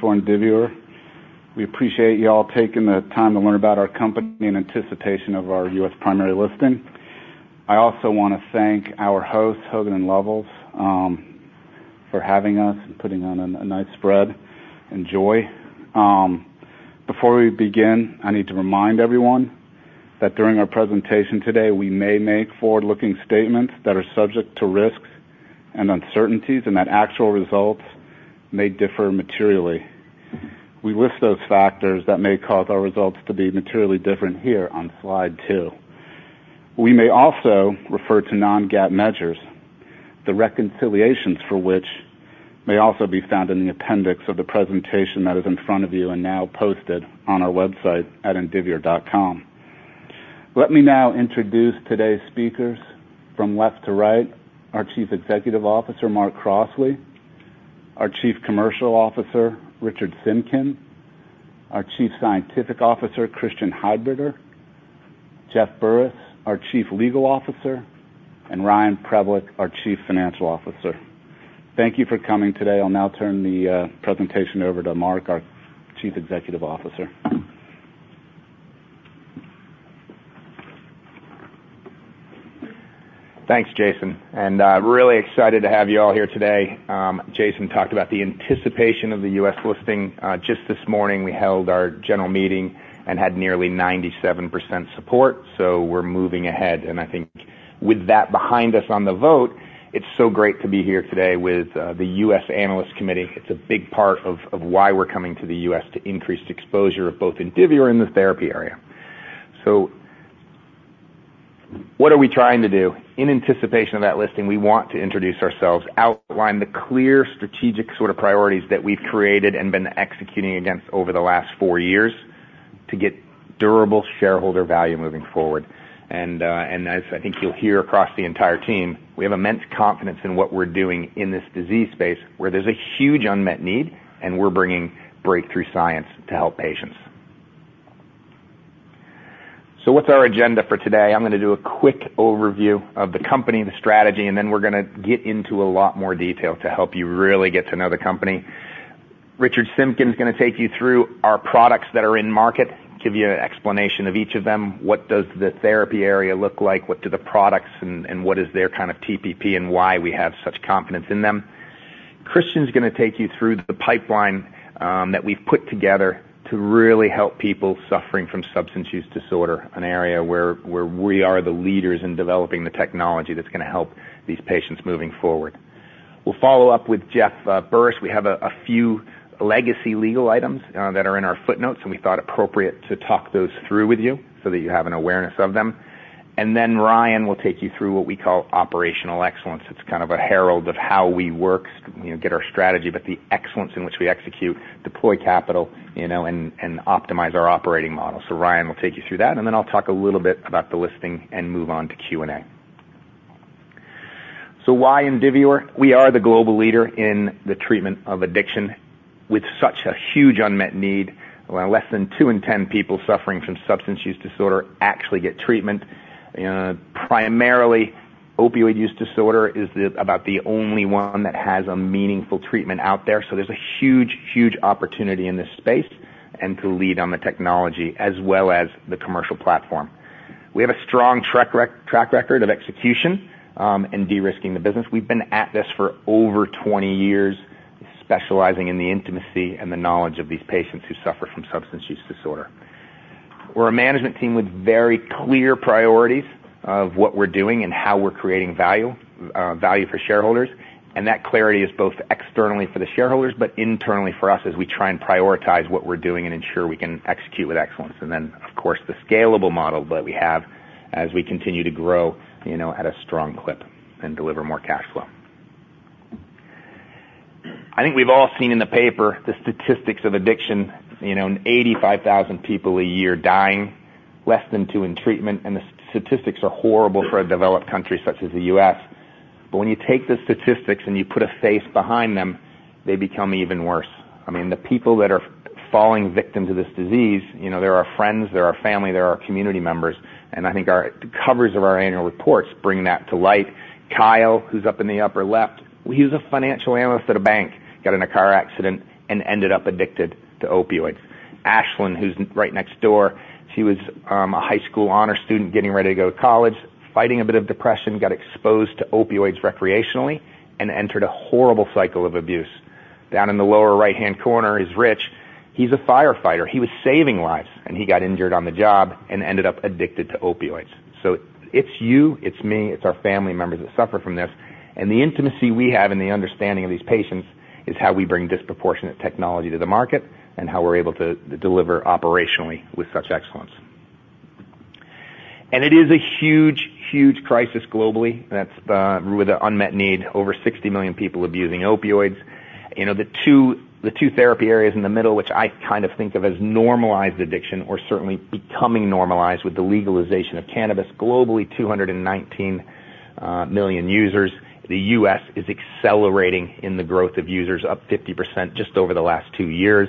For Indivior. We appreciate you all taking the time to learn about our company in anticipation of our US primary listing. I also want to thank our host, Hogan Lovells, for having us and putting on a nice spread. Enjoy. Before we begin, I need to remind everyone that during our presentation today, we may make forward-looking statements that are subject to risks and uncertainties, and that actual results may differ materially. We list those factors that may cause our results to be materially different here on slide two. We may also refer to non-GAAP measures, the reconciliations for which may also be found in the appendix of the presentation that is in front of you and now posted on our website at indivior.com. Let me now introduce today's speakers. From left to right, our Chief Executive Officer, Mark Crossley; our Chief Commercial Officer, Richard Simkin; our Chief Scientific Officer, Christian Heidbreder; Jeff Burris, our Chief Legal Officer; and Ryan Preblick, our Chief Financial Officer. Thank you for coming today. I'll now turn the presentation over to Mark, our Chief Executive Officer. Thanks, Jason, and really excited to have you all here today. Jason talked about the anticipation of the U.S. listing. Just this morning, we held our general meeting and had nearly 97% support, so we're moving ahead. And I think with that behind us on the vote, it's so great to be here today with the U.S. Analyst Committee. It's a big part of why we're coming to the U.S. to increase exposure of both Indivior in the therapy area. So what are we trying to do? In anticipation of that listing, we want to introduce ourselves, outline the clear strategic sort of priorities that we've created and been executing against over the last four years to get durable shareholder value moving forward. And, and as I think you'll hear across the entire team, we have immense confidence in what we're doing in this disease space, where there's a huge unmet need, and we're bringing breakthrough science to help patients. So what's our agenda for today? I'm gonna do a quick overview of the company, the strategy, and then we're gonna get into a lot more detail to help you really get to know the company. Richard Simkin is gonna take you through our products that are in market, give you an explanation of each of them, what does the therapy area look like, what do the products and, and what is their kind of TPP, and why we have such confidence in them. Christian's gonna take you through the pipeline that we've put together to really help people suffering from substance use disorder, an area where we are the leaders in developing the technology that's gonna help these patients moving forward. We'll follow up with Jeff Burris. We have a few legacy legal items that are in our footnotes, and we thought appropriate to talk those through with you so that you have an awareness of them. Then Ryan will take you through what we call operational excellence. It's kind of a herald of how we work, you know, get our strategy, but the excellence in which we execute, deploy capital, you know, and optimize our operating model. So Ryan will take you through that, and then I'll talk a little bit about the listing and move on to Q&A. So why Indivior? We are the global leader in the treatment of addiction, with such a huge unmet need. Less than two in ten people suffering from substance use disorder actually get treatment. Primarily, opioid use disorder is about the only one that has a meaningful treatment out there. So there's a huge, huge opportunity in this space and to lead on the technology as well as the commercial platform. We have a strong track record of execution, and de-risking the business. We've been at this for over twenty years, specializing in the intimacy and the knowledge of these patients who suffer from substance use disorder. We're a management team with very clear priorities of what we're doing and how we're creating value, value for shareholders, and that clarity is both externally for the shareholders, but internally for us, as we try and prioritize what we're doing and ensure we can execute with excellence. And then, of course, the scalable model that we have as we continue to grow, you know, at a strong clip and deliver more cash flow. I think we've all seen in the paper the statistics of addiction, you know, and 85,000 people a year dying, less than 2 in treatment, and the statistics are horrible for a developed country such as the U.S. But when you take the statistics and you put a face behind them, they become even worse. I mean, the people that are falling victim to this disease, you know, they're our friends, they're our family, they're our community members, and I think our--the covers of our annual reports bring that to light. Kyle, who's up in the upper left, he was a financial analyst at a bank, got in a car accident and ended up addicted to opioids. Ashlynn, who's right next door, she was a high school honor student getting ready to go to college, fighting a bit of depression, got exposed to opioids recreationally and entered a horrible cycle of abuse. Down in the lower right-hand corner is Rich. He's a firefighter. He was saving lives, and he got injured on the job and ended up addicted to opioids. So it's you, it's me, it's our family members that suffer from this. The intimacy we have and the understanding of these patients is how we bring disproportionate technology to the market and how we're able to, to deliver operationally with such excellence. It is a huge, huge crisis globally. That's with an unmet need, over 60 million people abusing opioids. You know, the two therapy areas in the middle, which I kind of think of as normalized addiction or certainly becoming normalized with the legalization of cannabis, globally, 219 million users. The US is accelerating in the growth of users, up 50% just over the last two years.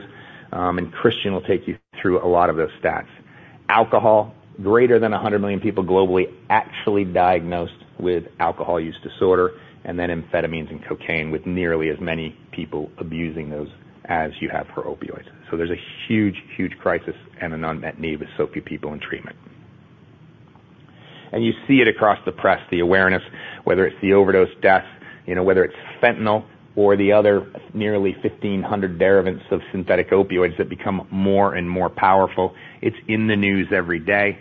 And Christian will take you through a lot of those stats. Alcohol, greater than 100 million people globally, actually diagnosed with alcohol use disorder, and then amphetamines and cocaine, with nearly as many people abusing those as you have for opioids. So there's a huge, huge crisis and an unmet need with so few people in treatment. And you see it across the press, the awareness, whether it's the overdose deaths, you know, whether it's fentanyl or the other nearly 1,500 derivatives of synthetic opioids that become more and more powerful. It's in the news every day,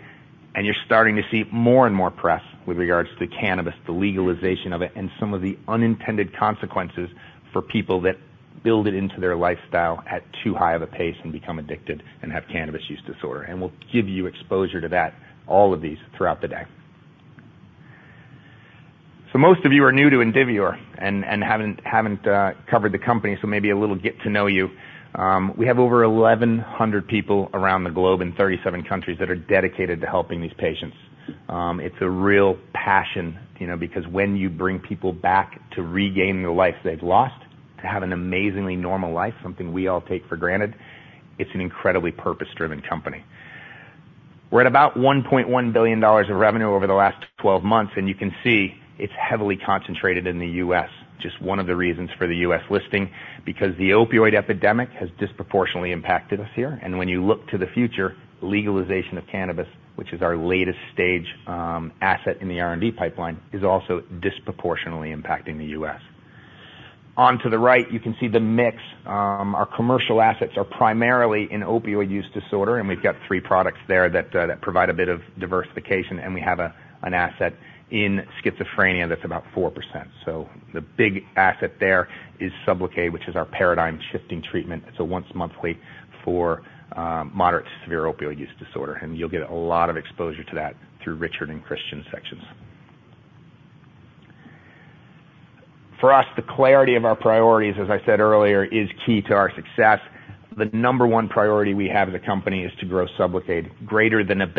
and you're starting to see more and more press with regards to cannabis, the legalization of it, and some of the unintended consequences for people that build it into their lifestyle at too high of a pace and become addicted and have cannabis use disorder. And we'll give you exposure to that, all of these, throughout the day. So most of you are new to Indivior and haven't covered the company, so maybe a little get to know you. We have over 1,100 people around the globe in 37 countries that are dedicated to helping these patients. It's a real passion, you know, because when you bring people back to regaining the life they've lost, to have an amazingly normal life, something we all take for granted, it's an incredibly purpose-driven company. We're at about $1.1 billion of revenue over the last 12 months, and you can see it's heavily concentrated in the US. Just one of the reasons for the US listing, because the opioid epidemic has disproportionately impacted us here. When you look to the future, legalization of cannabis, which is our latest stage asset in the R&D pipeline, is also disproportionately impacting the US. On to the right, you can see the mix. Our commercial assets are primarily in opioid use disorder, and we've got three products there that provide a bit of diversification, and we have an asset in schizophrenia that's about 4%. So the big asset there is SUBLOCADE, which is our paradigm-shifting treatment. It's a once-monthly for moderate to severe opioid use disorder, and you'll get a lot of exposure to that through Richard and Christian's sections. For us, the clarity of our priorities, as I said earlier, is key to our success. The number one priority we have as a company is to grow SUBLOCADE greater than $1.5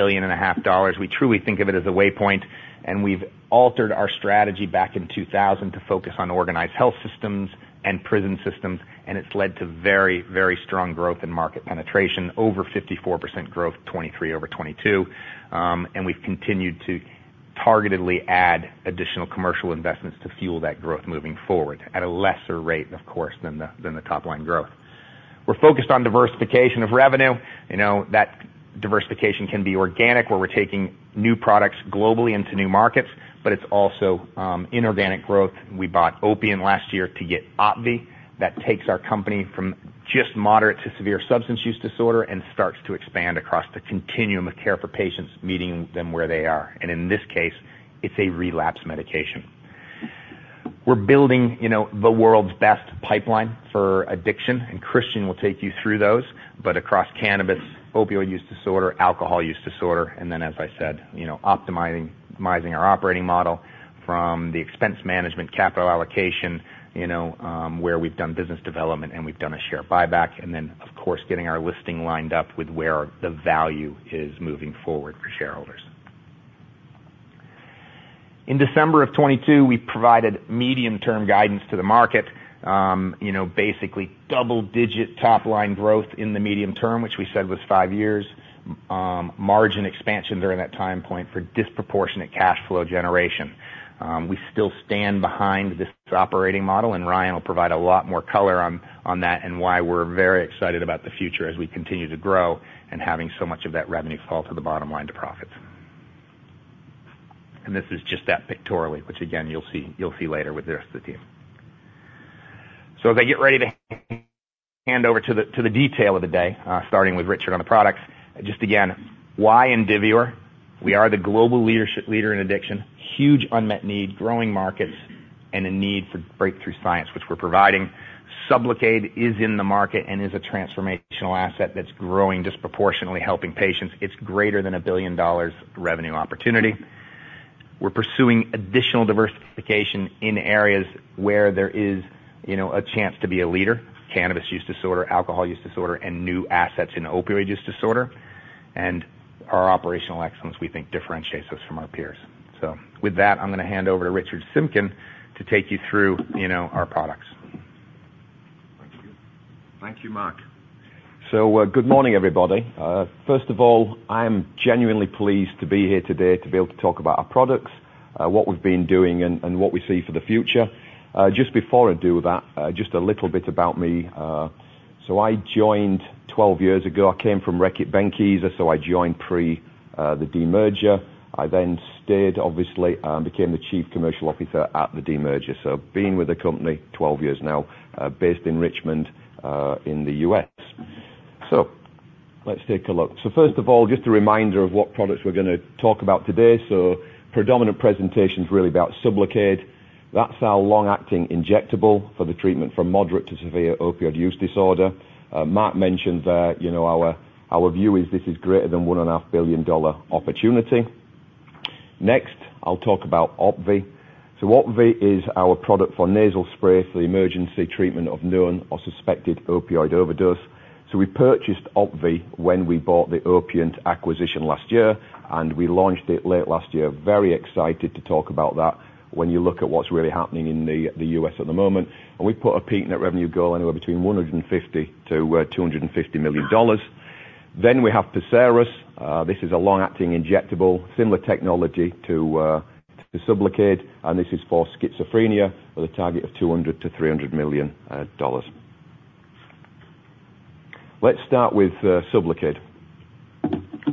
billion. We truly think of it as a waypoint, and we've altered our strategy back in 2000 to focus on organized health systems and prison systems, and it's led to very, very strong growth in market penetration. Over 54% growth, 2023 over 2022. And we've continued to targetedly add additional commercial investments to fuel that growth moving forward at a lesser rate, of course, than the top-line growth. We're focused on diversification of revenue. You know, that diversification can be organic, where we're taking new products globally into new markets, but it's also inorganic growth. We bought Opiant last year to get OPVEE. That takes our company from just moderate to severe substance use disorder and starts to expand across the continuum of care for patients, meeting them where they are. And in this case, it's a relapse medication. We're building, you know, the world's best pipeline for addiction, and Christian will take you through those. But across cannabis, opioid use disorder, alcohol use disorder, and then, as I said, you know, optimizing, optimizing our operating model from the expense management capital allocation, you know, where we've done business development and we've done a share buyback, and then, of course, getting our listing lined up with where the value is moving forward for shareholders. In December of 2022, we provided medium-term guidance to the market, you know, basically double-digit top-line growth in the medium term, which we said was five years. Margin expansion during that time point for disproportionate cash flow generation. We still stand behind this operating model, and Ryan will provide a lot more color on, on that and why we're very excited about the future as we continue to grow and having so much of that revenue fall to the bottom line to profit. This is just that pictorially, which again, you'll see, you'll see later with the rest of the team. As I get ready to hand over to the, to the detail of the day, starting with Richard on the products, just again, why Indivior? We are the global leader in addiction. Huge unmet need, growing markets, and a need for breakthrough science, which we're providing. SUBLOCADE is in the market and is a transformational asset that's growing disproportionately, helping patients. It's greater than a $1 billion revenue opportunity. We're pursuing additional diversification in areas where there is, you know, a chance to be a leader. Cannabis use disorder, alcohol use disorder, and new assets in opioid use disorder. And our operational excellence, we think, differentiates us from our peers. With that, I'm going to hand over to Richard Simkin to take you through, you know, our products. Thank you. Thank you, Mark. So, good morning, everybody. First of all, I am genuinely pleased to be here today to be able to talk about our products, what we've been doing, and, and what we see for the future. Just before I do that, just a little bit about me. So I joined 12 years ago. I came from Reckitt Benckiser, so I joined pre, the demerger. I then stayed, obviously, and became the Chief Commercial Officer at the demerger. So been with the company 12 years now, based in Richmond, in the U.S. So let's take a look. So first of all, just a reminder of what products we're gonna talk about today. So predominant presentation is really about SUBLOCADE. That's our long-acting injectable for the treatment from moderate to severe opioid use disorder. Mark mentioned that, you know, our view is this is greater than $1.5 billion opportunity. Next, I'll talk about OPVEE. So OPVEE is our product for nasal spray for the emergency treatment of known or suspected opioid overdose. So we purchased OPVEE when we bought the Opiant acquisition last year, and we launched it late last year. Very excited to talk about that when you look at what's really happening in the US at the moment. And we've put a peak net revenue goal anywhere between $150-$250 million. Then we have PERSERIS. This is a long-acting injectable, similar technology to Sublocade, and this is for schizophrenia, with a target of $200-$300 million. Let's start with Sublocade.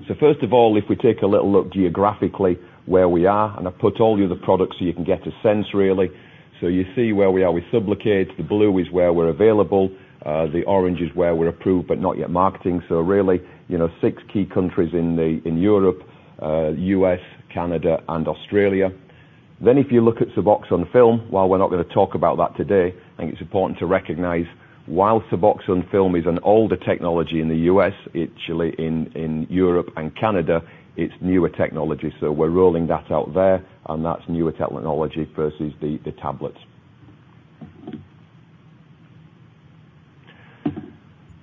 So first of all, if we take a little look geographically where we are, and I've put all the other products, so you can get a sense, really. So you see where we are with SUBLOCADE. The blue is where we're available, the orange is where we're approved, but not yet marketing. So really, you know, six key countries in Europe, U.S., Canada, and Australia. Then if you look at SUBOXONE Film, while we're not going to talk about that today, I think it's important to recognize while SUBOXONE Film is an older technology in the U.S., actually in Europe and Canada, it's newer technology. So we're rolling that out there, and that's newer technology versus the tablets.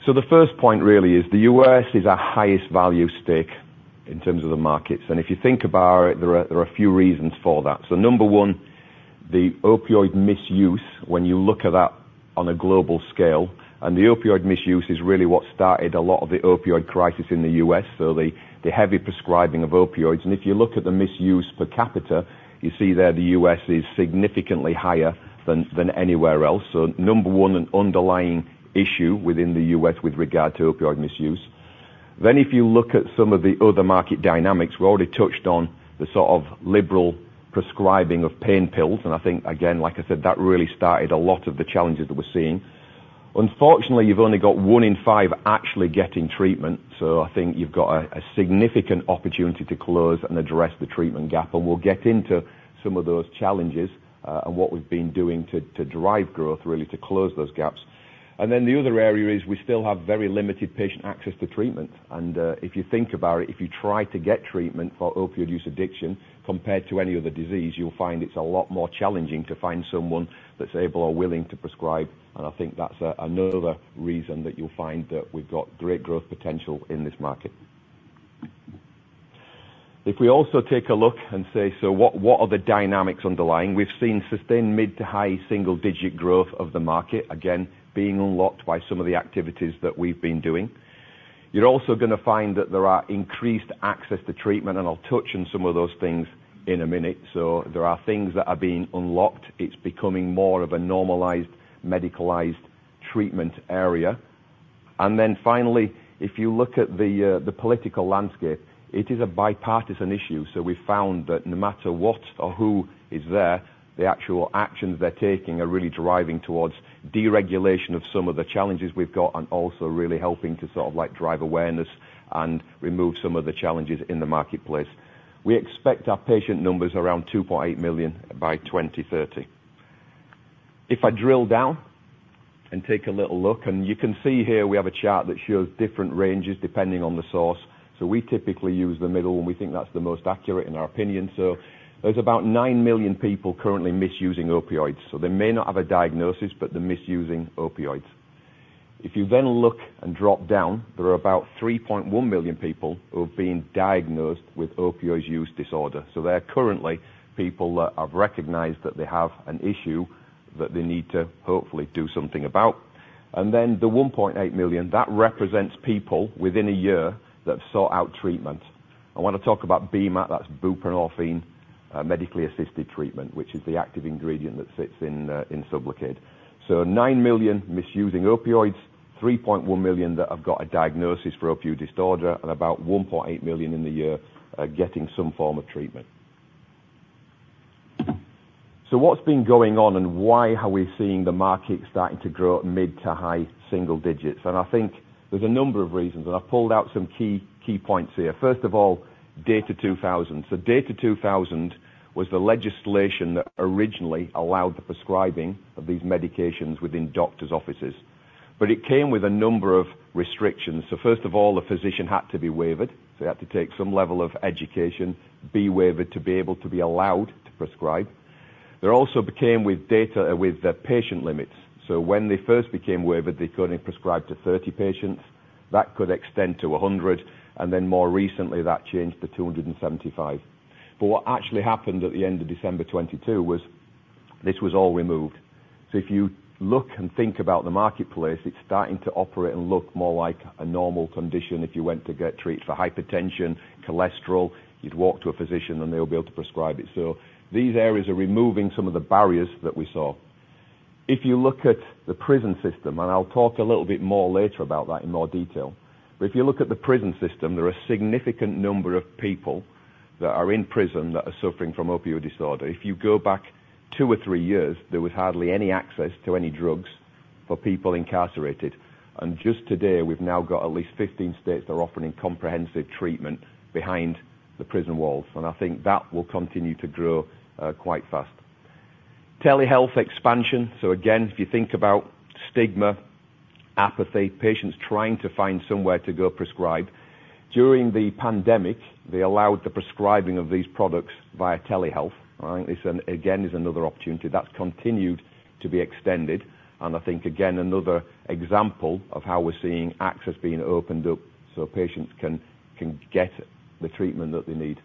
So the first point really is the U.S. is our highest value stake in terms of the markets, and if you think about it, there are a few reasons for that. So number one, the opioid misuse, when you look at that on a global scale, and the opioid misuse is really what started a lot of the opioid crisis in the U.S., so the heavy prescribing of opioids. And if you look at the misuse per capita, you see there, the U.S. is significantly higher than anywhere else. So number one, an underlying issue within the U.S. with regard to opioid misuse. Then, if you look at some of the other market dynamics, we already touched on the sort of liberal prescribing of pain pills, and I think, again, like I said, that really started a lot of the challenges that we're seeing. Unfortunately, you've only got 1 in 5 actually getting treatment, so I think you've got a significant opportunity to close and address the treatment gap, and we'll get into some of those challenges and what we've been doing to drive growth, really, to close those gaps. And then the other area is we still have very limited patient access to treatment. And if you think about it, if you try to get treatment for opioid use addiction compared to any other disease, you'll find it's a lot more challenging to find someone that's able or willing to prescribe. And I think that's another reason that you'll find that we've got great growth potential in this market. If we also take a look and say, "So what, what are the dynamics underlying?" We've seen sustained mid- to high-single-digit growth of the market, again, being unlocked by some of the activities that we've been doing. You're also going to find that there are increased access to treatment, and I'll touch on some of those things in a minute. So there are things that are being unlocked. It's becoming more of a normalized, medicalized treatment area. And then finally, if you look at the the political landscape, it is a bipartisan issue. So we found that no matter what or who is there, the actual actions they're taking are really driving towards deregulation of some of the challenges we've got, and also really helping to sort of, like, drive awareness and remove some of the challenges in the marketplace. We expect our patient numbers around 2.8 million by 2030. If I drill down and take a little look, and you can see here we have a chart that shows different ranges depending on the source, so we typically use the middle, and we think that's the most accurate in our opinion. So there's about 9 million people currently misusing opioids, so they may not have a diagnosis, but they're misusing opioids. If you then look and drop down, there are about 3.1 million people who have been diagnosed with opioid use disorder. So they're currently people that have recognized that they have an issue that they need to hopefully do something about. And then the 1.8 million, that represents people within a year that have sought out treatment. I want to talk about BMAT. That's buprenorphine medically assisted treatment, which is the active ingredient that sits in SUBLOCADE. So 9 million misusing opioids, 3.1 million that have got a diagnosis for opioid disorder, and about 1.8 million in the year getting some form of treatment. So what's been going on, and why are we seeing the market starting to grow at mid- to high-single digits? And I think there's a number of reasons, and I've pulled out some key, key points here. First of all, DATA 2000. So DATA 2000 was the legislation that originally allowed the prescribing of these medications within doctors' offices, but it came with a number of restrictions. So first of all, the physician had to be waivered. They had to take some level of education, be waivered to be able to be allowed to prescribe. There also became with data... With the patient limits. So when they first became waivered, they could only prescribe to 30 patients. That could extend to 100, and then more recently, that changed to 275. But what actually happened at the end of December 2022 was this was all removed. So if you look and think about the marketplace, it's starting to operate and look more like a normal condition. If you went to get treated for hypertension, cholesterol, you'd walk to a physician, and they would be able to prescribe it. So these areas are removing some of the barriers that we saw. If you look at the prison system, and I'll talk a little bit more later about that in more detail, but if you look at the prison system, there are a significant number of people that are in prison that are suffering from opioid disorder. If you go back 2 or 3 years, there was hardly any access to any drugs for people incarcerated, and just today, we've now got at least 15 states that are offering comprehensive treatment behind the prison walls. I think that will continue to grow quite fast. Telehealth expansion. Again, if you think about stigma, apathy, patients trying to find somewhere to go prescribe. During the pandemic, they allowed the prescribing of these products via telehealth. This, again, is another opportunity that's continued to be extended, and I think, again, another example of how we're seeing access being opened up so patients can get the treatment that they need.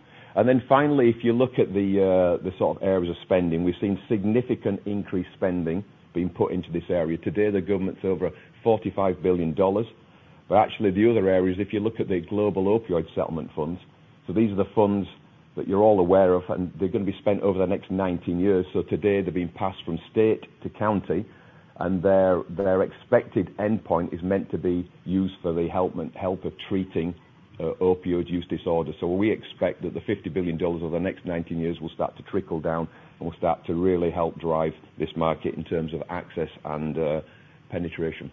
Then finally, if you look at the sort of areas of spending, we've seen significant increased spending being put into this area. Today, the government's over $45 billion.... Actually, the other area is if you look at the global opioid settlement funds, so these are the funds that you're all aware of, and they're going to be spent over the next 19 years. So today, they're being passed from state to county, and their expected endpoint is meant to be used for the help of treating opioid use disorder. So we expect that the $50 billion over the next 19 years will start to trickle down and will start to really help drive this market in terms of access and penetration.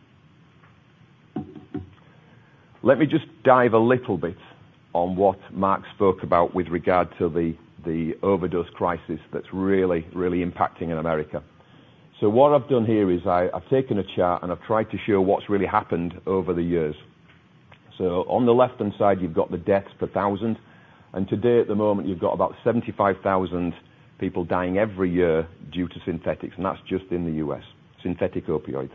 Let me just dive a little bit on what Mark spoke about with regard to the overdose crisis that's really, really impacting in America. So what I've done here is I've taken a chart, and I've tried to show what's really happened over the years. So on the left-hand side, you've got the deaths per thousand, and today, at the moment, you've got about 75,000 people dying every year due to synthetics, and that's just in the U.S., synthetic opioids.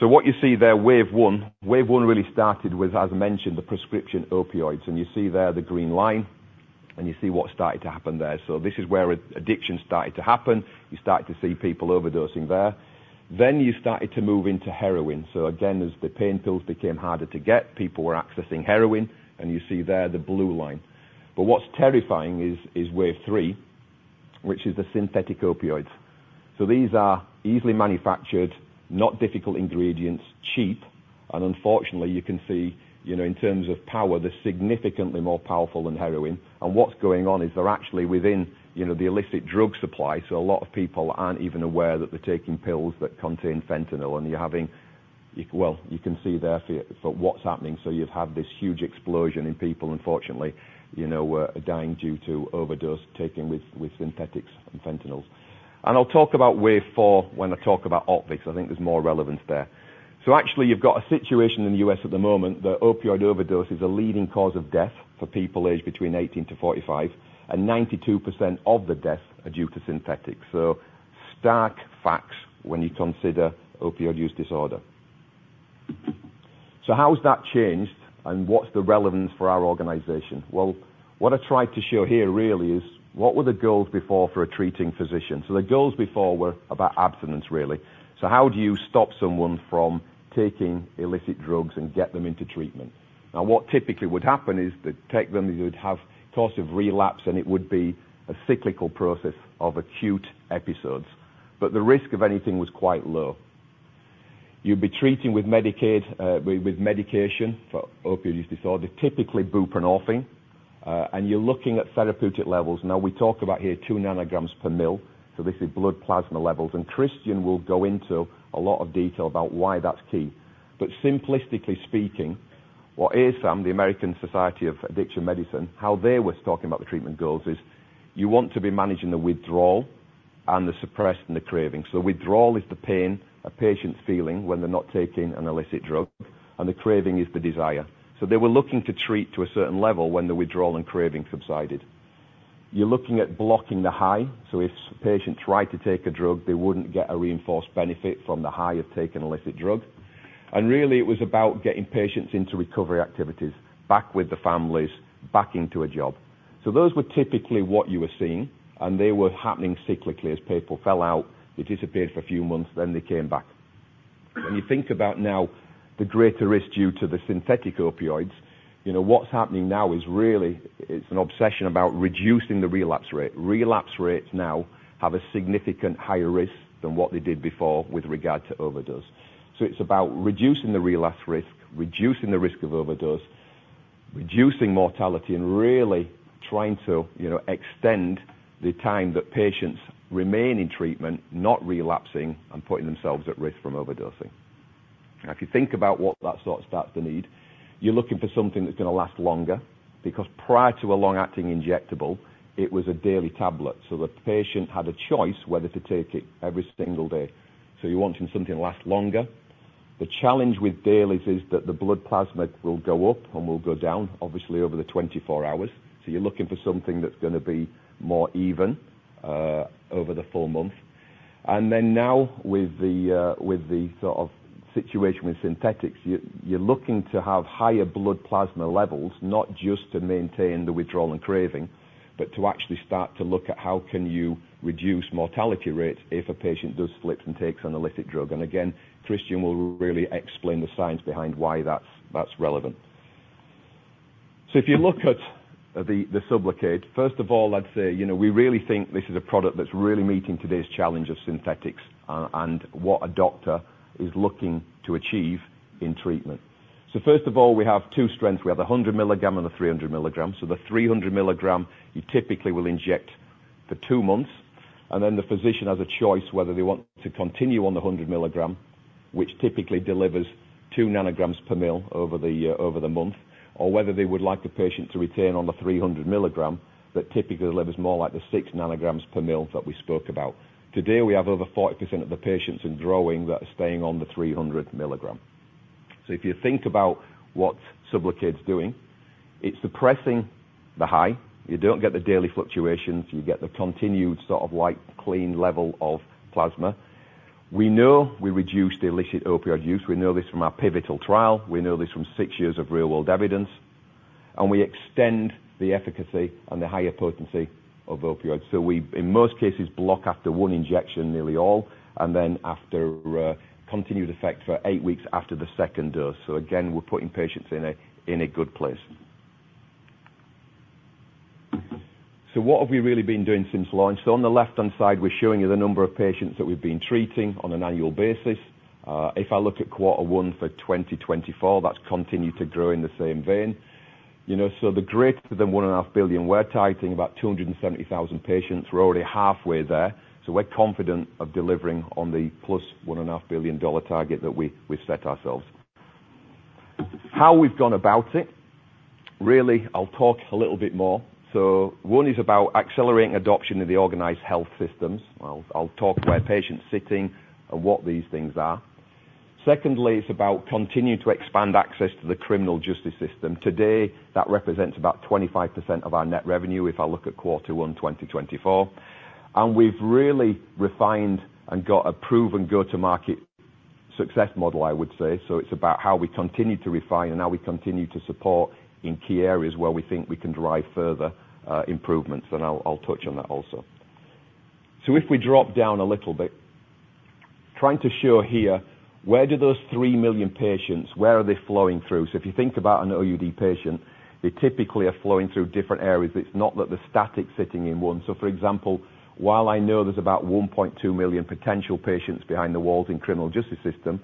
So what you see there, wave one really started with, as I mentioned, the prescription opioids, and you see there the green line, and you see what started to happen there. So this is where addiction started to happen. You start to see people overdosing there. Then you started to move into heroin. So again, as the pain pills became harder to get, people were accessing heroin, and you see there the blue line. But what's terrifying is wave three, which is the synthetic opioids. So these are easily manufactured, not difficult ingredients, cheap, and unfortunately, you can see, you know, in terms of power, they're significantly more powerful than heroin. And what's going on is they're actually within, you know, the illicit drug supply, so a lot of people aren't even aware that they're taking pills that contain fentanyl, and you're having... Well, you can see there for what's happening. So you've had this huge explosion in people, unfortunately, you know, dying due to overdose, taking with synthetics and fentanyls. And I'll talk about wave four when I talk about OPVEE. I think there's more relevance there. So actually, you've got a situation in the U.S. at the moment that opioid overdose is a leading cause of death for people aged between 18-45, and 92% of the deaths are due to synthetics. So, stark facts when you consider opioid use disorder. So how has that changed, and what's the relevance for our organization? Well, what I tried to show here really is what were the goals before for a treating physician? So the goals before were about abstinence, really. So how do you stop someone from taking illicit drugs and get them into treatment? Now, what typically would happen is to take them, you'd have course of relapse, and it would be a cyclical process of acute episodes, but the risk of anything was quite low. You'd be treating with Medicaid, with medication for opioid use disorder, typically buprenorphine, and you're looking at therapeutic levels. Now, we talk about here 2 nanograms per ml, so this is blood plasma levels, and Christian will go into a lot of detail about why that's key. But simplistically speaking, what ASAM, the American Society of Addiction Medicine, how they were talking about the treatment goals is you want to be managing the withdrawal and suppressing the craving. So withdrawal is the pain a patient's feeling when they're not taking an illicit drug, and the craving is the desire. So they were looking to treat to a certain level when the withdrawal and craving subsided. You're looking at blocking the high, so if a patient tried to take a drug, they wouldn't get a reinforced benefit from the high of taking an illicit drug. And really, it was about getting patients into recovery activities, back with the families, back into a job. So those were typically what you were seeing, and they were happening cyclically as people fell out. They disappeared for a few months, then they came back. When you think about now the greater risk due to the synthetic opioids, you know, what's happening now is really, it's an obsession about reducing the relapse rate. Relapse rates now have a significant higher risk than what they did before with regard to overdose. So it's about reducing the relapse risk, reducing the risk of overdose, reducing mortality, and really trying to, you know, extend the time that patients remain in treatment, not relapsing and putting themselves at risk from overdosing. Now, if you think about what that sorts out the need, you're looking for something that's going to last longer, because prior to a long-acting injectable, it was a daily tablet. So the patient had a choice whether to take it every single day. So you're wanting something to last longer. The challenge with dailies is that the blood plasma will go up and will go down, obviously, over the 24 hours. So you're looking for something that's going to be more even over the full month. And then now with the sort of situation with synthetics, you're looking to have higher blood plasma levels, not just to maintain the withdrawal and craving, but to actually start to look at how can you reduce mortality rates if a patient does slips and takes an illicit drug. And again, Christian will really explain the science behind why that's relevant. So if you look at the SUBLOCADE, first of all, I'd say, you know, we really think this is a product that's really meeting today's challenge of synthetics and what a doctor is looking to achieve in treatment. So first of all, we have two strengths. We have the 100 milligram and the 300 milligrams. So the 300 milligram, you typically will inject for 2 months, and then the physician has a choice whether they want to continue on the 100 milligram, which typically delivers 2 nanograms per ml over the, over the month, or whether they would like the patient to retain on the 300 milligram, that typically delivers more like the 6 nanograms per ml that we spoke about. Today, we have over 40% of the patients in growing that are staying on the 300 milligram. So if you think about what SUBLOCADE is doing, it's suppressing the high. You don't get the daily fluctuations. You get the continued sort of like clean level of plasma. We know we reduce the illicit opioid use. We know this from our pivotal trial. We know this from six years of real-world evidence... and we extend the efficacy and the higher potency of opioids. So we, in most cases, block after one injection, nearly all, and then after, continued effect for eight weeks after the second dose. So again, we're putting patients in a, in a good place. So what have we really been doing since launch? So on the left-hand side, we're showing you the number of patients that we've been treating on an annual basis. If I look at quarter one for 2024, that's continued to grow in the same vein. You know, so the greater than $1.5 billion we're targeting, about 270,000 patients, we're already halfway there, so we're confident of delivering on the +$1.5 billion target that we, we've set ourselves. How we've gone about it? Really, I'll talk a little bit more. So one is about accelerating adoption in the organized health systems. I'll, I'll talk about patient sites and what these things are. Secondly, it's about continuing to expand access to the criminal justice system. Today, that represents about 25% of our net revenue if I look at Q1 2024. And we've really refined and got a proven go-to-market success model, I would say. So it's about how we continue to refine and how we continue to support in key areas where we think we can drive further improvements. I'll, I'll touch on that also. So if we drop down a little bit, trying to show here, where do those 3 million patients, where are they flowing through? So if you think about an OUD patient, they typically are flowing through different areas. It's not that they're static sitting in one. So, for example, while I know there's about 1.2 million potential patients behind the walls in criminal justice system,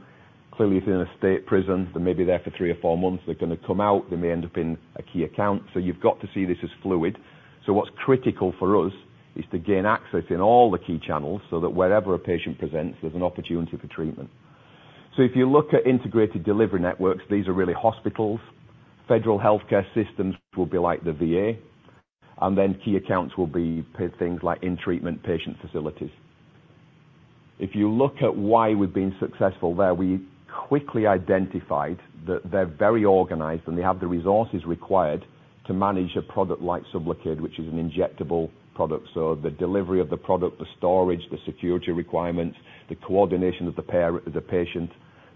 clearly, if they're in a state prison, they may be there for 3 or 4 months. They're gonna come out, they may end up in a key account. So you've got to see this as fluid. So what's critical for us is to gain access in all the key channels so that wherever a patient presents, there's an opportunity for treatment. So if you look at integrated delivery networks, these are really hospitals, federal healthcare systems will be like the VA, and then key accounts will be things like in-treatment patient facilities. If you look at why we've been successful there, we quickly identified that they're very organized, and they have the resources required to manage a product like SUBLOCADE, which is an injectable product. So the delivery of the product, the storage, the security requirements, the coordination of the patient.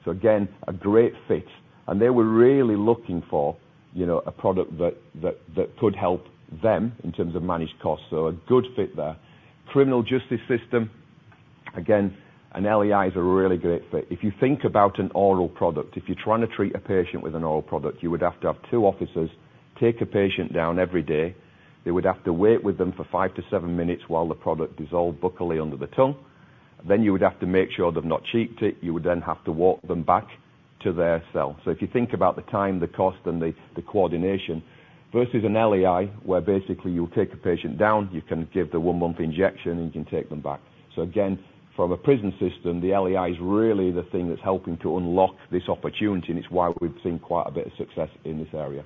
So again, a great fit, and they were really looking for, you know, a product that could help them in terms of managed costs. So a good fit there. Criminal justice system, again, an LAI is a really great fit. If you think about an oral product, if you're trying to treat a patient with an oral product, you would have to have 2 officers take a patient down every day. They would have to wait with them for 5-7 minutes while the product dissolves buccally under the tongue. Then you would have to make sure they've not cheeked it. You would then have to walk them back to their cell. So if you think about the time, the cost, and the coordination, versus a LAI, where basically you'll take a patient down, you can give the 1-month injection, and you can take them back. So again, from a prison system, the LAI is really the thing that's helping to unlock this opportunity, and it's why we've seen quite a bit of success in this area.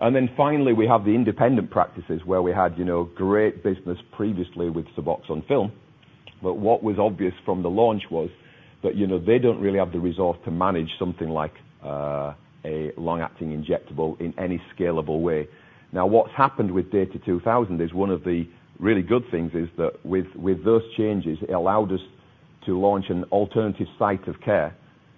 And then finally, we have the independent practices where we had, you know, great business previously with SUBOXONE Film. But what was obvious from the launch was that, you know, they don't really have the resource to manage something like a long-acting injectable in any scalable way. Now, what's happened with DATA 2000 is one of the really good things is that with, with those changes, it allowed us to launch an alternative site of care.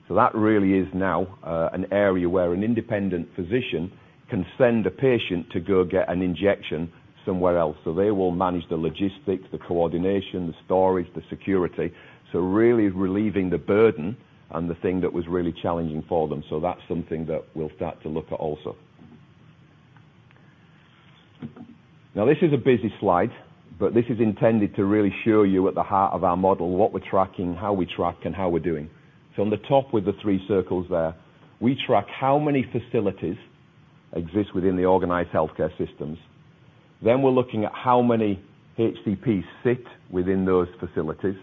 So that really is now an area where an independent physician can send a patient to go get an injection somewhere else. So they will manage the logistics, the coordination, the storage, the security. So really relieving the burden and the thing that was really challenging for them. So that's something that we'll start to look at also. Now, this is a busy slide, but this is intended to really show you at the heart of our model, what we're tracking, how we track, and how we're doing. So on the top, with the three circles there, we track how many facilities exist within the organized healthcare systems. Then we're looking at how many HCPs sit within those facilities,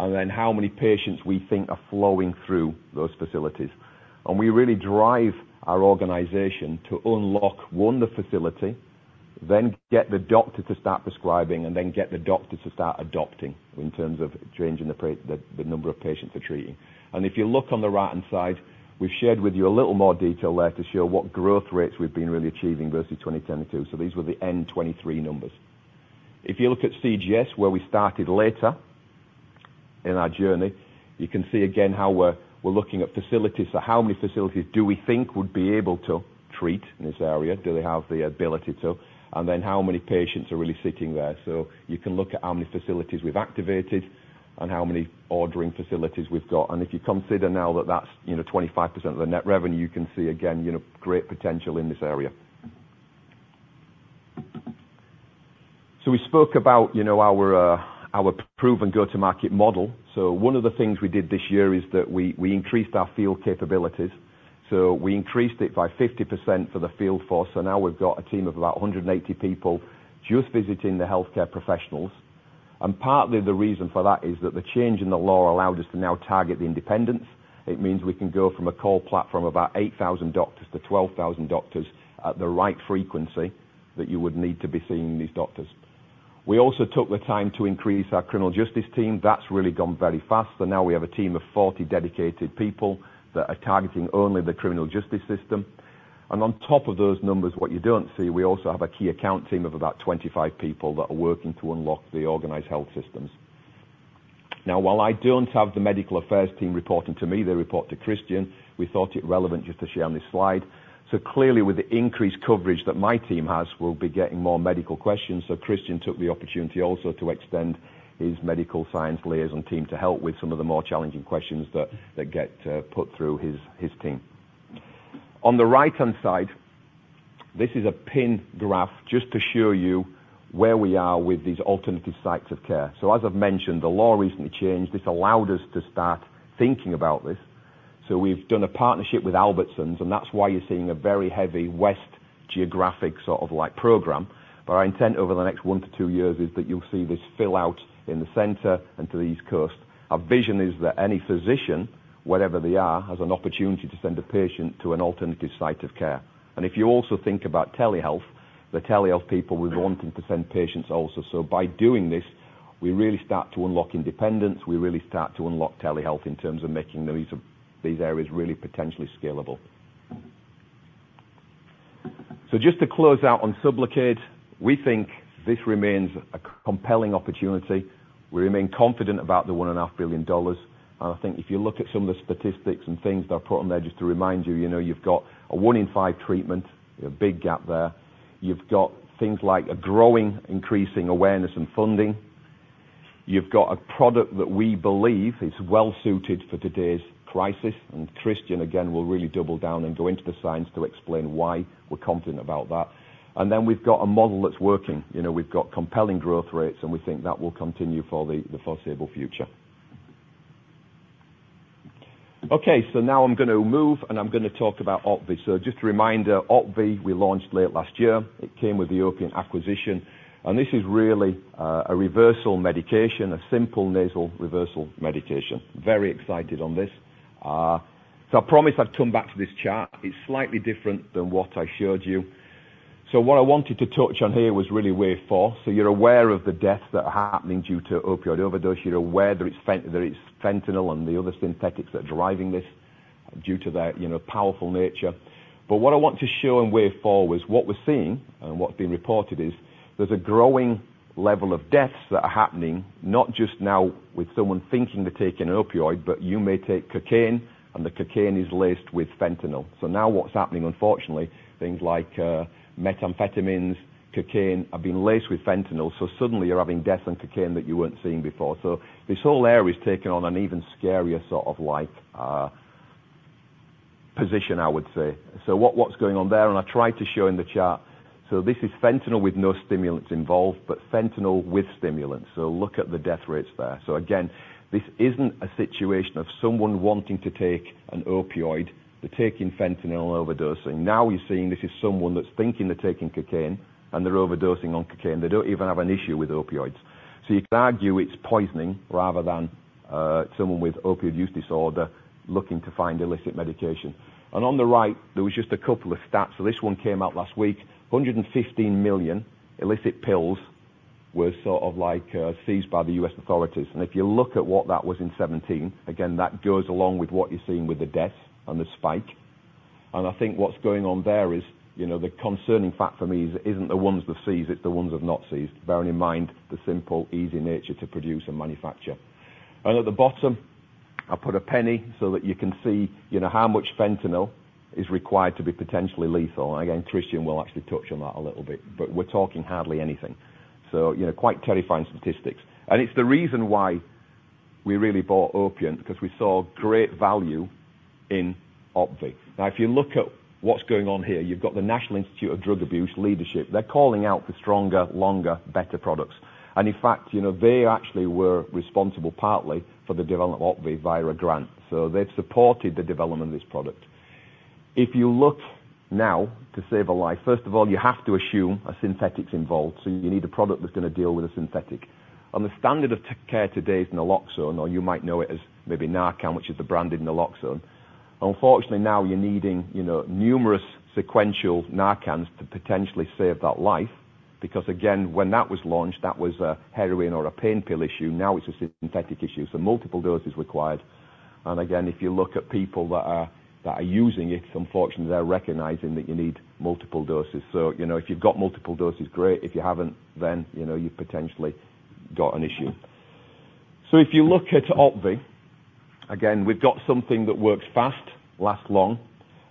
and then how many patients we think are flowing through those facilities. And we really drive our organization to unlock, one, the facility, then get the doctor to start prescribing, and then get the doctor to start adopting in terms of changing the number of patients they're treating. And if you look on the right-hand side, we've shared with you a little more detail there to show what growth rates we've been really achieving versus 2022. So these were the in 2023 numbers. If you look at CGS, where we started later in our journey, you can see again how we're looking at facilities. So how many facilities do we think would be able to treat in this area? Do they have the ability to? And then, how many patients are really sitting there? So you can look at how many facilities we've activated and how many ordering facilities we've got. And if you consider now that that's, you know, 25% of the net revenue, you can see again, you know, great potential in this area. So we spoke about, you know, our proven go-to-market model. So one of the things we did this year is that we increased our field capabilities. So we increased it by 50% for the field force, so now we've got a team of about 180 people just visiting the healthcare professionals. And partly the reason for that is that the change in the law allowed us to now target the independents. It means we can go from a call platform of about 8,000 doctors to 12,000 doctors at the right frequency that you would need to be seeing these doctors. We also took the time to increase our criminal justice team. That's really gone very fast, so now we have a team of 40 dedicated people that are targeting only the criminal justice system. And on top of those numbers, what you don't see, we also have a key account team of about 25 people that are working to unlock the organized health systems.... Now, while I don't have the medical affairs team reporting to me, they report to Christian, we thought it relevant just to share on this slide. So clearly, with the increased coverage that my team has, we'll be getting more medical questions. So Christian took the opportunity also to extend his medical science liaison team to help with some of the more challenging questions that get put through his team. On the right-hand side, this is a pin graph just to show you where we are with these alternative sites of care. So as I've mentioned, the law recently changed. This allowed us to start thinking about this. So we've done a partnership with Albertsons, and that's why you're seeing a very heavy west geographic sort of like program. But our intent over the next 1-2 years is that you'll see this fill out in the center and to the East Coast. Our vision is that any physician, wherever they are, has an opportunity to send a patient to an alternative site of care. And if you also think about telehealth, the telehealth people, we're wanting to send patients also. So by doing this, we really start to unlock independence, we really start to unlock telehealth in terms of making these, these areas really potentially scalable. So just to close out on SUBLOCADE, we think this remains a compelling opportunity. We remain confident about the $1.5 billion. And I think if you look at some of the statistics and things that I've put on there, just to remind you, you know, you've got a 1 in 5 treatment, a big gap there. You've got things like a growing, increasing awareness and funding. You've got a product that we believe is well suited for today's crisis, and Christian, again, will really double down and go into the science to explain why we're confident about that. And then we've got a model that's working. You know, we've got compelling growth rates, and we think that will continue for the foreseeable future. Okay, so now I'm going to move, and I'm going to talk about OPVEE. So just a reminder, OPVEE, we launched late last year. It came with the Opiant acquisition, and this is really a reversal medication, a simple nasal reversal medication. Very excited on this. So I promise I'd come back to this chart. It's slightly different than what I showed you. So what I wanted to touch on here was really wave four. So you're aware of the deaths that are happening due to opioid overdose. You're aware that it's fentanyl and the other synthetics that are driving this due to their, you know, powerful nature. But what I want to show in wave four was what we're seeing, and what's being reported is, there's a growing level of deaths that are happening, not just now with someone thinking they're taking an opioid, but you may take cocaine, and the cocaine is laced with fentanyl. So now what's happening, unfortunately, things like, methamphetamines, cocaine, have been laced with fentanyl. So suddenly, you're having deaths on cocaine that you weren't seeing before. So this whole area is taking on an even scarier sort of like, position, I would say. So what's going on there, and I tried to show in the chart, so this is fentanyl with no stimulants involved, but fentanyl with stimulants. So look at the death rates there. So again, this isn't a situation of someone wanting to take an opioid, they're taking fentanyl and overdosing. Now, you're seeing this is someone that's thinking they're taking cocaine, and they're overdosing on cocaine. They don't even have an issue with opioids. So you can argue it's poisoning rather than someone with opioid use disorder looking to find illicit medication. And on the right, there was just a couple of stats. So this one came out last week. 115 million illicit pills were sort of like seized by the U.S. authorities. If you look at what that was in 2017, again, that goes along with what you're seeing with the deaths and the spike. I think what's going on there is, you know, the concerning fact for me is it isn't the ones that seize it, the ones have not seized, bearing in mind the simple, easy nature to produce and manufacture. At the bottom, I put a penny so that you can see, you know, how much fentanyl is required to be potentially lethal. Again, Christian will actually touch on that a little bit, but we're talking hardly anything. So, you know, quite terrifying statistics. It's the reason why we really bought Opiant, because we saw great value in OPVEE. Now, if you look at what's going on here, you've got the National Institute on Drug Abuse leadership. They're calling out for stronger, longer, better products. In fact, you know, they actually were responsible partly for the development of OPVEE via a grant. So they've supported the development of this product. If you look now to save a life, first of all, you have to assume a synthetic is involved, so you need a product that's going to deal with a synthetic. And the standard of care today is naloxone, or you might know it as maybe Narcan, which is the brand name for naloxone. Unfortunately, now you're needing, you know, numerous sequential Narcans to potentially save that life, because, again, when that was launched, that was a heroin or a pain pill issue. Now, it's a synthetic issue, so multiple doses required. And again, if you look at people that are, that are using it, unfortunately, they're recognizing that you need multiple doses. So, you know, if you've got multiple doses, great. If you haven't, then, you know, you've potentially got an issue. So if you look at OPVEE, again, we've got something that works fast, lasts long,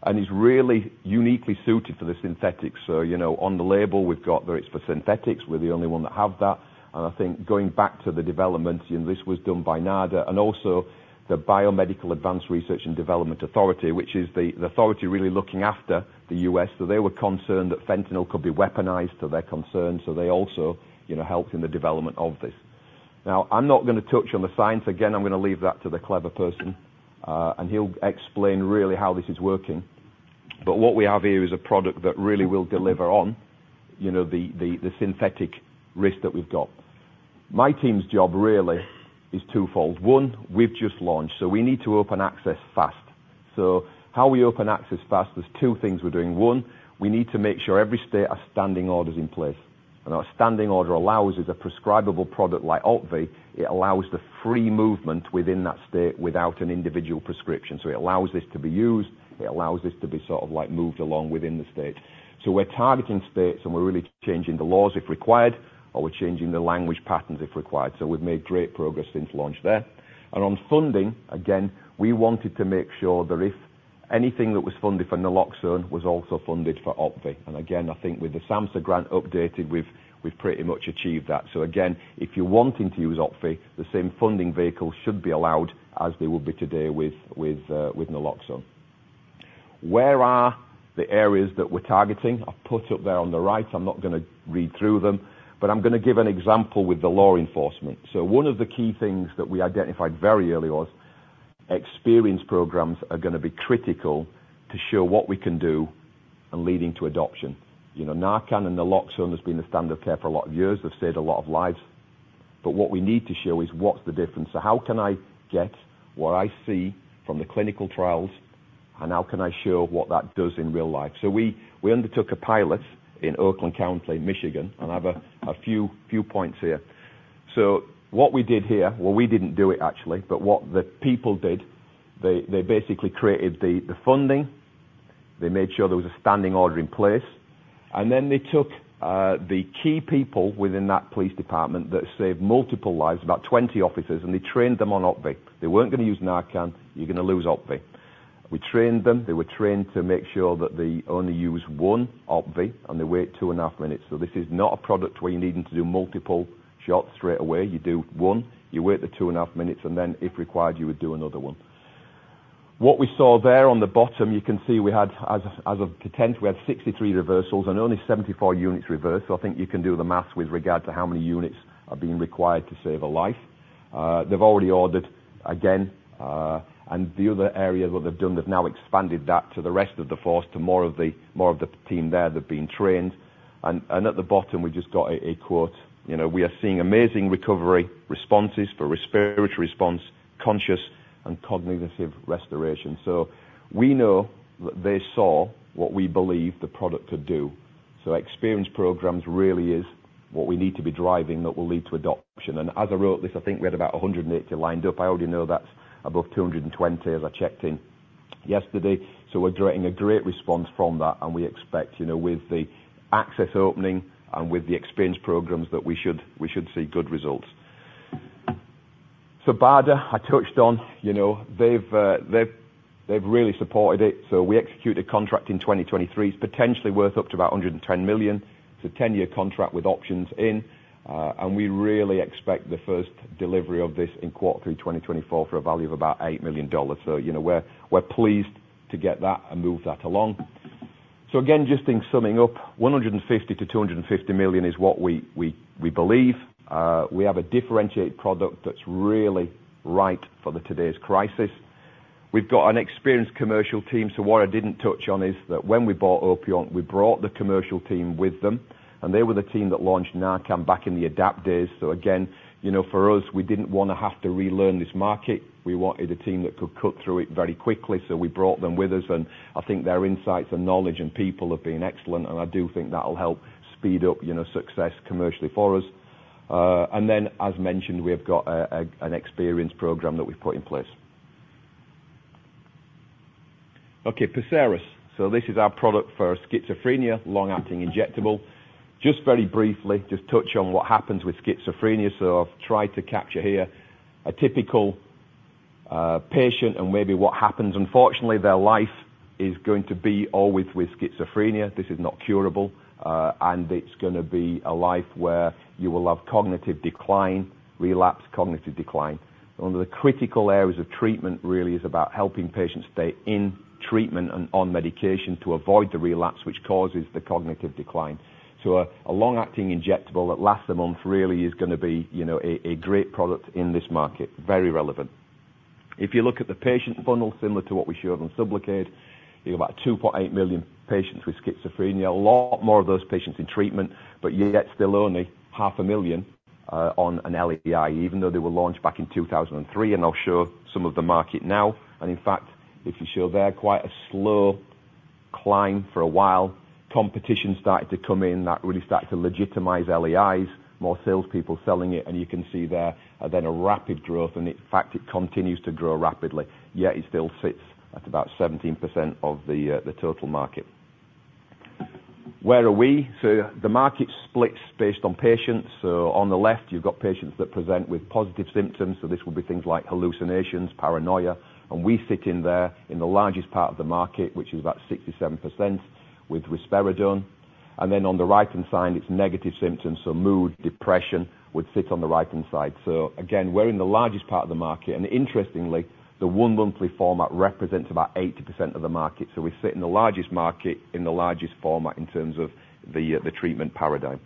and is really uniquely suited for the synthetics. So, you know, on the label, we've got that it's for synthetics. We're the only one that have that. And I think going back to the development, and this was done by NIDA, and also the Biomedical Advanced Research and Development Authority, which is the, the authority really looking after the US. So they were concerned that fentanyl could be weaponized, so they're concerned, so they also, you know, helped in the development of this. Now, I'm not going to touch on the science. Again, I'm going to leave that to the clever person, and he'll explain really how this is working. But what we have here is a product that really will deliver on, you know, the synthetic risk that we've got. My team's job really is twofold. One, we've just launched, so we need to open access fast. So how we open access fast, there's two things we're doing. One, we need to make sure every state a standing order is in place. And our standing order allows is a prescribable product like OPVEE. It allows the free movement within that state without an individual prescription. So it allows this to be used, it allows this to be sort of like moved along within the state. So we're targeting states, and we're really changing the laws if required, or we're changing the language patterns if required. So we've made great progress since launch there. And on funding, again, we wanted to make sure that if-... Anything that was funded for naloxone was also funded for OPVEE. Again, I think with the SAMHSA grant updated, we've pretty much achieved that. Again, if you're wanting to use OPVEE, the same funding vehicle should be allowed as they would be today with naloxone. Where are the areas that we're targeting? I've put up there on the right. I'm not going to read through them, but I'm going to give an example with the law enforcement. One of the key things that we identified very early on was experience programs are going to be critical to show what we can do and leading to adoption. You know, Narcan and naloxone has been the standard of care for a lot of years, have saved a lot of lives. But what we need to show is, what's the difference? So how can I get what I see from the clinical trials, and how can I show what that does in real life? We undertook a pilot in Oakland County, Michigan, and I have a few points here. What we did here—well, we didn't do it actually, but what the people did, they basically created the funding. They made sure there was a standing order in place, and then they took the key people within that police department that saved multiple lives, about 20 officers, and they trained them on OPVEE. They weren't going to use Narcan. You're going to use OPVEE. We trained them. They were trained to make sure that they only use one OPVEE, and they wait 2.5 minutes. So this is not a product where you're needing to do multiple shots straight away. You do one, you wait the 2.5 minutes, and then, if required, you would do another one. What we saw there on the bottom, you can see we had, as of tenth, we had 63 reversals and only 74 units reversed. So I think you can do the math with regard to how many units are being required to save a life. They've already ordered again, and the other area what they've done, they've now expanded that to the rest of the force, to more of the, more of the team there, they've been trained. And at the bottom, we just got a quote. You know, "We are seeing amazing recovery responses for respiratory response, conscious and cognitive restoration." So we know that they saw what we believe the product could do. So experience programs really is what we need to be driving that will lead to adoption. And as I wrote this, I think we had about 180 lined up. I already know that's above 220 as I checked in yesterday. So we're getting a great response from that, and we expect, you know, with the access opening and with the experience programs, that we should, we should see good results. So BARDA, I touched on, you know, they've, they've, they've really supported it. So we executed a contract in 2023. It's potentially worth up to about $110 million. It's a 10-year contract with options in, and we really expect the first delivery of this in Q3 2024, for a value of about $8 million. So, you know, we're pleased to get that and move that along. So again, just in summing up, $150 million-$250 million is what we believe. We have a differentiated product that's really right for today's crisis. We've got an experienced commercial team, so what I didn't touch on is that when we bought Opiant, we brought the commercial team with them, and they were the team that launched Narcan back in the Adapt Pharma days. So again, you know, for us, we didn't want to have to relearn this market. We wanted a team that could cut through it very quickly, so we brought them with us, and I think their insights and knowledge and people have been excellent, and I do think that'll help speed up, you know, success commercially for us. And then, as mentioned, we've got an experience program that we've put in place. Okay, PERSERIS. So this is our product for schizophrenia, long-acting, injectable. Just very briefly, just touch on what happens with schizophrenia. So I've tried to capture here a typical patient and maybe what happens. Unfortunately, their life is going to be always with schizophrenia. This is not curable, and it's going to be a life where you will have cognitive decline, relapse, cognitive decline. One of the critical areas of treatment really is about helping patients stay in treatment and on medication to avoid the relapse, which causes the cognitive decline. So a long-acting injectable that lasts a month really is going to be, you know, a great product in this market. Very relevant. If you look at the patient funnel, similar to what we showed on SUBLOCADE, you've about 2.8 million patients with schizophrenia, a lot more of those patients in treatment, but yet still only 500,000 on an LAI, even though they were launched back in 2003. I'll show some of the market now, and in fact, if you show there, quite a slow climb for a while. Competition started to come in. That really started to legitimize LAIs, more salespeople selling it, and you can see there, and then a rapid growth, and in fact, it continues to grow rapidly, yet it still sits at about 17% of the total market. Where are we? So the market splits based on patients. So on the left, you've got patients that present with positive symptoms, so this will be things like hallucinations, paranoia, and we sit in there in the largest part of the market, which is about 67% with risperidone. And then on the right-hand side, it's negative symptoms, so mood, depression would sit on the right-hand side. So again, we're in the largest part of the market, and interestingly, the one monthly format represents about 80% of the market. So we sit in the largest market, in the largest format in terms of the, the treatment paradigm.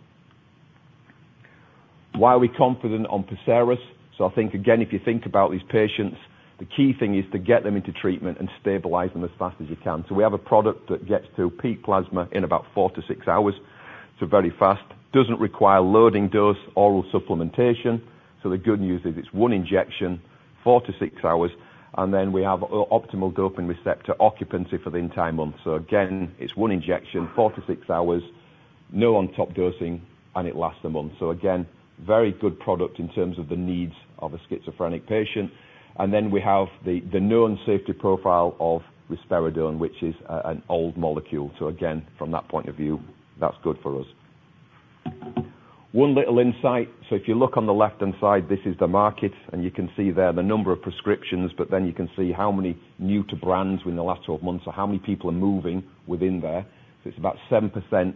Why are we confident on PERSERIS? So I think, again, if you think about these patients, the key thing is to get them into treatment and stabilize them as fast as you can. So we have a product that gets to peak plasma in about 4-6 hours, so very fast. Doesn't require loading dose, oral supplementation. So the good news is it's one injection, 4-6 hours, and then we have optimal dopamine receptor occupancy for the entire month. So again, it's one injection, 4-6 hours, no on-top dosing, and it lasts a month. So again, very good product in terms of the needs of a schizophrenic patient. And then we have the, the known safety profile of risperidone, which is a, an old molecule. So again, from that point of view, that's good for us.... One little insight. So if you look on the left-hand side, this is the market, and you can see there the number of prescriptions, but then you can see how many new to brands within the last 12 months, or how many people are moving within there. So it's about 7% are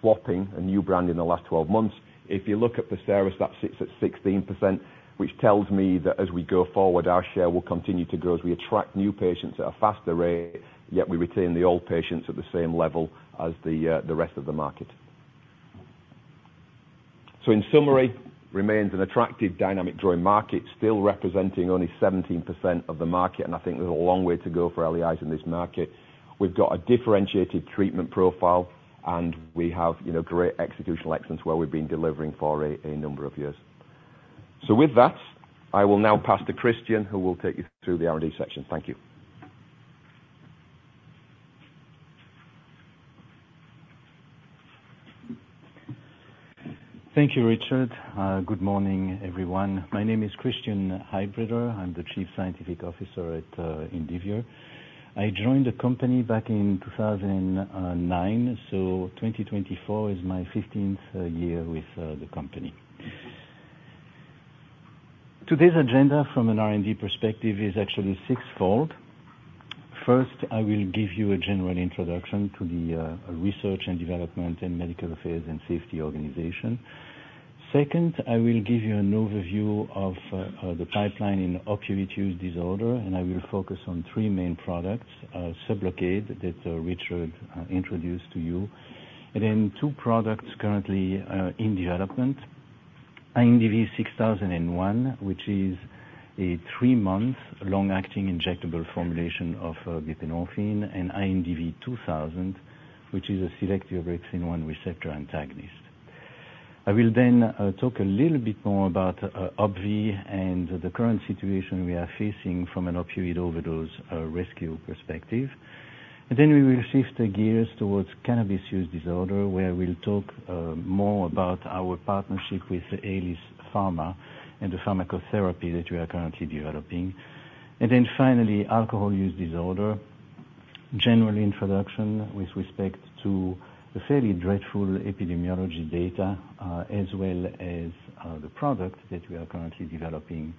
swapping a new brand in the last 12 months. If you look at PERSERIS, that sits at 16%, which tells me that as we go forward, our share will continue to grow as we attract new patients at a faster rate, yet we retain the old patients at the same level as the, the rest of the market. So in summary, remains an attractive dynamic drawing market, still representing only 17% of the market, and I think there's a long way to go for LEIs in this market. We've got a differentiated treatment profile, and we have, you know, great executional excellence, where we've been delivering for a number of years. With that, I will now pass to Christian, who will take you through the R&D section. Thank you. Thank you, Richard. Good morning, everyone. My name is Christian Heidbreder. I'm the Chief Scientific Officer at Indivior. I joined the company back in 2009, so 2024 is my 15th year with the company. Today's agenda from an R&D perspective is actually sixfold. First, I will give you a general introduction to the research and development and medical affairs and safety organization. Second, I will give you an overview of the pipeline in opioid use disorder, and I will focus on three main products, SUBLOCADE, that Richard introduced to you. And then two products currently in development, INDV-6001, which is a three-month long-acting injectable formulation of buprenorphine and INDV-2000, which is a selective orexin-1 receptor antagonist. I will then talk a little bit more about OPVEE and the current situation we are facing from an opioid overdose rescue perspective. And then we will shift the gears towards cannabis use disorder, where we'll talk more about our partnership with Aelis Farma and the pharmacotherapy that we are currently developing. And then finally, alcohol use disorder. General introduction with respect to the fairly dreadful epidemiology data, as well as the product that we are currently developing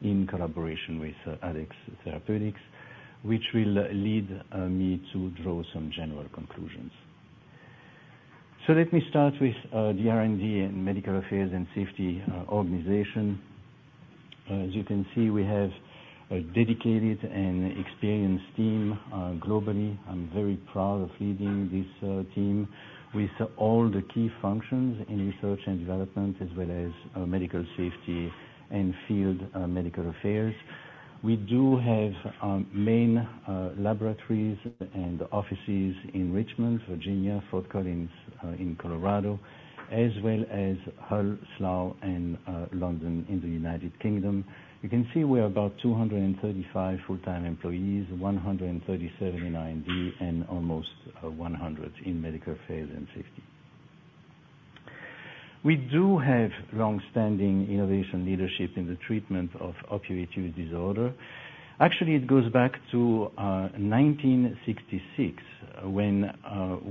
in collaboration with Addex Therapeutics, which will lead me to draw some general conclusions. So let me start with the R&D and Medical Affairs and Safety organization. As you can see, we have a dedicated and experienced team globally. I'm very proud of leading this team with all the key functions in research and development, as well as medical safety and field medical affairs. We do have main laboratories and offices in Richmond, Virginia, Fort Collins in Colorado, as well as Hull, Slough, and London in the United Kingdom. You can see we're about 235 full-time employees, 137 in R&D, and almost 100 in medical affairs and safety. We do have long-standing innovation leadership in the treatment of opioid use disorder. Actually, it goes back to 1966, when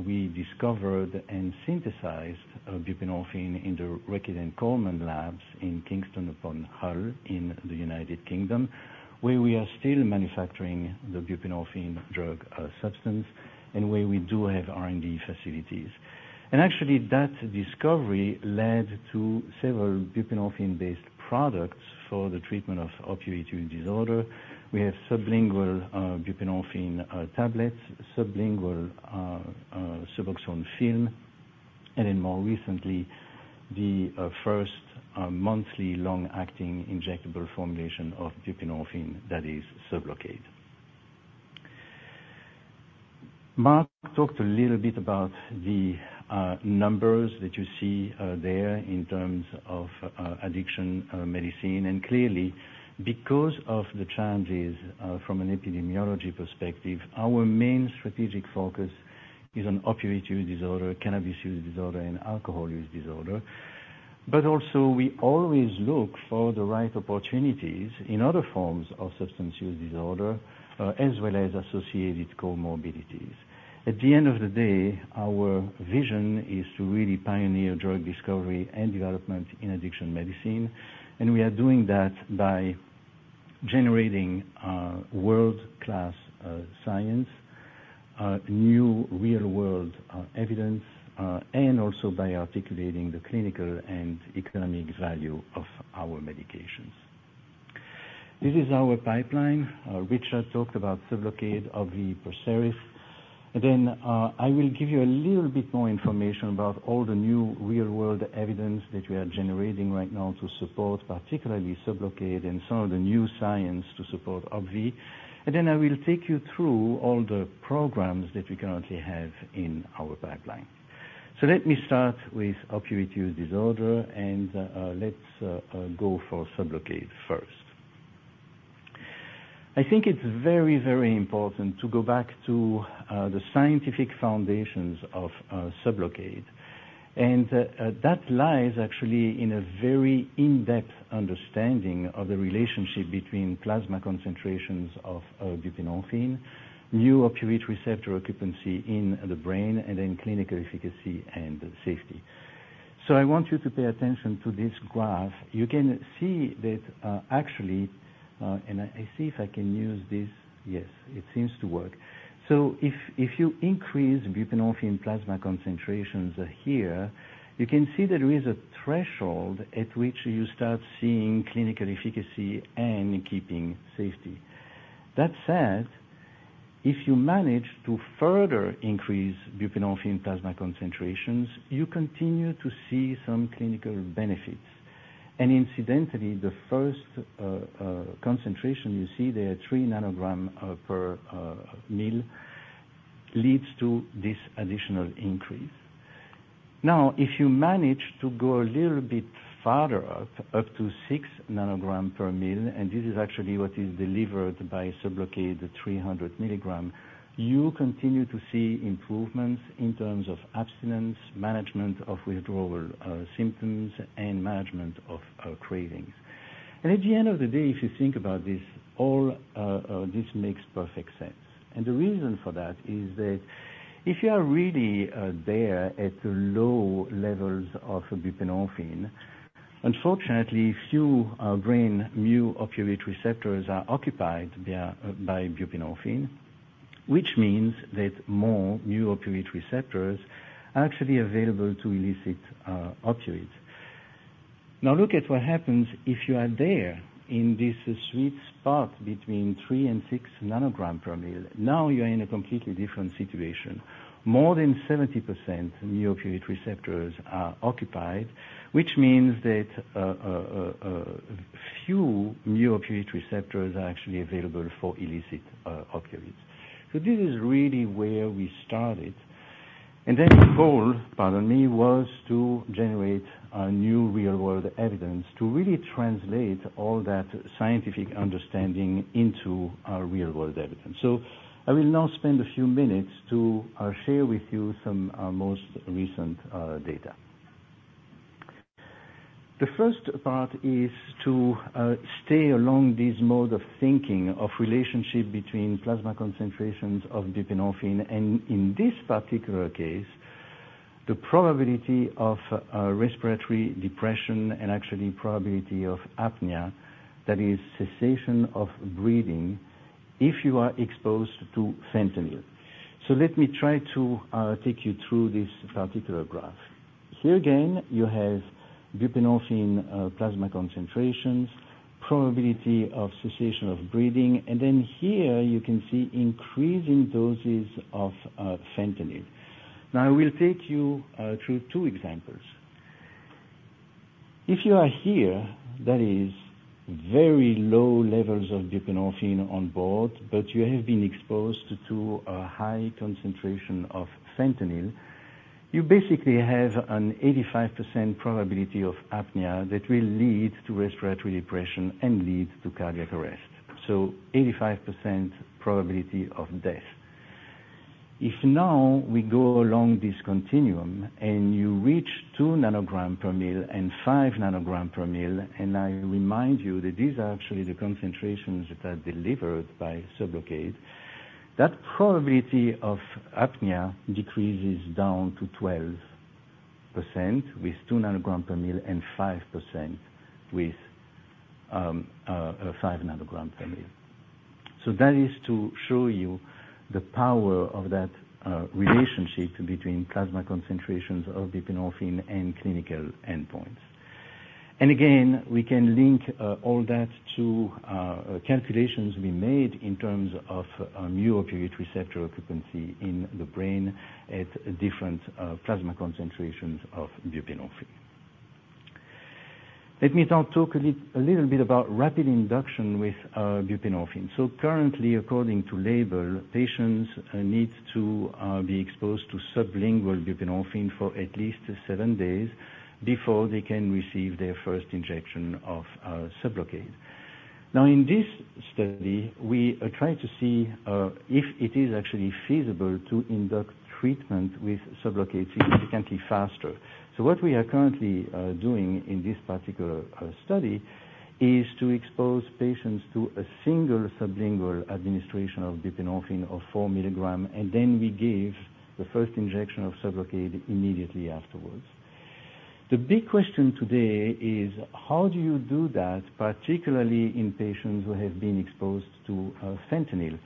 we discovered and synthesized buprenorphine in the Reckitt and Colman labs in Kingston upon Hull in the United Kingdom, where we are still manufacturing the buprenorphine drug substance, and where we do have R&D facilities. Actually, that discovery led to several buprenorphine-based products for the treatment of opioid use disorder. We have sublingual buprenorphine tablets, sublingual SUBOXONE Film, and then more recently, the first monthly long-acting injectable formulation of buprenorphine that is SUBLOCADE. Mark talked a little bit about the numbers that you see there in terms of addiction medicine. Clearly, because of the changes from an epidemiology perspective, our main strategic focus is on opioid use disorder, cannabis use disorder, and alcohol use disorder. But also, we always look for the right opportunities in other forms of substance use disorder as well as associated comorbidities. At the end of the day, our vision is to really pioneer drug discovery and development in addiction medicine, and we are doing that by generating, world-class, science, new real-world, evidence, and also by articulating the clinical and economic value of our medications. This is our pipeline. Richard talked about SUBLOCADE, OPVEE, PERSERIS. Then, I will give you a little bit more information about all the new real-world evidence that we are generating right now to support, particularly SUBLOCADE and some of the new science to support OPVEE. Then I will take you through all the programs that we currently have in our pipeline. Let me start with opioid use disorder, and, let's, go for SUBLOCADE first. I think it's very, very important to go back to the scientific foundations of SUBLOCADE, and that lies actually in a very in-depth understanding of the relationship between plasma concentrations of buprenorphine, mu opioid receptor occupancy in the brain, and then clinical efficacy and safety. So I want you to pay attention to this graph. You can see that, actually, and I see if I can use this. Yes, it seems to work. So if you increase buprenorphine plasma concentrations here, you can see that there is a threshold at which you start seeing clinical efficacy and keeping safety. That said, if you manage to further increase buprenorphine plasma concentrations, you continue to see some clinical benefits. And incidentally, the first concentration you see there, 3 ng/mL, leads to this additional increase. Now, if you manage to go a little bit farther up, up to 6 ng/mL, and this is actually what is delivered by SUBLOCADE, the 300 mg, you continue to see improvements in terms of abstinence, management of withdrawal symptoms, and management of cravings. And at the end of the day, if you think about this, all this makes perfect sense. And the reason for that is that if you are really there at the low levels of buprenorphine, unfortunately, few brain mu-opioid receptors are occupied by buprenorphine, which means that more mu-opioid receptors are actually available to illicit opioids. Now, look at what happens if you are there in this sweet spot between 3-6 ng/mL. Now you're in a completely different situation. More than 70% mu-opioid receptors are occupied, which means that few mu-opioid receptors are actually available for illicit opioids. So this is really where we started. And then the goal, pardon me, was to generate a new real-world evidence to really translate all that scientific understanding into real-world evidence. So I will now spend a few minutes to share with you some most recent data. The first part is to stay along this mode of thinking of relationship between plasma concentrations of buprenorphine, and in this particular case, the probability of respiratory depression and actually probability of apnea, that is cessation of breathing, if you are exposed to fentanyl. So let me try to take you through this particular graph. Here again, you have buprenorphine, plasma concentrations, probability of cessation of breathing, and then here you can see increasing doses of, fentanyl. Now, I will take you through two examples. If you are here, that is very low levels of buprenorphine on board, but you have been exposed to a high concentration of fentanyl, you basically have an 85% probability of apnea that will lead to respiratory depression and lead to cardiac arrest. So 85% probability of death. If now we go along this continuum, and you reach 2 nanogram per ml and 5 nanogram per ml, and I remind you that these are actually the concentrations that are delivered by SUBLOCADE, that probability of apnea decreases down to 12% with 2 nanogram per ml and 5% with 5 nanogram per ml. That is to show you the power of that relationship between plasma concentrations of buprenorphine and clinical endpoints. Again, we can link all that to calculations we made in terms of mu-opioid receptor occupancy in the brain at different plasma concentrations of buprenorphine. Let me now talk a little bit about rapid induction with buprenorphine. Currently, according to label, patients need to be exposed to sublingual buprenorphine for at least seven days before they can receive their first injection of SUBLOCADE. Now, in this study, we are trying to see if it is actually feasible to induct treatment with SUBLOCADE significantly faster. So what we are currently doing in this particular study is to expose patients to a single sublingual administration of buprenorphine of 4 milligrams, and then we give the first injection of SUBLOCADE immediately afterwards. The big question today is: How do you do that, particularly in patients who have been exposed to fentanyl?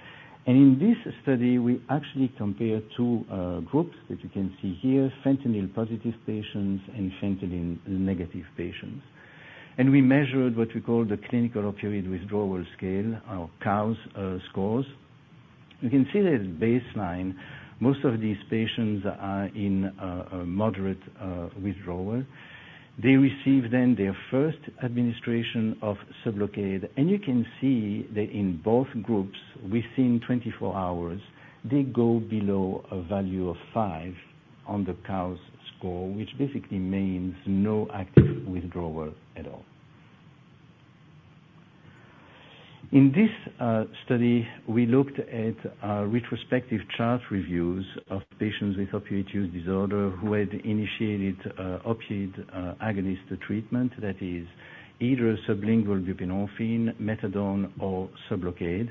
And in this study, we actually compare two groups that you can see here, fentanyl-positive patients and fentanyl-negative patients. And we measured what we call the Clinical Opioid Withdrawal Scale or COWS scores. You can see that baseline, most of these patients are in a moderate withdrawal. They receive then their first administration of SUBLOCADE, and you can see that in both groups, within 24 hours, they go below a value of 5 on the COWS score, which basically means no active withdrawal at all. In this study, we looked at retrospective chart reviews of patients with opioid use disorder who had initiated opioid agonist treatment, that is either sublingual Buprenorphine, methadone, or SUBLOCADE,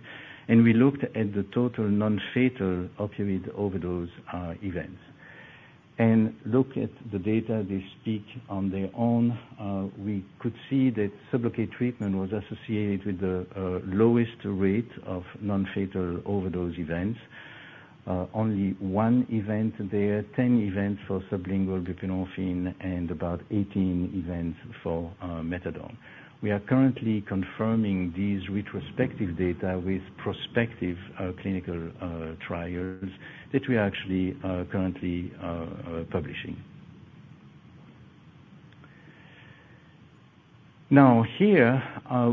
and we looked at the total non-fatal opioid overdose events. Look at the data, they speak on their own. We could see that SUBLOCADE treatment was associated with the lowest rate of non-fatal overdose events. Only one event there, 10 events for sublingual Buprenorphine, and about 18 events for methadone. We are currently confirming these retrospective data with prospective clinical trials that we actually are currently publishing. Now, here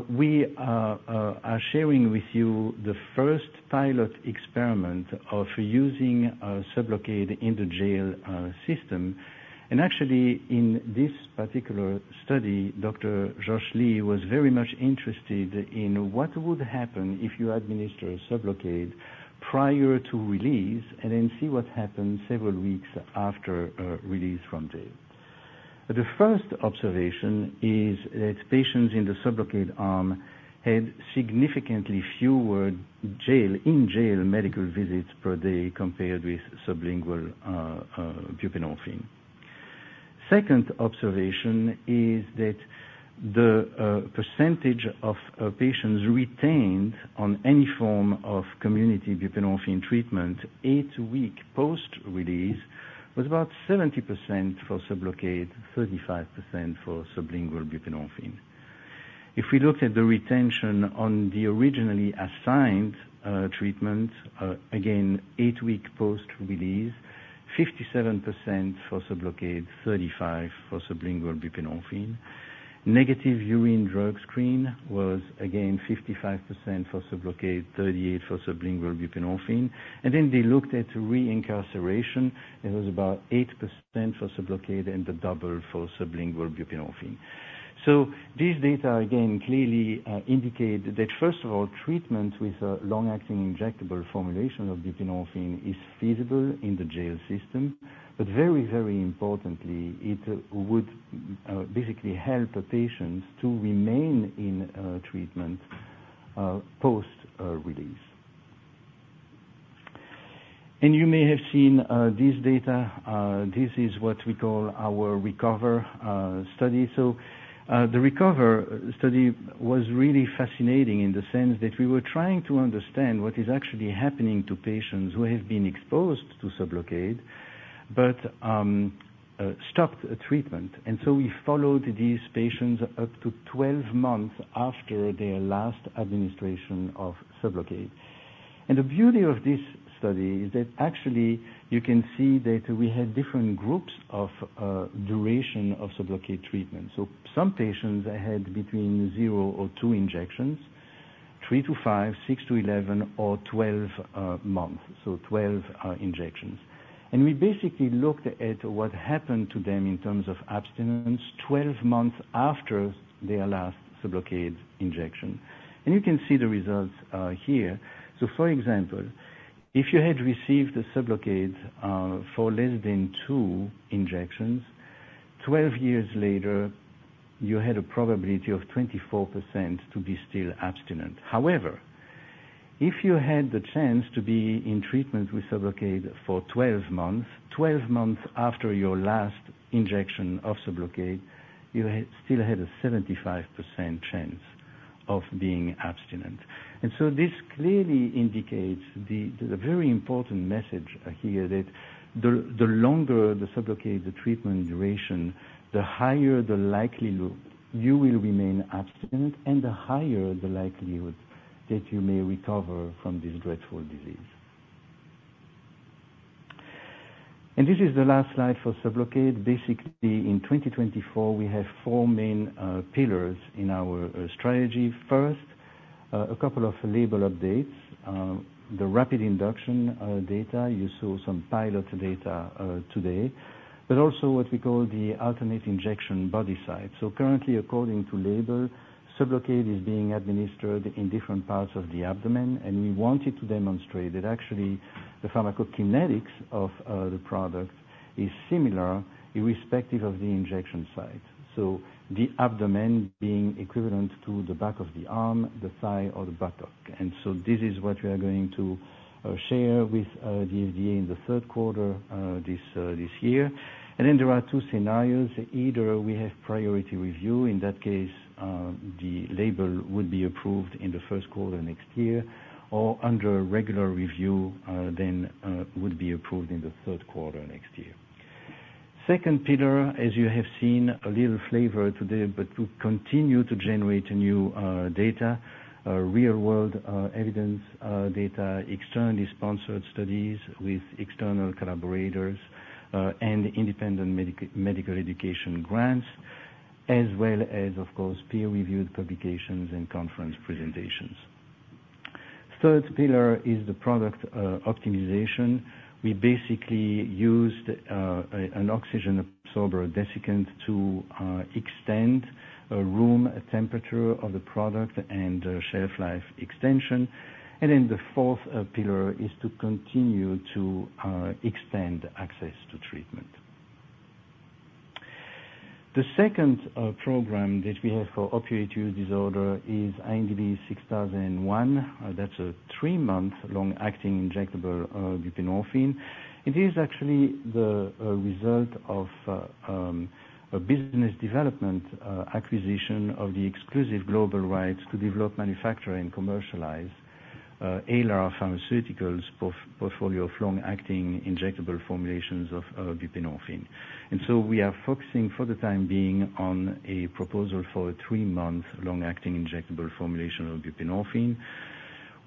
we are sharing with you the first pilot experiment of using SUBLOCADE in the jail system. Actually, in this particular study, Dr. Josh Lee was very much interested in what would happen if you administer SUBLOCADE prior to release, and then see what happens several weeks after release from jail. The first observation is that patients in the SUBLOCADE arm had significantly fewer jail-in-jail medical visits per day, compared with sublingual buprenorphine. Second observation is that the percentage of patients retained on any form of community buprenorphine treatment, 8-week post-release, was about 70% for SUBLOCADE, 35% for sublingual buprenorphine. If we look at the retention on the originally assigned treatment, again, 8-week post-release, 57% for SUBLOCADE, 35% for sublingual buprenorphine. Negative urine drug screen was, again, 55% for SUBLOCADE, 38% for sublingual buprenorphine. And then they looked at reincarceration, it was about 8% for SUBLOCADE and the double for sublingual buprenorphine. So these data, again, clearly indicate that, first of all, treatment with a long-acting, injectable formulation of buprenorphine is feasible in the jail system, but very, very importantly, it would basically help the patients to remain in treatment post release. And you may have seen this data. This is what we call our RECOVER study. So the RECOVER study was really fascinating in the sense that we were trying to understand what is actually happening to patients who have been exposed to SUBLOCADE but stopped the treatment. And so we followed these patients up to 12 months after their last administration of SUBLOCADE. And the beauty of this study is that, actually, you can see that we had different groups of duration of SUBLOCADE treatment. So some patients had between 0 or 2 injections, 3-5, 6-11, or 12, months, so 12 injections. And we basically looked at what happened to them in terms of abstinence 12 months after their last SUBLOCADE injection. And you can see the results here. So for example, if you had received a SUBLOCADE for less than 2 injections, 12 years later, you had a probability of 24% to be still abstinent. However, if you had the chance to be in treatment with SUBLOCADE for 12 months, 12 months after your last injection of SUBLOCADE, you still had a 75% chance of being abstinent. This clearly indicates the very important message here, that the longer the SUBLOCADE treatment duration, the higher the likelihood you will remain abstinent, and the higher the likelihood that you may recover from this dreadful disease. This is the last slide for SUBLOCADE. Basically, in 2024, we have four main pillars in our strategy. First, a couple of label updates. The rapid induction data, you saw some pilot data today, but also what we call the alternate injection body site. Currently, according to label, SUBLOCADE is being administered in different parts of the abdomen, and we wanted to demonstrate that actually, the pharmacokinetics of the product is similar, irrespective of the injection site, so the abdomen being equivalent to the back of the arm, the thigh or the buttock. And so this is what we are going to share with the FDA in the third quarter this year. Then there are two scenarios: either we have priority review, in that case, the label would be approved in the first quarter next year, or under a regular review, then would be approved in the third quarter next year. Second pillar, as you have seen a little flavor today, but to continue to generate new real-world evidence data, externally sponsored studies with external collaborators, and independent medical education grants, as well as, of course, peer-reviewed publications and conference presentations. Third pillar is the product optimization. We basically used an oxygen absorber desiccant to extend room temperature of the product and shelf life extension. Then the fourth pillar is to continue to extend access to treatment. The second program that we have for opioid use disorder is INDV-6001. That's a three-month long-acting injectable buprenorphine. It is actually the result of a business development acquisition of the exclusive global rights to develop, manufacture, and commercialize Alar Pharmaceuticals' portfolio of long-acting injectable formulations of buprenorphine. And so we are focusing, for the time being, on a proposal for a three-month long-acting injectable formulation of buprenorphine.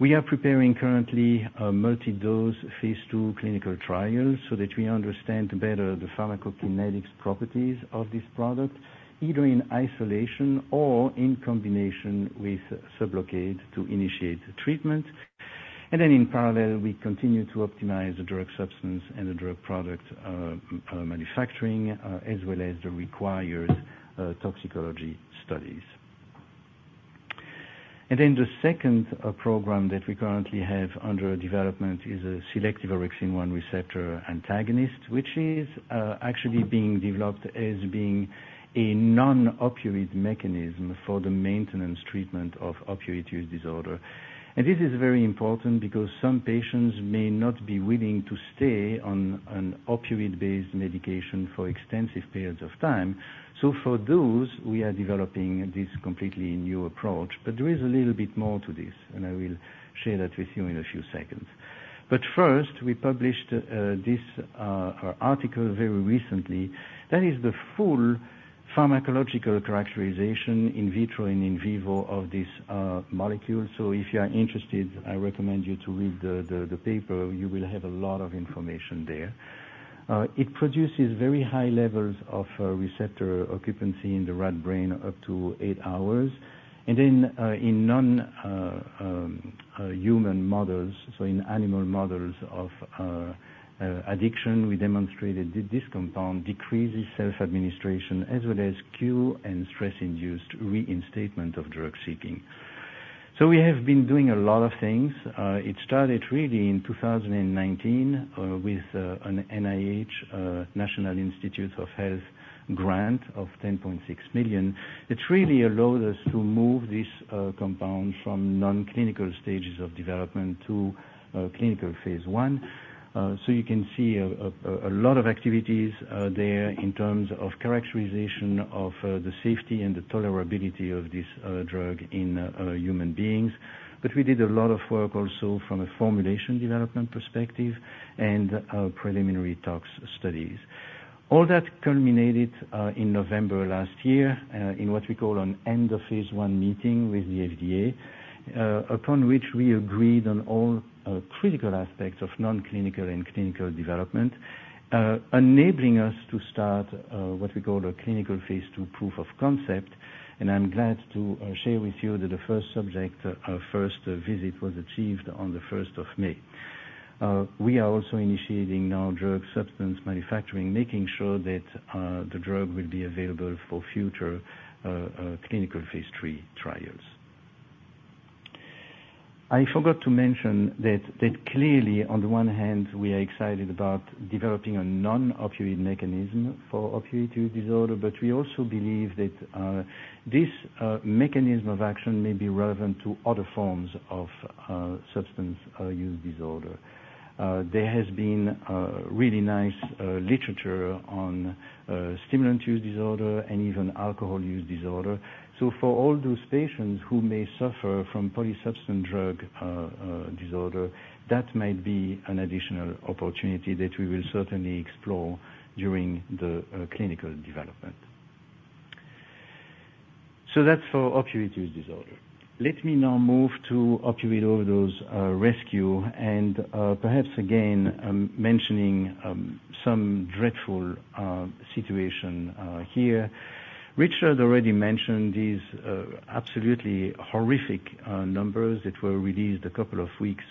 We are preparing currently a multi-dose phase 2 clinical trial, so that we understand better the pharmacokinetics properties of this product, either in isolation or in combination with SUBLOCADE to initiate treatment. And then in parallel, we continue to optimize the drug substance and the drug product manufacturing, as well as the required toxicology studies. And then the second program that we currently have under development is a selective orexin-1 receptor antagonist, which is actually being developed as being a non-opioid mechanism for the maintenance treatment of opioid use disorder. And this is very important because some patients may not be willing to stay on an opioid-based medication for extensive periods of time. So for those, we are developing this completely new approach, but there is a little bit more to this, and I will share that with you in a few seconds. But first, we published this article very recently. That is the full pharmacological characterization in vitro and in vivo of this molecule. So if you are interested, I recommend you to read the paper. You will have a lot of information there. It produces very high levels of receptor occupancy in the rat brain up to eight hours. And then in non-human models, so in animal models of addiction, we demonstrated that this compound decreases self-administration as well as cue and stress-induced reinstatement of drug seeking. So we have been doing a lot of things. It started really in 2019 with an NIH, National Institutes of Health, grant of $10.6 million. It really allowed us to move this compound from non-clinical stages of development to clinical phase one. So you can see a lot of activities there in terms of characterization of the safety and the tolerability of this drug in human beings. But we did a lot of work also from a formulation development perspective and preliminary talks, studies. All that culminated in November last year in what we call an end of phase one meeting with the FDA upon which we agreed on all critical aspects of non-clinical and clinical development enabling us to start what we call a clinical phase two proof of concept. And I'm glad to share with you that the first subject first visit was achieved on the first of May. We are also initiating now drug substance manufacturing making sure that the drug will be available for future clinical phase three trials. I forgot to mention that, that clearly, on the one hand, we are excited about developing a non-opioid mechanism for opioid use disorder, but we also believe that, this, mechanism of action may be relevant to other forms of, substance, use disorder. There has been, really nice, literature on, stimulant use disorder and even alcohol use disorder. So for all those patients who may suffer from polysubstance drug, disorder, that might be an additional opportunity that we will certainly explore during the, clinical development. So that's for opioid use disorder. Let me now move to opioid overdose, rescue, and, perhaps again, mentioning, some dreadful, situation, here. Richard already mentioned these absolutely horrific numbers that were released a couple of weeks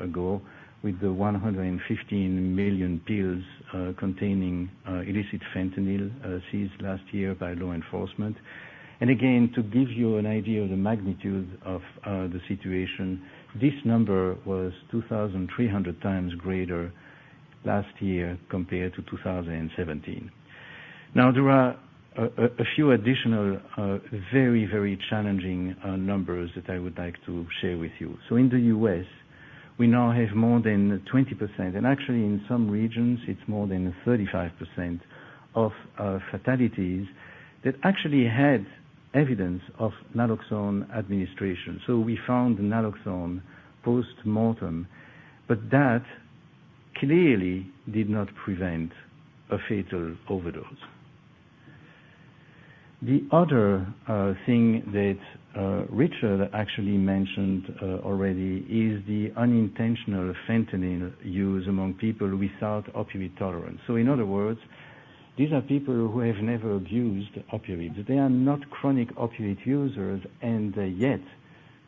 ago with the 115 million pills containing illicit fentanyl seized last year by law enforcement. And again, to give you an idea of the magnitude of the situation, this number was 2,300 times greater last year compared to 2017. Now, there are a few additional very, very challenging numbers that I would like to share with you. So in the U.S., we now have more than 20%, and actually, in some regions, it's more than 35% of fatalities that actually had evidence of naloxone administration. So we found naloxone post-mortem, but that clearly did not prevent a fatal overdose. The other thing that Richard actually mentioned already is the unintentional fentanyl use among people without opioid tolerance. So in other words, these are people who have never abused opioids. They are not chronic opioid users, and yet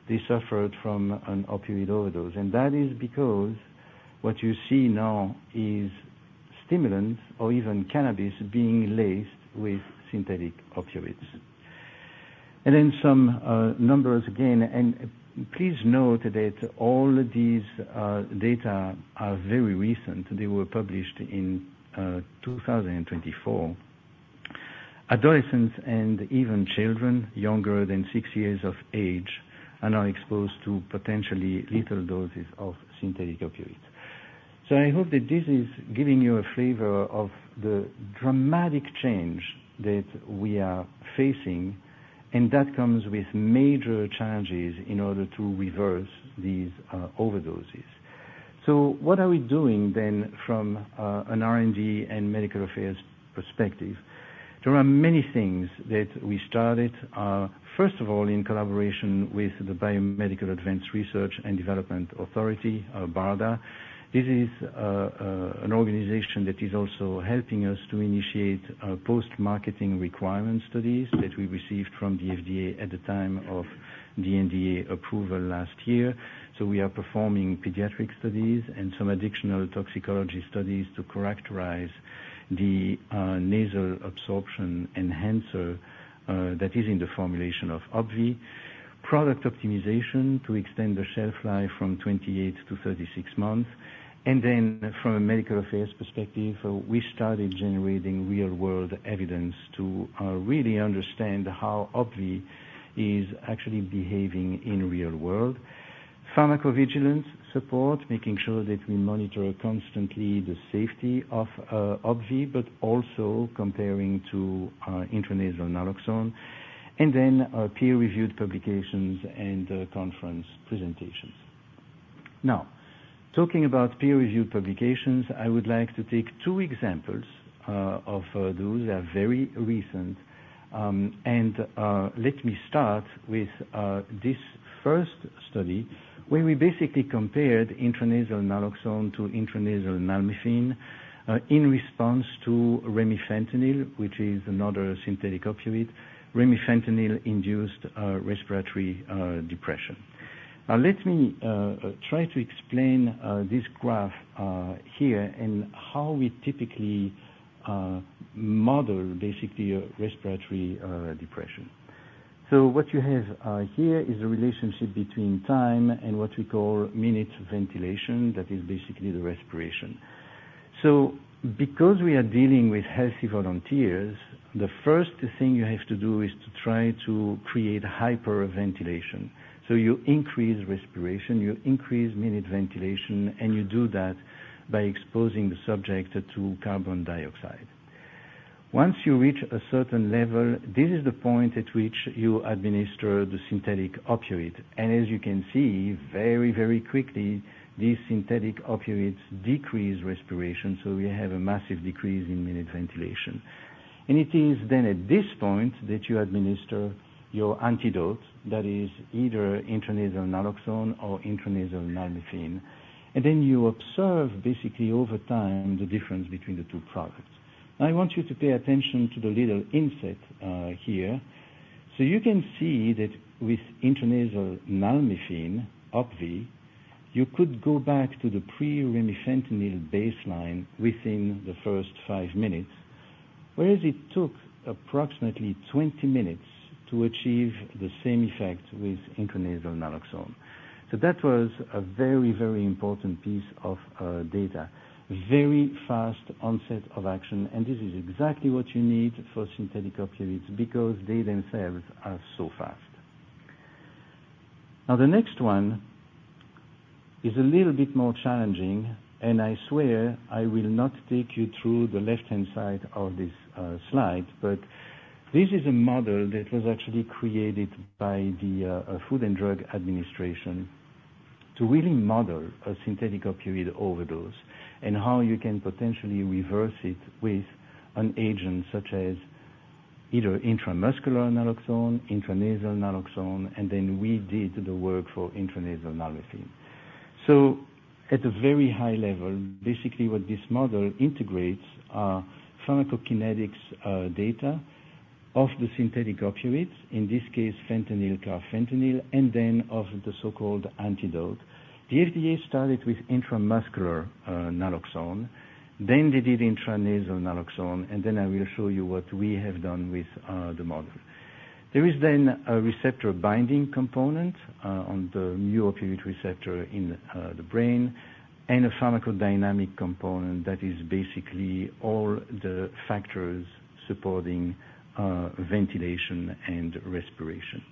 they suffered from an opioid overdose. And that is because what you see now is stimulants or even cannabis being laced with synthetic opioids... And then some numbers again, and please note that all these data are very recent. They were published in 2024. Adolescents and even children younger than six years of age and are exposed to potentially lethal doses of synthetic opioids. So I hope that this is giving you a flavor of the dramatic change that we are facing, and that comes with major challenges in order to reverse these overdoses. So what are we doing then, from an R&D and medical affairs perspective? There are many things that we started. First of all, in collaboration with the Biomedical Advanced Research and Development Authority, BARDA. This is an organization that is also helping us to initiate post-marketing requirement studies that we received from the FDA at the time of the NDA approval last year. So we are performing pediatric studies and some additional toxicology studies to characterize the nasal absorption enhancer that is in the formulation of OPVEE. Product optimization to extend the shelf life from 28 to 36 months. And then from a medical affairs perspective, we started generating real world evidence to really understand how OPVEE is actually behaving in real world. Pharmacovigilance support, making sure that we monitor constantly the safety of OPVEE, but also comparing to intranasal naloxone, and then peer-reviewed publications and conference presentations. Now, talking about peer-reviewed publications, I would like to take two examples of those that are very recent. And let me start with this first study, where we basically compared intranasal naloxone to intranasal nalmefene in response to remifentanil, which is another synthetic opioid, remifentanil induced respiratory depression. Now, let me try to explain this graph here, and how we typically model basically a respiratory depression. So what you have here is a relationship between time and what we call minute ventilation. That is basically the respiration. So because we are dealing with healthy volunteers, the first thing you have to do is to try to create hyperventilation. So you increase respiration, you increase minute ventilation, and you do that by exposing the subject to carbon dioxide. Once you reach a certain level, this is the point at which you administer the synthetic opioid, and as you can see, very, very quickly, these synthetic opioids decrease respiration, so we have a massive decrease in minute ventilation. It is then at this point that you administer your antidote, that is either intranasal naloxone or intranasal nalmefene, and then you observe, basically over time, the difference between the two products. I want you to pay attention to the little inset here. So you can see that with intranasal nalmefene, OPVEE, you could go back to the pre-remifentanil baseline within the first 5 minutes, whereas it took approximately 20 minutes to achieve the same effect with intranasal naloxone. So that was a very, very important piece of data. Very fast onset of action, and this is exactly what you need for synthetic opioids, because they themselves are so fast. Now, the next one is a little bit more challenging, and I swear I will not take you through the left-hand side of this slide. But this is a model that was actually created by the Food and Drug Administration to really model a synthetic opioid overdose and how you can potentially reverse it with an agent such as either intramuscular naloxone, intranasal naloxone, and then we did the work for intranasal nalmefene. So at a very high level, basically what this model integrates are pharmacokinetics, data of the synthetic opioids, in this case, fentanyl, carfentanil, and then of the so-called antidote. The FDA started with intramuscular naloxone, then they did intranasal naloxone, and then I will show you what we have done with the model. There is then a receptor binding component on the mu-opioid receptor in the brain, and a pharmacodynamic component that is basically all the factors supporting ventilation and respiration.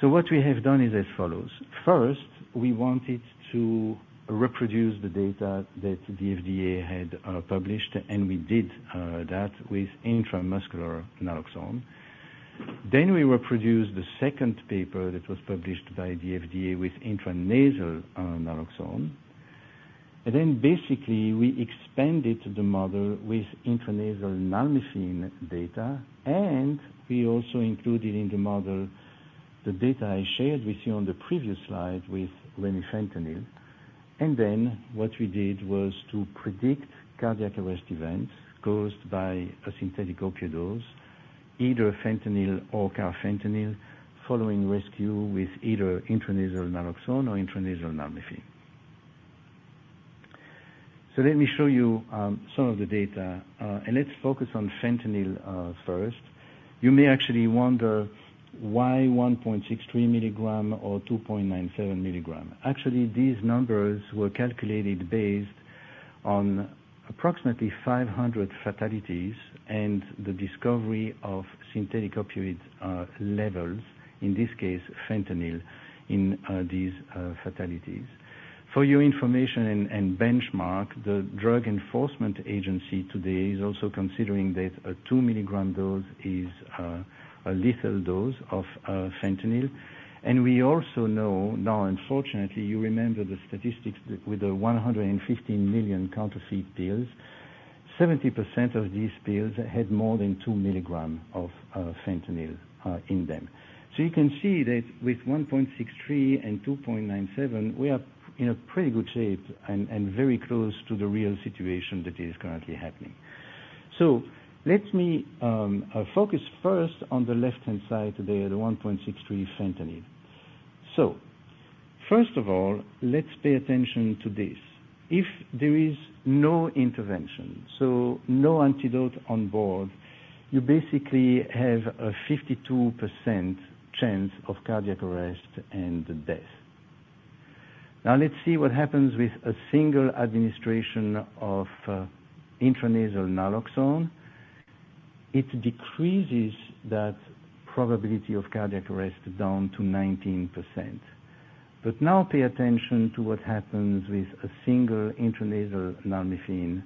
So what we have done is as follows: first, we wanted to reproduce the data that the FDA had published, and we did that with intramuscular naloxone. Then we reproduced the second paper that was published by the FDA with intranasal naloxone. Then basically, we expanded the model with intranasal nalmefene data, and we also included in the model the data I shared with you on the previous slide with remifentanil. Then what we did was to predict cardiac arrest events caused by a synthetic opioid dose, either fentanyl or carfentanil, following rescue with either intranasal naloxone or intranasal nalmefene. So let me show you some of the data, and let's focus on fentanyl first. You may actually wonder why 1.63 milligram or 2.97 milligram. Actually, these numbers were calculated based on approximately 500 fatalities and the discovery of synthetic opioid levels, in this case, fentanyl, in these fatalities. For your information and benchmark, the Drug Enforcement Administration today is also considering that a 2-milligram dose is a lethal dose of fentanyl. And we also know, now unfortunately, you remember the statistics with the 115 million counterfeit pills, 70% of these pills had more than 2 mg of fentanyl in them. So you can see that with 1.63 and 2.97, we are in a pretty good shape and very close to the real situation that is currently happening. So let me focus first on the left-hand side, the 1.63 fentanyl. So first of all, let's pay attention to this. If there is no intervention, so no antidote on board, you basically have a 52% chance of cardiac arrest and death. Now, let's see what happens with a single administration of intranasal naloxone. It decreases that probability of cardiac arrest down to 19%. But now pay attention to what happens with a single intranasal Nalmefene.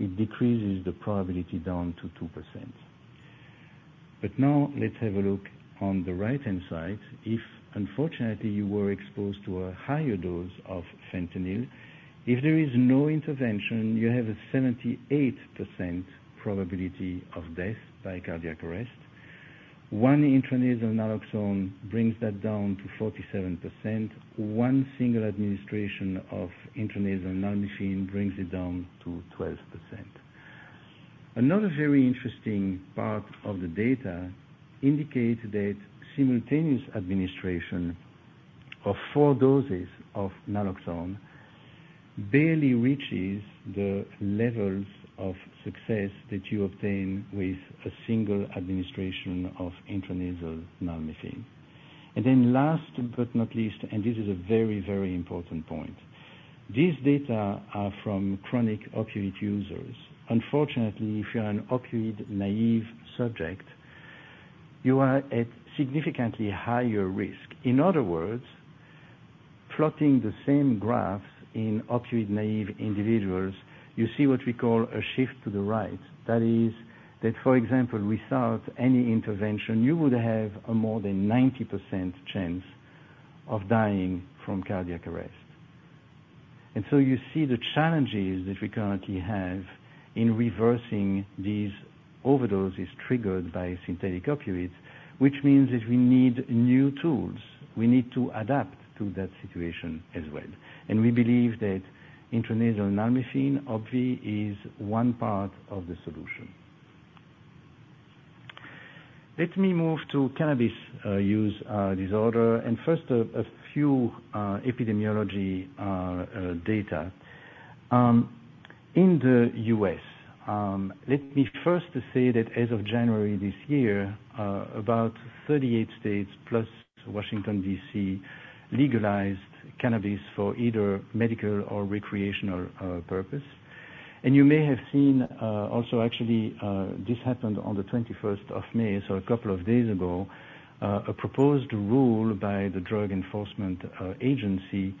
It decreases the probability down to 2%. But now let's have a look on the right-hand side. If unfortunately, you were exposed to a higher dose of Fentanyl, if there is no intervention, you have a 78% probability of death by cardiac arrest. 1 intranasal Naloxone brings that down to 47%. 1 single administration of intranasal Nalmefene brings it down to 12%. Another very interesting part of the data indicates that simultaneous administration of 4 doses of Naloxone barely reaches the levels of success that you obtain with a single administration of intranasal Nalmefene. And then last but not least, and this is a very, very important point, these data are from chronic opioid users. Unfortunately, if you're an opioid-naive subject, you are at significantly higher risk. In other words, plotting the same graphs in opioid-naive individuals, you see what we call a shift to the right. That is that, for example, without any intervention, you would have a more than 90% chance of dying from cardiac arrest. And so you see the challenges that we currently have in reversing these overdoses triggered by synthetic opioids, which means that we need new tools. We need to adapt to that situation as well. And we believe that intranasal Nalmefene, obviously, is one part of the solution. Let me move to cannabis use disorder, and first, a few epidemiology data. In the US, let me first say that as of January this year, about 38 states plus Washington, D.C., legalized cannabis for either medical or recreational purpose. You may have seen, also actually, this happened on the 21st of May, so a couple of days ago, a proposed rule by the Drug Enforcement Administration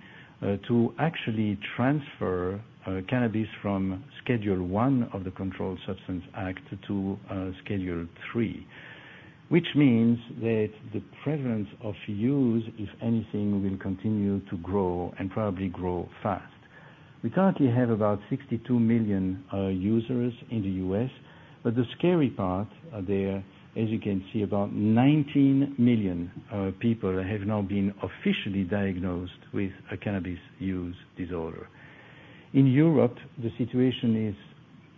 to actually transfer cannabis from Schedule I of the Controlled Substances Act to Schedule III, which means that the prevalence of use, if anything, will continue to grow and probably grow fast. We currently have about 62 million users in the U.S., but the scary part there, as you can see, about 19 million people have now been officially diagnosed with a cannabis use disorder. In Europe, the situation is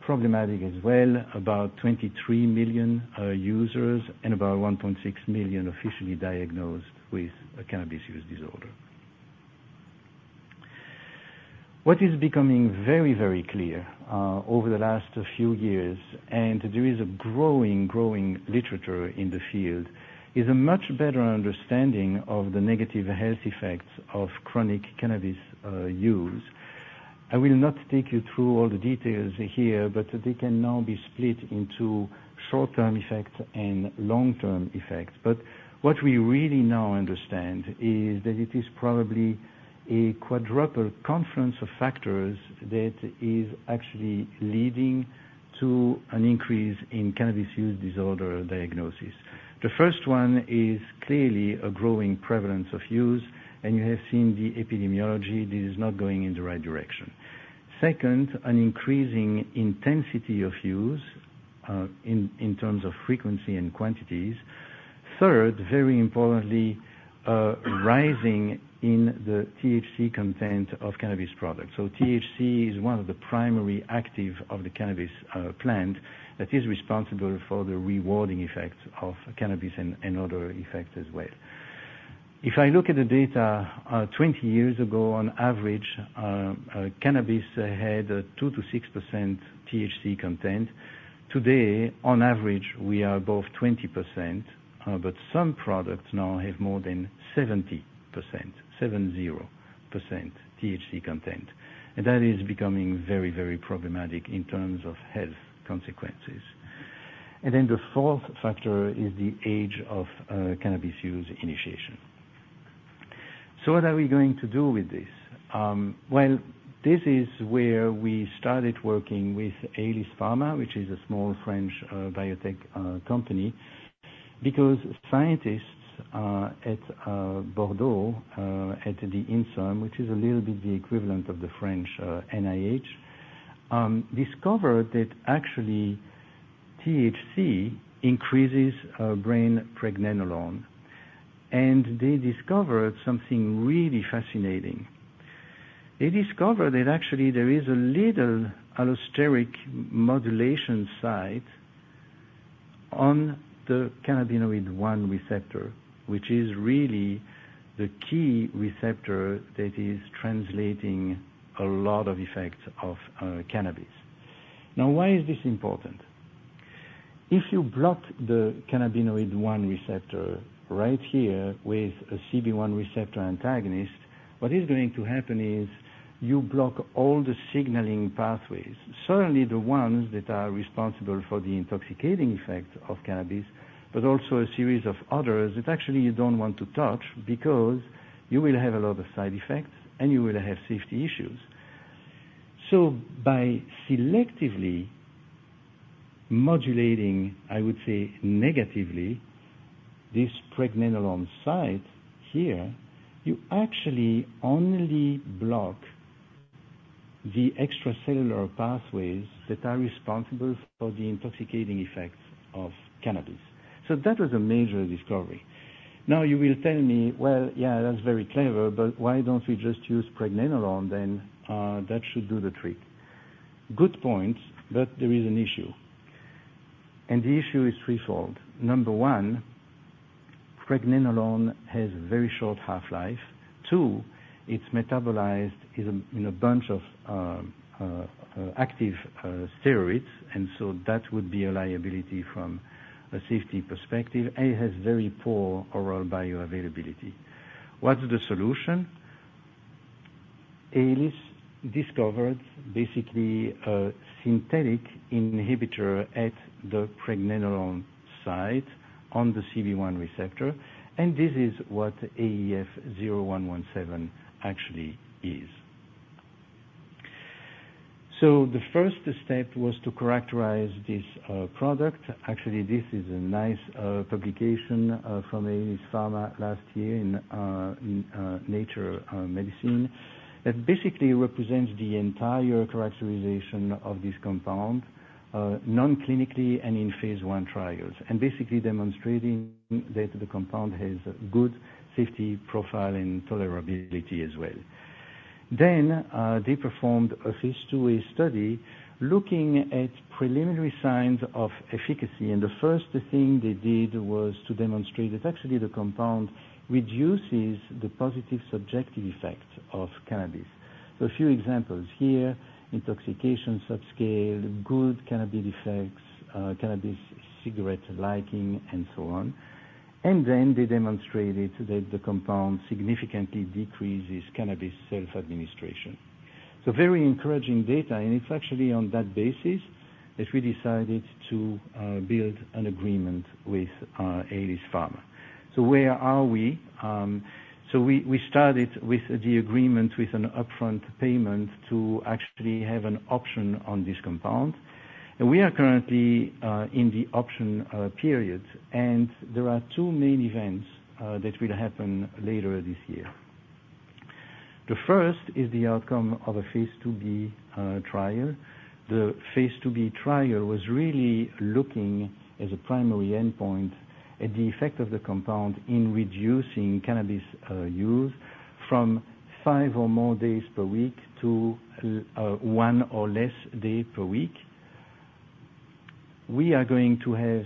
problematic as well. About 23 million users and about 1.6 million officially diagnosed with a cannabis use disorder. What is becoming very, very clear, over the last few years, and there is a growing, growing literature in the field, is a much better understanding of the negative health effects of chronic cannabis, use. I will not take you through all the details here, but they can now be split into short-term effects and long-term effects. But what we really now understand is that it is probably a quadruple confluence of factors that is actually leading to an increase in cannabis use disorder diagnosis. The first one is clearly a growing prevalence of use, and you have seen the epidemiology. This is not going in the right direction. Second, an increasing intensity of use, in terms of frequency and quantities. Third, very importantly, rising in the THC content of cannabis products. So THC is one of the primary active of the cannabis plant that is responsible for the rewarding effect of cannabis and, and other effects as well. If I look at the data, 20 years ago, on average, cannabis had a 2%-6% THC content. Today, on average, we are above 20%, but some products now have more than 70%, 70% THC content, and that is becoming very, very problematic in terms of health consequences. And then the fourth factor is the age of cannabis use initiation. So what are we going to do with this? Well, this is where we started working with Aelis Farma, which is a small French biotech company. Because scientists at Bordeaux at the Inserm, which is a little bit the equivalent of the French NIH, discovered that actually THC increases brain pregnenolone. And they discovered something really fascinating. They discovered that actually there is a little allosteric modulation site on the cannabinoid-1 receptor, which is really the key receptor that is translating a lot of effects of cannabis. Now, why is this important? If you block the cannabinoid-1 receptor right here with a CB1 receptor antagonist, what is going to happen is you block all the signaling pathways, certainly the ones that are responsible for the intoxicating effect of cannabis, but also a series of others that actually you don't want to touch because you will have a lot of side effects, and you will have safety issues. So by selectively modulating, I would say, negatively, this pregnenolone site here, you actually only block the extracellular pathways that are responsible for the intoxicating effects of cannabis. So that was a major discovery. Now, you will tell me, "Well, yeah, that's very clever, but why don't we just use pregnenolone then? That should do the trick." Good point, but there is an issue, and the issue is threefold. 1, pregnenolone has a very short half-life. 2, it's metabolized in a bunch of active steroids, and so that would be a liability from a safety perspective, and it has very poor oral bioavailability. What's the solution? Aelis discovered basically a synthetic inhibitor at the pregnenolone site on the CB1 receptor, and this is what AEF0117 actually is. So the first step was to characterize this product. Actually, this is a nice publication from Aelis Farma last year in Nature Medicine that basically represents the entire characterization of this compound non-clinically and in phase 1 trials, and basically demonstrating that the compound has good safety profile and tolerability as well. Then they performed a phase 2A study looking at preliminary signs of efficacy, and the first thing they did was to demonstrate that actually the compound reduces the positive subjective effect of cannabis. So a few examples here, intoxication subscale, good cannabis effects, cannabis cigarette liking, and so on. And then they demonstrated that the compound significantly decreases cannabis self-administration. So very encouraging data, and it's actually on that basis that we decided to build an agreement with Aelis Farma. So where are we? So we started with the agreement with an upfront payment to actually have an option on this compound. We are currently in the option period, and there are two main events that will happen later this year. The first is the outcome of a phase 2b trial. The phase 2b trial was really looking as a primary endpoint at the effect of the compound in reducing cannabis use from five or more days per week to one or less day per week. We are going to have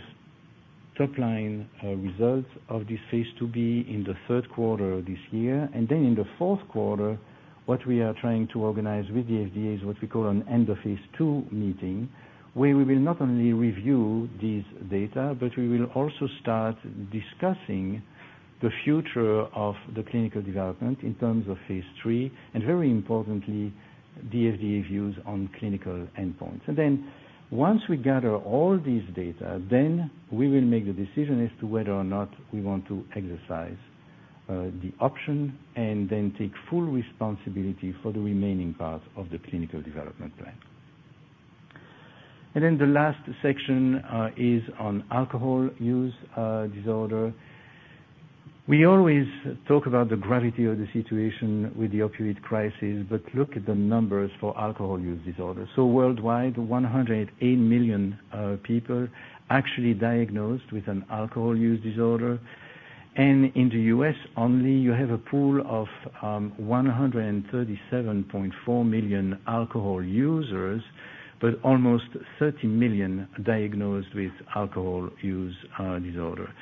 top line results of this phase 2b in the third quarter of this year. And then in the fourth quarter, what we are trying to organize with the FDA is what we call an end of phase two meeting, where we will not only review this data, but we will also start discussing the future of the clinical development in terms of phase three, and very importantly, the FDA views on clinical endpoints. And then once we gather all this data, then we will make a decision as to whether or not we want to exercise the option and then take full responsibility for the remaining part of the clinical development plan. And then the last section is on alcohol use disorder. We always talk about the gravity of the situation with the opioid crisis, but look at the numbers for alcohol use disorder. So worldwide, 108 million people actually diagnosed with an alcohol use disorder. In the US only, you have a pool of 137.4 million alcohol users, but almost 30 million diagnosed with alcohol use disorder.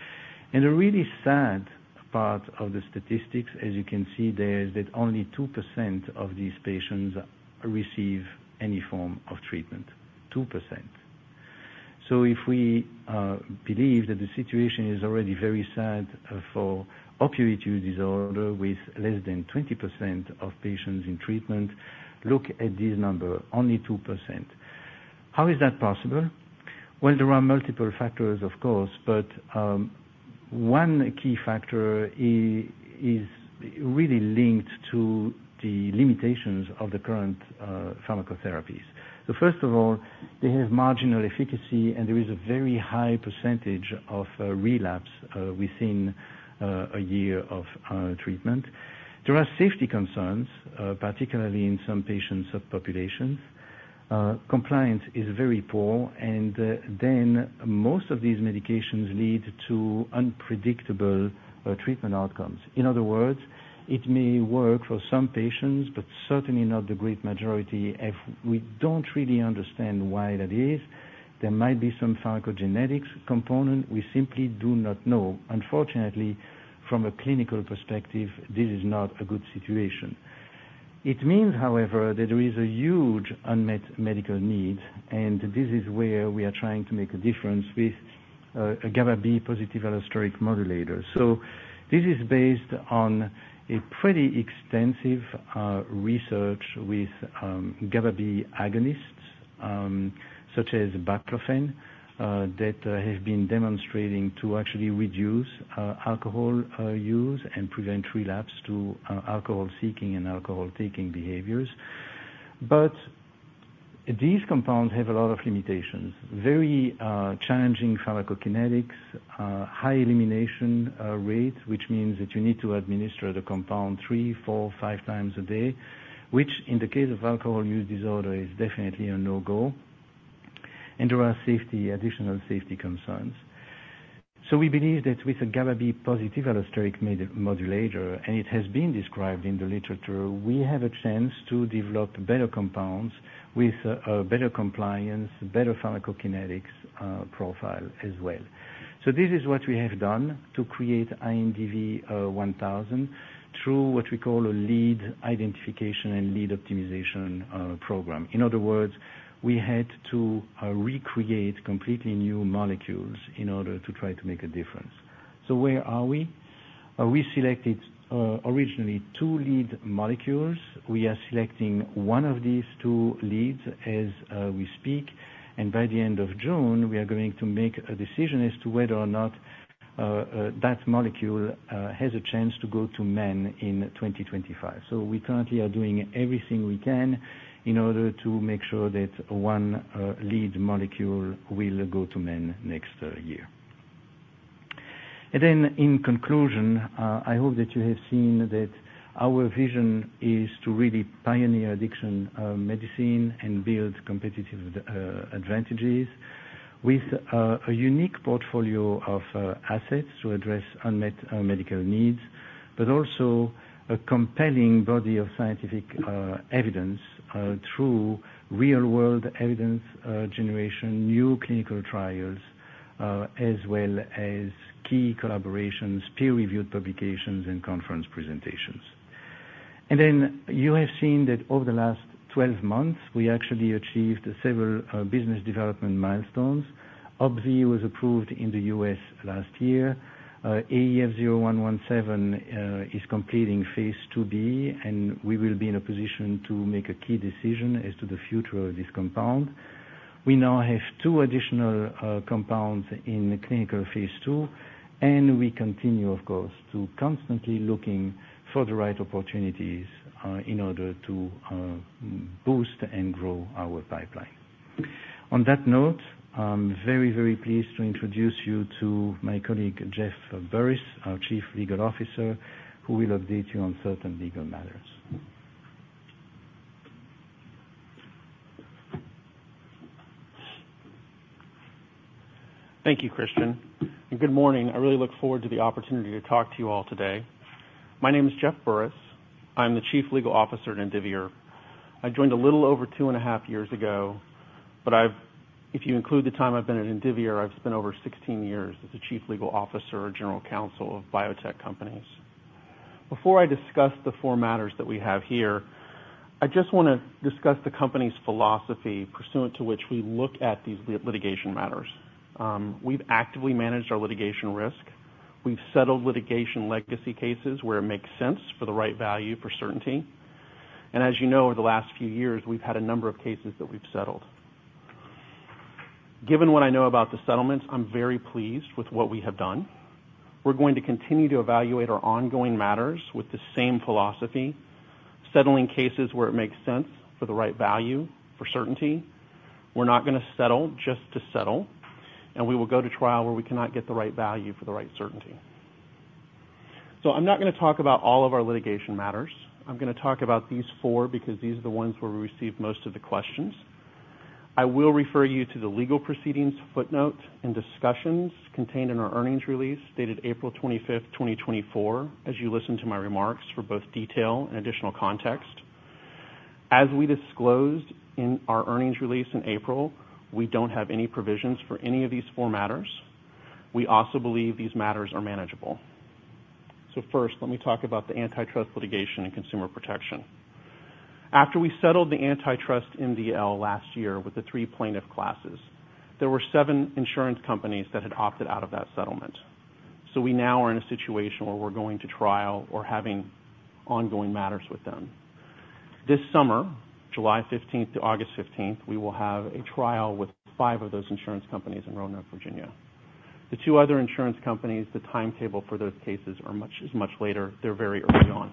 A really sad part of the statistics, as you can see there, is that only 2% of these patients receive any form of treatment. 2%. So if we believe that the situation is already very sad for opioid use disorder, with less than 20% of patients in treatment, look at this number, only 2%. How is that possible? Well, there are multiple factors, of course, but one key factor is really linked to the limitations of the current pharmacotherapies. So first of all, they have marginal efficacy, and there is a very high percentage of relapse within a year of treatment. There are safety concerns, particularly in some patients of populations. Compliance is very poor, and then most of these medications lead to unpredictable treatment outcomes. In other words, it may work for some patients, but certainly not the great majority. If we don't really understand why that is, there might be some pharmacogenetics component. We simply do not know. Unfortunately, from a clinical perspective, this is not a good situation. It means, however, that there is a huge unmet medical need, and this is where we are trying to make a difference with a GABA B positive allosteric modulator. So this is based on a pretty extensive research with GABA B agonists, such as baclofen, that have been demonstrating to actually reduce alcohol use and prevent relapse to alcohol seeking and alcohol taking behaviors. But these compounds have a lot of limitations. Very challenging pharmacokinetics, high elimination rate, which means that you need to administer the compound three, four, five times a day, which, in the case of alcohol use disorder, is definitely a no-go. And there are additional safety concerns. So we believe that with a GABA B positive allosteric modulator, and it has been described in the literature, we have a chance to develop better compounds with better compliance, better pharmacokinetics profile as well. So this is what we have done to create INDV-1000, through what we call a lead identification and lead optimization program. In other words, we had to recreate completely new molecules in order to try to make a difference. So where are we? We selected originally two lead molecules. We are selecting one of these two leads as we speak, and by the end of June, we are going to make a decision as to whether or not that molecule has a chance to go to man in 2025. So we currently are doing everything we can in order to make sure that one lead molecule will go to man next year. In conclusion, I hope that you have seen that our vision is to really pioneer addiction medicine and build competitive advantages with a unique portfolio of assets to address unmet medical needs, but also a compelling body of scientific evidence through real-world evidence generation, new clinical trials, as well as key collaborations, peer-reviewed publications, and conference presentations. Then you have seen that over the last 12 months, we actually achieved several business development milestones. OPVEE was approved in the U.S. last year. AEF0117 is completing phase 2B, and we will be in a position to make a key decision as to the future of this compound. We now have 2 additional compounds in the clinical phase 2, and we continue, of course, to constantly looking for the right opportunities in order to boost and grow our pipeline. On that note, I'm very, very pleased to introduce you to my colleague, Jeff Burris, our Chief Legal Officer, who will update you on certain legal matters. Thank you, Christian, and good morning. I really look forward to the opportunity to talk to you all today. My name is Jeff Burris. I'm the Chief Legal Officer at Indivior. I joined a little over 2.5 years ago, but I've... If you include the time I've been at Indivior, I've spent over 16 years as a chief legal officer or general counsel of biotech companies. Before I discuss the four matters that we have here, I just want to discuss the company's philosophy pursuant to which we look at these litigation matters. We've actively managed our litigation risk. We've settled litigation legacy cases where it makes sense for the right value, for certainty. As you know, over the last few years, we've had a number of cases that we've settled. Given what I know about the settlements, I'm very pleased with what we have done. We're going to continue to evaluate our ongoing matters with the same philosophy, settling cases where it makes sense for the right value, for certainty. We're not going to settle just to settle, and we will go to trial where we cannot get the right value for the right certainty. So I'm not going to talk about all of our litigation matters. I'm going to talk about these four because these are the ones where we receive most of the questions. I will refer you to the legal proceedings, footnote, and discussions contained in our earnings release, dated April 25, 2024, as you listen to my remarks for both detail and additional context. As we disclosed in our earnings release in April, we don't have any provisions for any of these four matters. We also believe these matters are manageable. So first, let me talk about the antitrust litigation and consumer protection. After we settled the antitrust MDL last year with the 3 plaintiff classes, there were 7 insurance companies that had opted out of that settlement. So we now are in a situation where we're going to trial or having ongoing matters with them. This summer, July fifteenth to August fifteenth, we will have a trial with 5 of those insurance companies in Roanoke, Virginia. The 2 other insurance companies, the timetable for those cases is much later. They're very early on.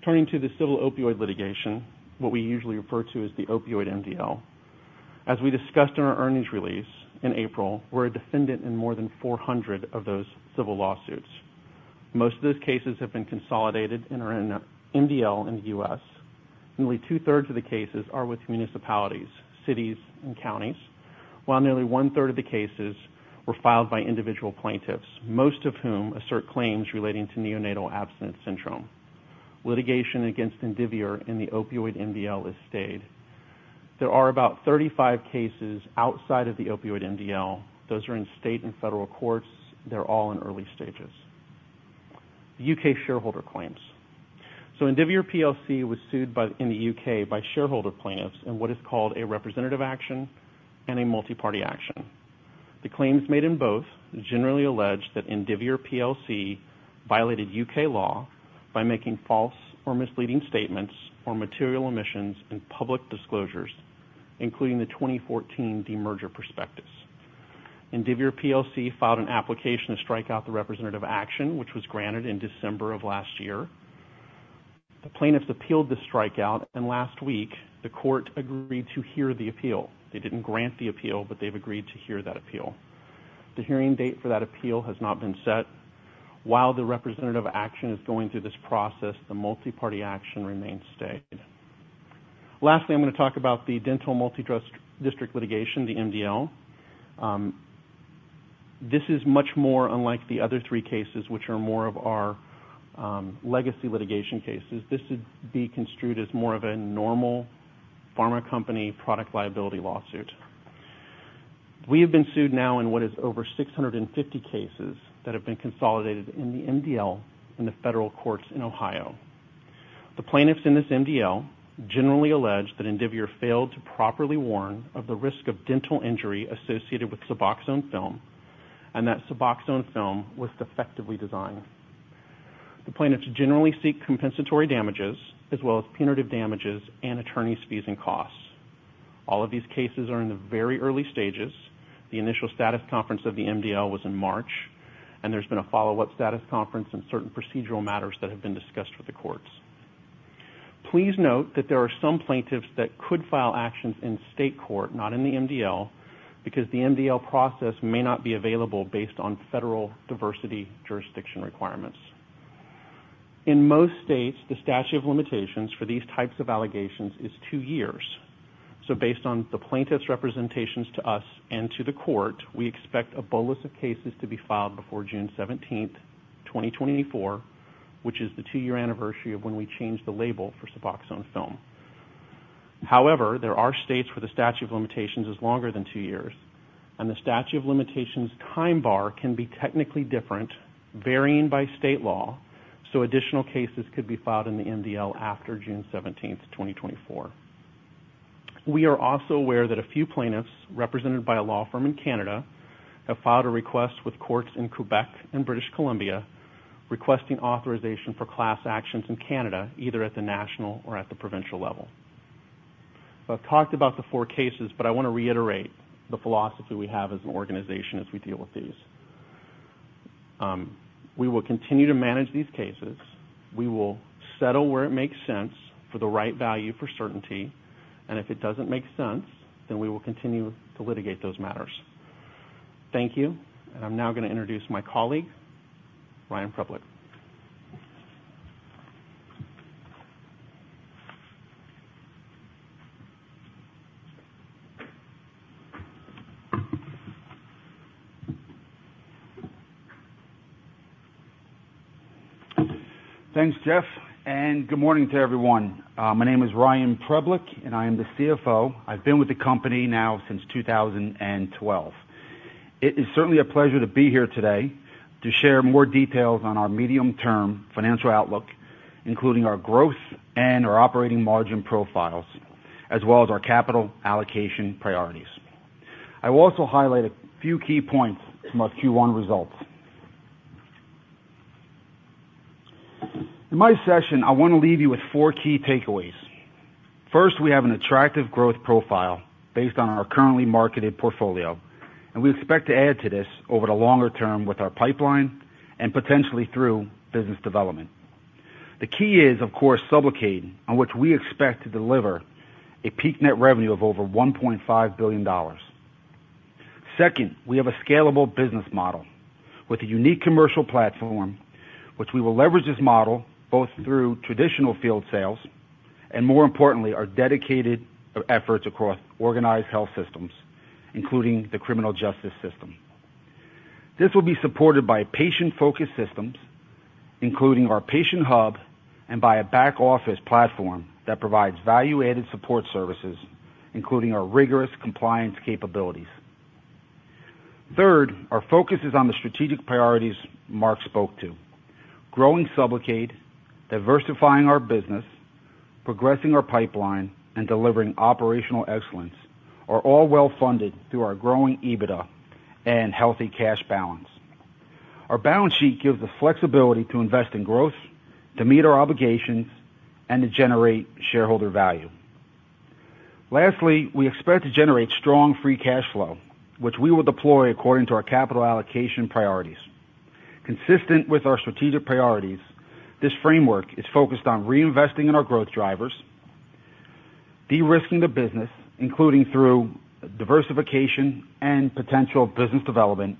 Excuse me. Turning to the civil opioid litigation, what we usually refer to as the opioid MDL. As we discussed in our earnings release in April, we're a defendant in more than 400 of those civil lawsuits. Most of those cases have been consolidated and are in MDL in the U.S. Nearly two-thirds of the cases are with municipalities, cities, and counties, while nearly one-third of the cases were filed by individual plaintiffs, most of whom assert claims relating to Neonatal Abstinence Syndrome. Litigation against Indivior in the opioid MDL is stayed. There are about 35 cases outside of the opioid MDL. Those are in state and federal courts. They're all in early stages. The U.K. shareholder claims. So Indivior PLC was sued by, in the U.K. by shareholder plaintiffs in what is called a representative action and a multi-party action. The claims made in both generally allege that Indivior PLC violated U.K. law by making false or misleading statements or material omissions in public disclosures, including the 2014 demerger prospectus. Indivior PLC filed an application to strike out the representative action, which was granted in December of last year. The plaintiffs appealed the strikeout, and last week, the court agreed to hear the appeal. They didn't grant the appeal, but they've agreed to hear that appeal. The hearing date for that appeal has not been set. While the representative action is going through this process, the multi-party action remains stayed. Lastly, I'm going to talk about the dental multidistrict litigation, the MDL. This is much more unlike the other three cases, which are more of our legacy litigation cases. This would be construed as more of a normal pharma company product liability lawsuit. We have been sued now in what is over 650 cases that have been consolidated in the MDL in the federal courts in Ohio. The plaintiffs in this MDL generally allege that Indivior failed to properly warn of the risk of dental injury associated with SUBOXONE Film and that SUBOXONE Film was defectively designed. The plaintiffs generally seek compensatory damages as well as punitive damages and attorneys' fees and costs. All of these cases are in the very early stages. The initial status conference of the MDL was in March, and there's been a follow-up status conference and certain procedural matters that have been discussed with the courts. Please note that there are some plaintiffs that could file actions in state court, not in the MDL, because the MDL process may not be available based on federal diversity jurisdiction requirements. In most states, the statute of limitations for these types of allegations is two years. So based on the plaintiffs' representations to us and to the court, we expect a bolus of cases to be filed before June 17, 2024, which is the 2-year anniversary of when we changed the label for SUBOXONE Film. However, there are states where the statute of limitations is longer than 2 years, and the statute of limitations time bar can be technically different, varying by state law, so additional cases could be filed in the MDL after June 17, 2024. We are also aware that a few plaintiffs, represented by a law firm in Canada, have filed a request with courts in Quebec and British Columbia, requesting authorization for class actions in Canada, either at the national or at the provincial level. I've talked about the four cases, but I want to reiterate the philosophy we have as an organization as we deal with these. We will continue to manage these cases. We will settle where it makes sense for the right value for certainty, and if it doesn't make sense, then we will continue to litigate those matters. Thank you, and I'm now going to introduce my colleague, Ryan Preblick. Thanks, Jeff, and good morning to everyone. My name is Ryan Preblick, and I am the CFO. I've been with the company now since 2012. It is certainly a pleasure to be here today to share more details on our medium-term financial outlook, including our growth and our operating margin profiles, as well as our capital allocation priorities. I will also highlight a few key points from our Q1 results. In my session, I want to leave you with four key takeaways. First, we have an attractive growth profile based on our currently marketed portfolio, and we expect to add to this over the longer term with our pipeline and potentially through business development. The key is, of course, SUBLOCADE, on which we expect to deliver a peak net revenue of over $1.5 billion. Second, we have a scalable business model with a unique commercial platform, which we will leverage this model both through traditional field sales and, more importantly, our dedicated efforts across organized health systems, including the criminal justice system. This will be supported by patient-focused systems, including our patient hub, and by a back office platform that provides value-added support services, including our rigorous compliance capabilities. Third, our focus is on the strategic priorities Mark spoke to. Growing SUBLOCADE, diversifying our business, progressing our pipeline, and delivering operational excellence are all well-funded through our growing EBITDA and healthy cash balance. Our balance sheet gives the flexibility to invest in growth, to meet our obligations, and to generate shareholder value. Lastly, we expect to generate strong free cash flow, which we will deploy according to our capital allocation priorities. Consistent with our strategic priorities, this framework is focused on reinvesting in our growth drivers, de-risking the business, including through diversification and potential business development,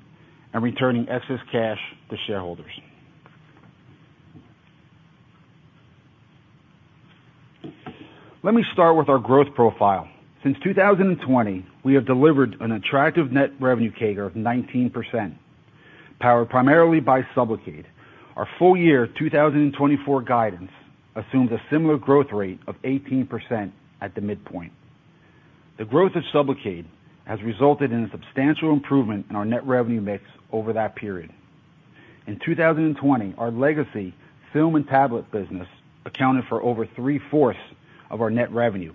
and returning excess cash to shareholders. Let me start with our growth profile. Since 2020, we have delivered an attractive net revenue CAGR of 19%, powered primarily by SUBLOCADE. Our full year 2024 guidance assumes a similar growth rate of 18% at the midpoint. The growth of SUBLOCADE has resulted in a substantial improvement in our net revenue mix over that period. In 2020, our legacy film and tablet business accounted for over 3/4 of our net revenue.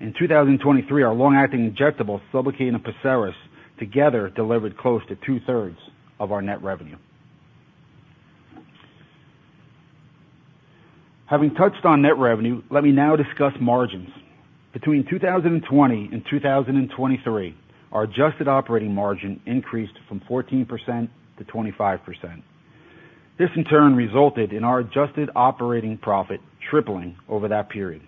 In 2023, our long-acting injectable, SUBLOCADE and PERSERIS, together delivered close to 2/3 of our net revenue. Having touched on net revenue, let me now discuss margins. Between 2020 and 2023, our adjusted operating margin increased from 14% to 25%. This, in turn, resulted in our adjusted operating profit tripling over that period.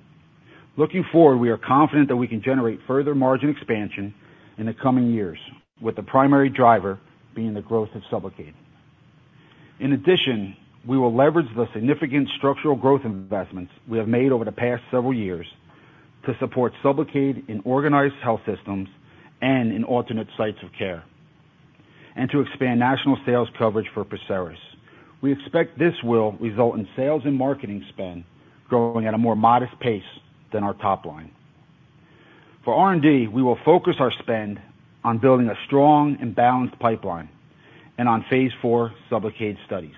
Looking forward, we are confident that we can generate further margin expansion in the coming years, with the primary driver being the growth of SUBLOCADE. In addition, we will leverage the significant structural growth investments we have made over the past several years to support SUBLOCADE in organized health systems and in alternate sites of care, and to expand national sales coverage for PERSERIS. We expect this will result in sales and marketing spend growing at a more modest pace than our top line. For R&D, we will focus our spend on building a strong and balanced pipeline and on phase 4 SUBLOCADE studies.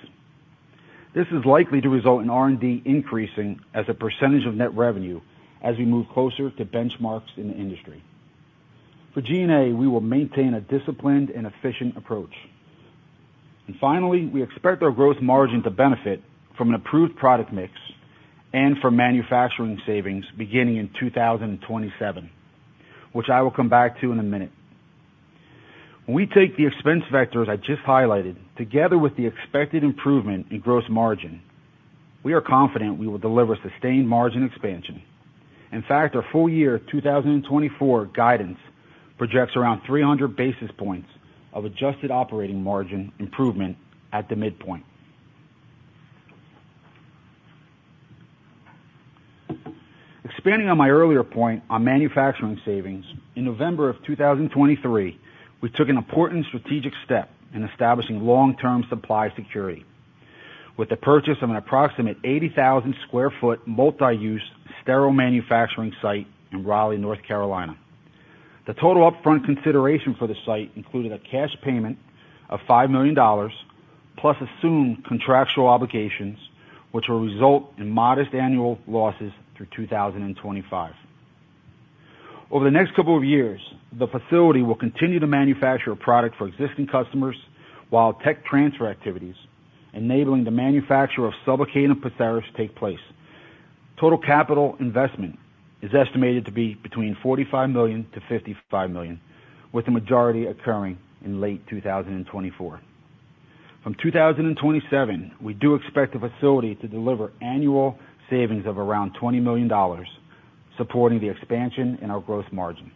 This is likely to result in R&D increasing as a percentage of net revenue as we move closer to benchmarks in the industry. For G&A, we will maintain a disciplined and efficient approach. And finally, we expect our gross margin to benefit from an approved product mix and from manufacturing savings beginning in 2027, which I will come back to in a minute. When we take the expense vectors I just highlighted, together with the expected improvement in gross margin, we are confident we will deliver sustained margin expansion. In fact, our full year 2024 guidance projects around 300 basis points of adjusted operating margin improvement at the midpoint. Expanding on my earlier point on manufacturing savings, in November of 2023, we took an important strategic step in establishing long-term supply security with the purchase of an approximate 80,000 sq ft multi-use sterile manufacturing site in Raleigh, North Carolina. The total upfront consideration for the site included a cash payment of $5 million, plus assumed contractual obligations, which will result in modest annual losses through 2025. Over the next couple of years, the facility will continue to manufacture a product for existing customers, while tech transfer activities enabling the manufacture of SUBLOCADE and PERSERIS take place. Total capital investment is estimated to be between $45 million-$55 million, with the majority occurring in late 2024. From 2027, we do expect the facility to deliver annual savings of around $20 million, supporting the expansion in our growth margin.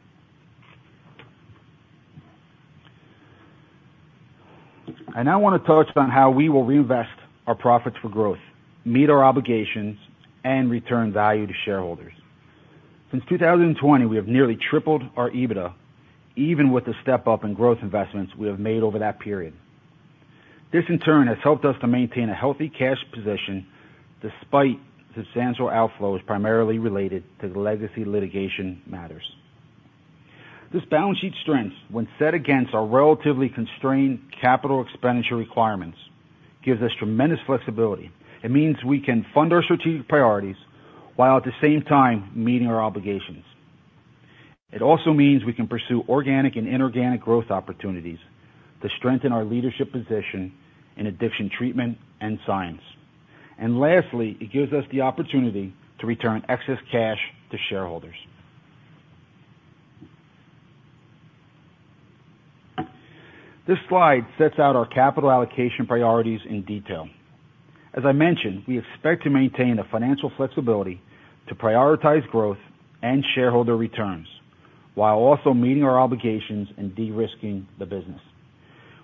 I now want to touch on how we will reinvest our profits for growth, meet our obligations, and return value to shareholders. Since 2020, we have nearly tripled our EBITDA, even with the step-up in growth investments we have made over that period. This, in turn, has helped us to maintain a healthy cash position, despite substantial outflows, primarily related to the legacy litigation matters. This balance sheet strength, when set against our relatively constrained capital expenditure requirements, gives us tremendous flexibility. It means we can fund our strategic priorities while at the same time meeting our obligations. It also means we can pursue organic and inorganic growth opportunities to strengthen our leadership position in addiction treatment and science. Lastly, it gives us the opportunity to return excess cash to shareholders. This slide sets out our capital allocation priorities in detail. As I mentioned, we expect to maintain the financial flexibility to prioritize growth and shareholder returns while also meeting our obligations and de-risking the business.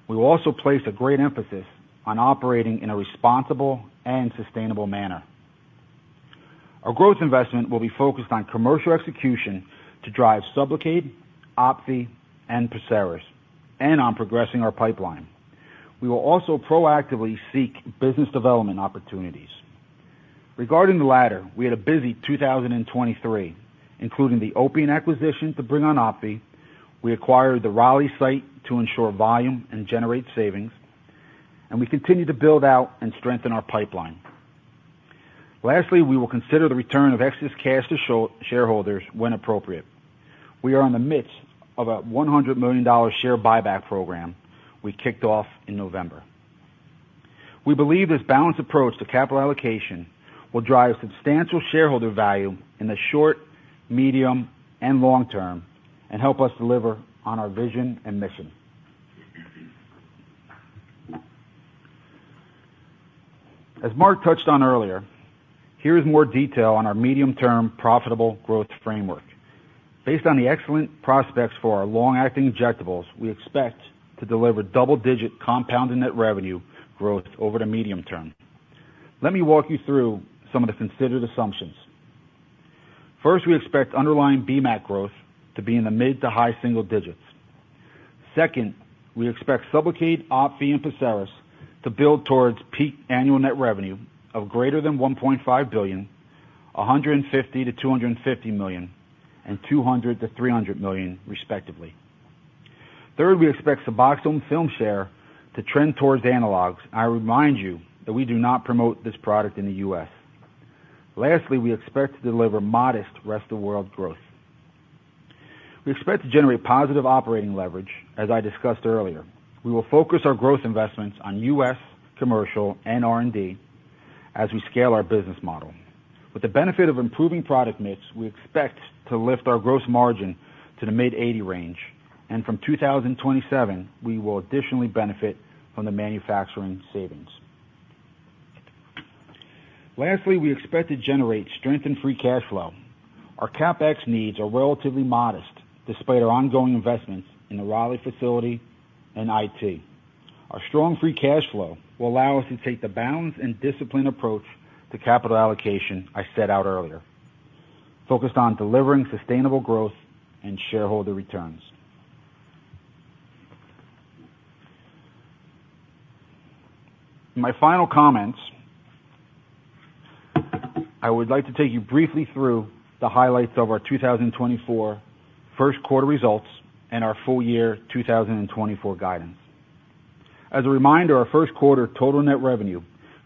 We will also place a great emphasis on operating in a responsible and sustainable manner.... Our growth investment will be focused on commercial execution to drive SUBLOCADE, OPVEE, and PERSERIS, and on progressing our pipeline. We will also proactively seek business development opportunities. Regarding the latter, we had a busy 2023, including the Opiant acquisition to bring on OPVEE. We acquired the Raleigh site to ensure volume and generate savings, and we continue to build out and strengthen our pipeline. Lastly, we will consider the return of excess cash to shareholders when appropriate. We are in the midst of a $100 million share buyback program we kicked off in November. We believe this balanced approach to capital allocation will drive substantial shareholder value in the short, medium, and long term, and help us deliver on our vision and mission. As Mark touched on earlier, here is more detail on our medium-term profitable growth framework. Based on the excellent prospects for our long-acting injectables, we expect to deliver double-digit compounding net revenue growth over the medium term. Let me walk you through some of the considered assumptions. First, we expect underlying BMAT growth to be in the mid to high single digits. Second, we expect SUBLOCADE, OPVEE, and PERSERIS to build towards peak annual net revenue of greater than $1.5 billion, $150-$250 million, and $200-$300 million, respectively. Third, we expect SUBOXONE Film share to trend towards analogs. I remind you that we do not promote this product in the U.S. Lastly, we expect to deliver modest rest-of-world growth. We expect to generate positive operating leverage, as I discussed earlier. We will focus our growth investments on U.S. commercial and R&D as we scale our business model. With the benefit of improving product mix, we expect to lift our gross margin to the mid-eighty range, and from 2027, we will additionally benefit from the manufacturing savings. Lastly, we expect to generate strong free cash flow. Our CapEx needs are relatively modest, despite our ongoing investments in the Raleigh facility and IT. Our strong free cash flow will allow us to take the balanced and disciplined approach to capital allocation I set out earlier, focused on delivering sustainable growth and shareholder returns. In my final comments, I would like to take you briefly through the highlights of our 2024 first quarter results and our full-year 2024 guidance. As a reminder, our first quarter total net revenue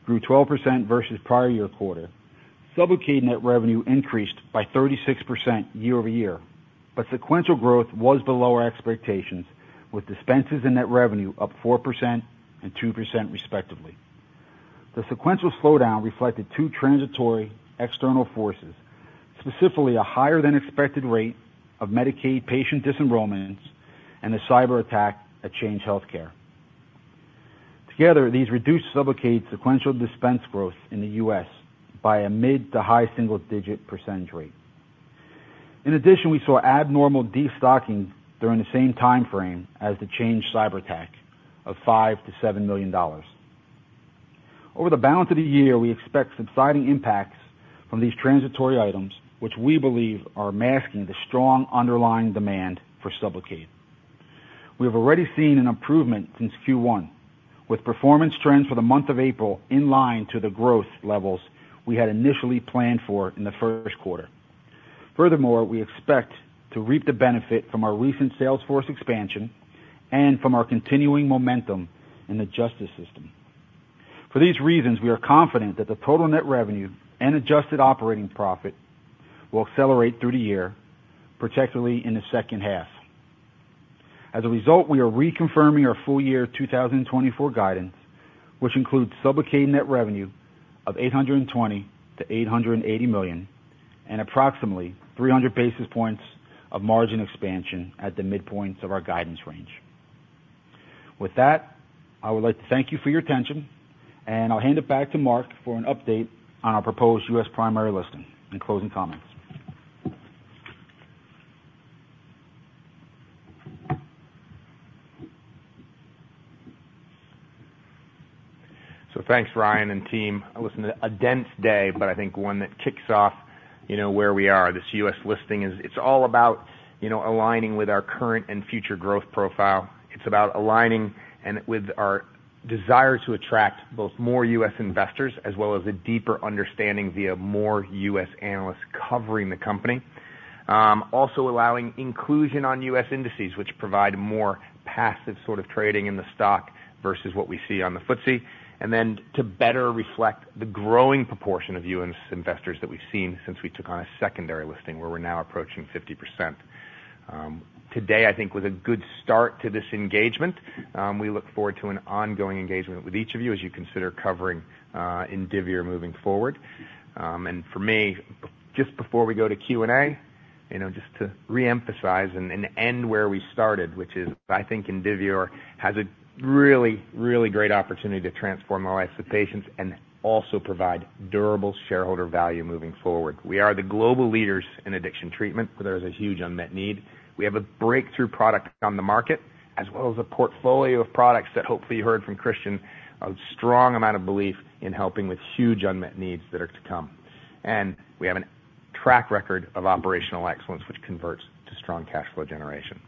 grew 12% versus prior-year quarter. SUBLOCADE net revenue increased by 36% year-over-year, but sequential growth was below our expectations, with dispenses and net revenue up 4% and 2%, respectively. The sequential slowdown reflected two transitory external forces, specifically a higher-than-expected rate of Medicaid patient disenrollments and a cyberattack at Change Healthcare. Together, these reduced SUBLOCADE sequential dispense growth in the U.S. by a mid- to high-single-digit percentage rate. In addition, we saw abnormal destocking during the same time frame as the Change cyberattack of $5 million-$7 million. Over the balance of the year, we expect subsiding impacts from these transitory items, which we believe are masking the strong underlying demand for SUBLOCADE. We have already seen an improvement since Q1, with performance trends for the month of April in line to the growth levels we had initially planned for in the first quarter. Furthermore, we expect to reap the benefit from our recent salesforce expansion and from our continuing momentum in the justice system. For these reasons, we are confident that the total net revenue and adjusted operating profit will accelerate through the year, particularly in the second half. As a result, we are reconfirming our full year 2024 guidance, which includes SUBLOCADE net revenue of $820 million-$880 million, and approximately 300 basis points of margin expansion at the midpoints of our guidance range. With that, I would like to thank you for your attention, and I'll hand it back to Mark for an update on our proposed U.S. primary listing and closing comments. So thanks, Ryan and team. Listen, a dense day, but I think one that kicks off, you know, where we are. This U.S. listing is, it's all about, you know, aligning with our current and future growth profile. It's about aligning and with our desire to attract both more U.S. investors as well as a deeper understanding via more U.S. analysts covering the company. Also allowing inclusion on U.S. indices, which provide a more passive sort of trading in the stock versus what we see on the FTSE. And then to better reflect the growing proportion of U.S. investors that we've seen since we took on a secondary listing, where we're now approaching 50%. Today, I think, was a good start to this engagement. We look forward to an ongoing engagement with each of you as you consider covering Indivior moving forward. For me, just before we go to Q&A, you know, just to reemphasize and end where we started, which is, I think Indivior has a really, really great opportunity to transform the lives of patients and also provide durable shareholder value moving forward. We are the global leaders in addiction treatment, where there is a huge unmet need. We have a breakthrough product on the market, as well as a portfolio of products that hopefully you heard from Christian, a strong amount of belief in helping with huge unmet needs that are to come. And we have a track record of operational excellence, which converts to strong cash flow generation.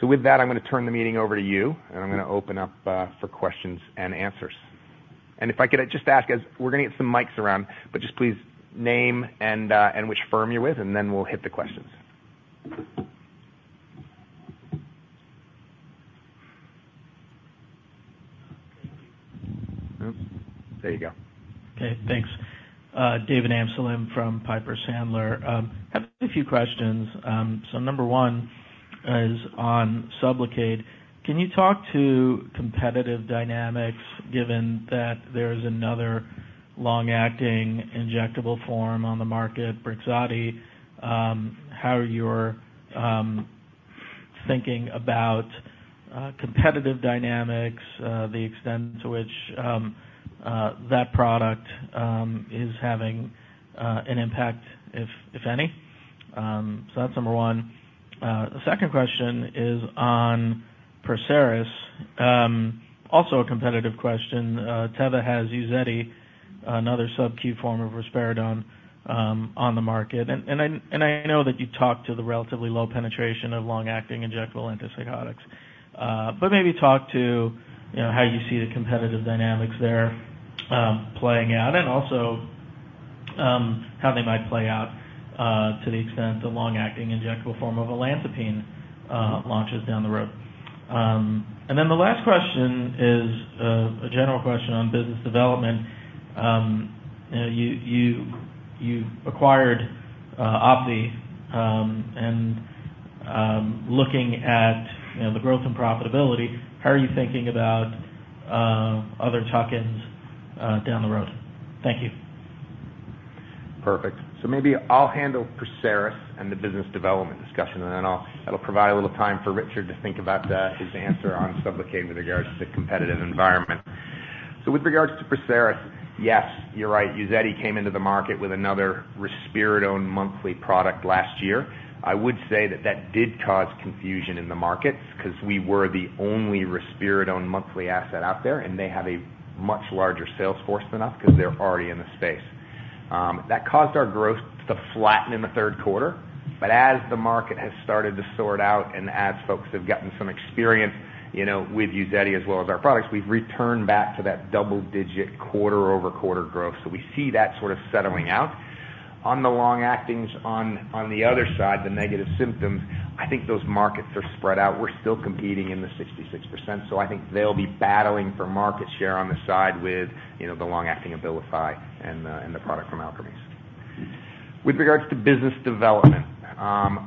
So with that, I'm going to turn the meeting over to you, and I'm going to open up for questions and answers. If I could just ask, as we're going to get some mics around, but just please name and which firm you're with, and then we'll hit the questions. There you go. Okay, thanks. David Amsellem from Piper Sandler. Have a few questions. So number one is on SUBLOCADE. Can you talk to competitive dynamics, given that there's another long-acting injectable form on the market, Brixadi? How you're thinking about competitive dynamics, the extent to which that product is having an impact, if any? So that's number one. The second question is on PERSERIS, also a competitive question. Teva has UZEDI, another subQ form of risperidone, on the market. And I know that you talked to the relatively low penetration of long-acting injectable antipsychotics. Maybe talk to, you know, how you see the competitive dynamics there playing out, and also how they might play out to the extent the long-acting injectable form of olanzapine launches down the road. Then the last question is a general question on business development. You acquired Opiant, and looking at, you know, the growth and profitability, how are you thinking about other tuck-ins down the road? Thank you. Perfect. So maybe I'll handle PERSERIS and the business development discussion, and then I'll—that'll provide a little time for Richard to think about his answer on SUBLOCADE with regards to the competitive environment. So with regards to PERSERIS, yes, you're right. UZEDI came into the market with another risperidone monthly product last year. I would say that that did cause confusion in the markets because we were the only risperidone monthly asset out there, and they have a much larger sales force than us because they're already in the space. That caused our growth to flatten in the third quarter. But as the market has started to sort out and as folks have gotten some experience, you know, with UZEDI as well as our products, we've returned back to that double-digit quarter-over-quarter growth. So we see that sort of settling out. On the long actings on, on the other side, the negative symptoms, I think those markets are spread out. We're still competing in the 66%, so I think they'll be battling for market share on the side with, you know, the long-acting Abilify and the, and the product from Alkermes. With regards to business development,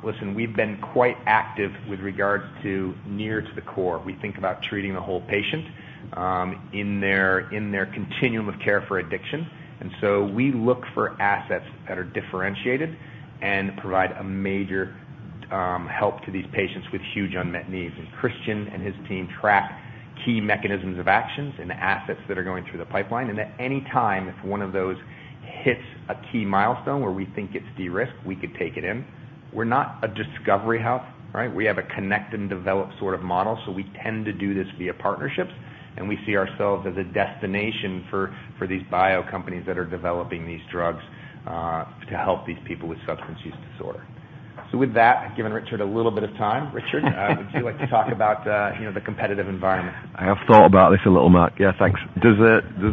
listen, we've been quite active with regards to near to the core. We think about treating the whole patient, in their, in their continuum of care for addiction, and so we look for assets that are differentiated and provide a major help to these patients with huge unmet needs. And Christian and his team track key mechanisms of actions and assets that are going through the pipeline, and at any time, if one of those hits a key milestone where we think it's de-risked, we could take it in. We're not a discovery house, right? We have a connect and develop sort of model, so we tend to do this via partnerships, and we see ourselves as a destination for these bio companies that are developing these drugs to help these people with substance use disorder. So with that, I've given Richard a little bit of time. Richard, would you like to talk about, you know, the competitive environment? I have thought about this a little, Mark. Yeah, thanks. Does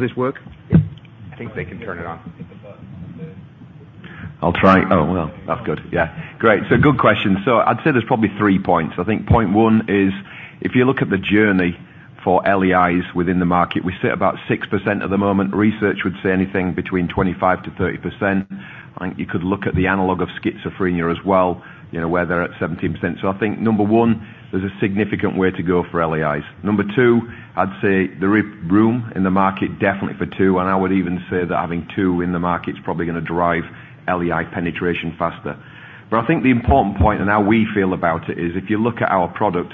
this work? I think they can turn it on. Hit the button on the- I'll try. Oh, well, that's good. Yeah, great. So good question. So I'd say there's probably three points. I think point one is if you look at the journey for LEIs within the market, we sit about 6% at the moment. Research would say anything between 25%-30%. I think you could look at the analog of schizophrenia as well, you know, where they're at 17%. So I think, number one, there's a significant way to go for LEIs. Number two, I'd say there is room in the market definitely for two, and I would even say that having two in the market is probably going to drive LEI penetration faster. But I think the important point and how we feel about it is, if you look at our product,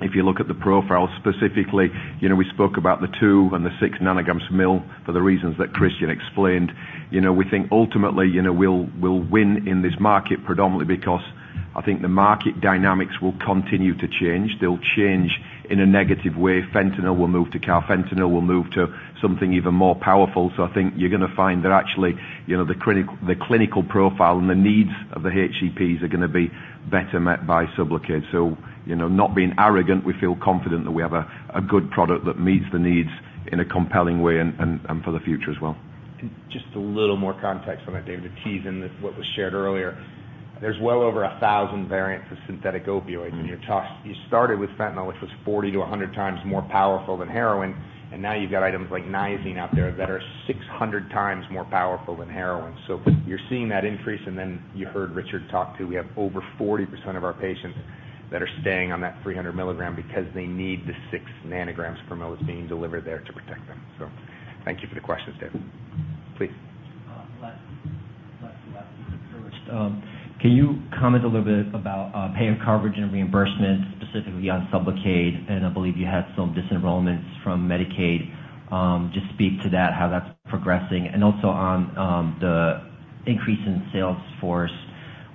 if you look at the profile, specifically, you know, we spoke about the 2 and the 6 ng/mL for the reasons that Christian explained. You know, we think ultimately, you know, we'll, we'll win in this market predominantly because I think the market dynamics will continue to change. They'll change in a negative way. Fentanyl will move to carfentanil, will move to something even more powerful. So I think you're going to find that actually, you know, the clinical profile and the needs of the HEPs are going to be better met by SUBLOCADE. So, you know, not being arrogant, we feel confident that we have a good product that meets the needs in a compelling way and, and, and for the future as well. Just a little more context on that, David, to tease in what was shared earlier. There's well over 1,000 variants of synthetic opioids, and you talk—you started with fentanyl, which was 40-100 times more powerful than heroin, and now you've got items like nitazene out there that are 600 times more powerful than heroin. So you're seeing that increase, and then you heard Richard talk, too. We have over 40% of our patients that are staying on that 300 milligram because they need the 6 nanograms per mL that's being delivered there to protect them. So thank you for the question, David. Please. Last. Can you comment a little bit about payer coverage and reimbursement, specifically on SUBLOCADE? And I believe you had some disenrollments from Medicaid. Just speak to that, how that's progressing. And also on the increase in sales force,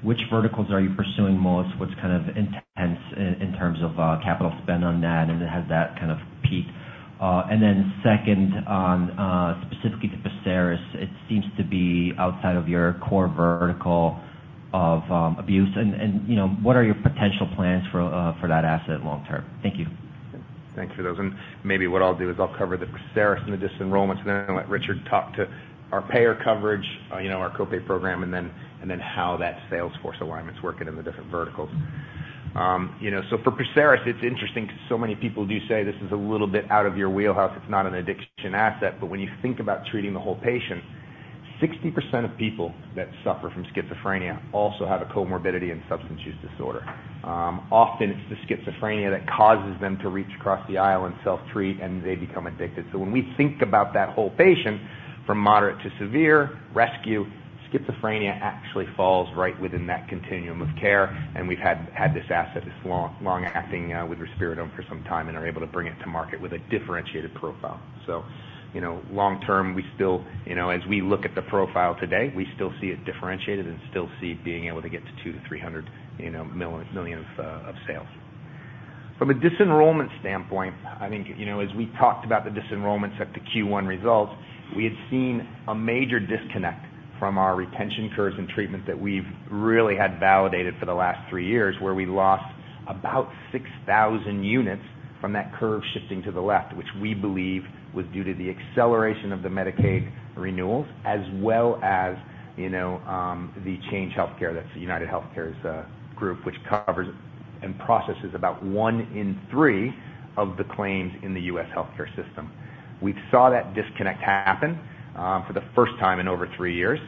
which verticals are you pursuing most? What's kind of intense in terms of capital spend on that, and has that kind of peaked? And then second, on specifically to PERSERIS, it seems to be outside of your core vertical of abuse. And you know, what are your potential plans for that asset long term? Thank you. Thanks for those. And maybe what I'll do is I'll cover the PERSERIS and the disenrollments, and then I'll let Richard talk to our payer coverage, you know, our co-pay program, and then how that sales force alignment's working in the different verticals. You know, so for PERSERIS, it's interesting because so many people do say this is a little bit out of your wheelhouse. It's not an addiction asset. But when you think about treating the whole patient, 60% of people that suffer from schizophrenia also have a comorbidity and substance use disorder. Often it's the schizophrenia that causes them to reach across the aisle and self-treat, and they become addicted. So when we think about that whole patient, from moderate to severe, rescue, schizophrenia actually falls right within that continuum of care, and we've had this asset, this long-acting with risperidone for some time, and are able to bring it to market with a differentiated profile. So, you know, long term, we still... You know, as we look at the profile today, we still see it differentiated and still see being able to get to $200 million-$300 million of sales. From a disenrollment standpoint, I think, you know, as we talked about the disenrollments at the Q1 results, we had seen a major disconnect from our retention curves and treatment that we've really had validated for the last three years, where we lost about 6,000 units from that curve shifting to the left, which we believe was due to the acceleration of the Medicaid renewals as well as, you know, the Change Healthcare, that's UnitedHealthcare's group, which covers and processes about one in three of the claims in the U.S. healthcare system. We saw that disconnect happen for the first time in over three years.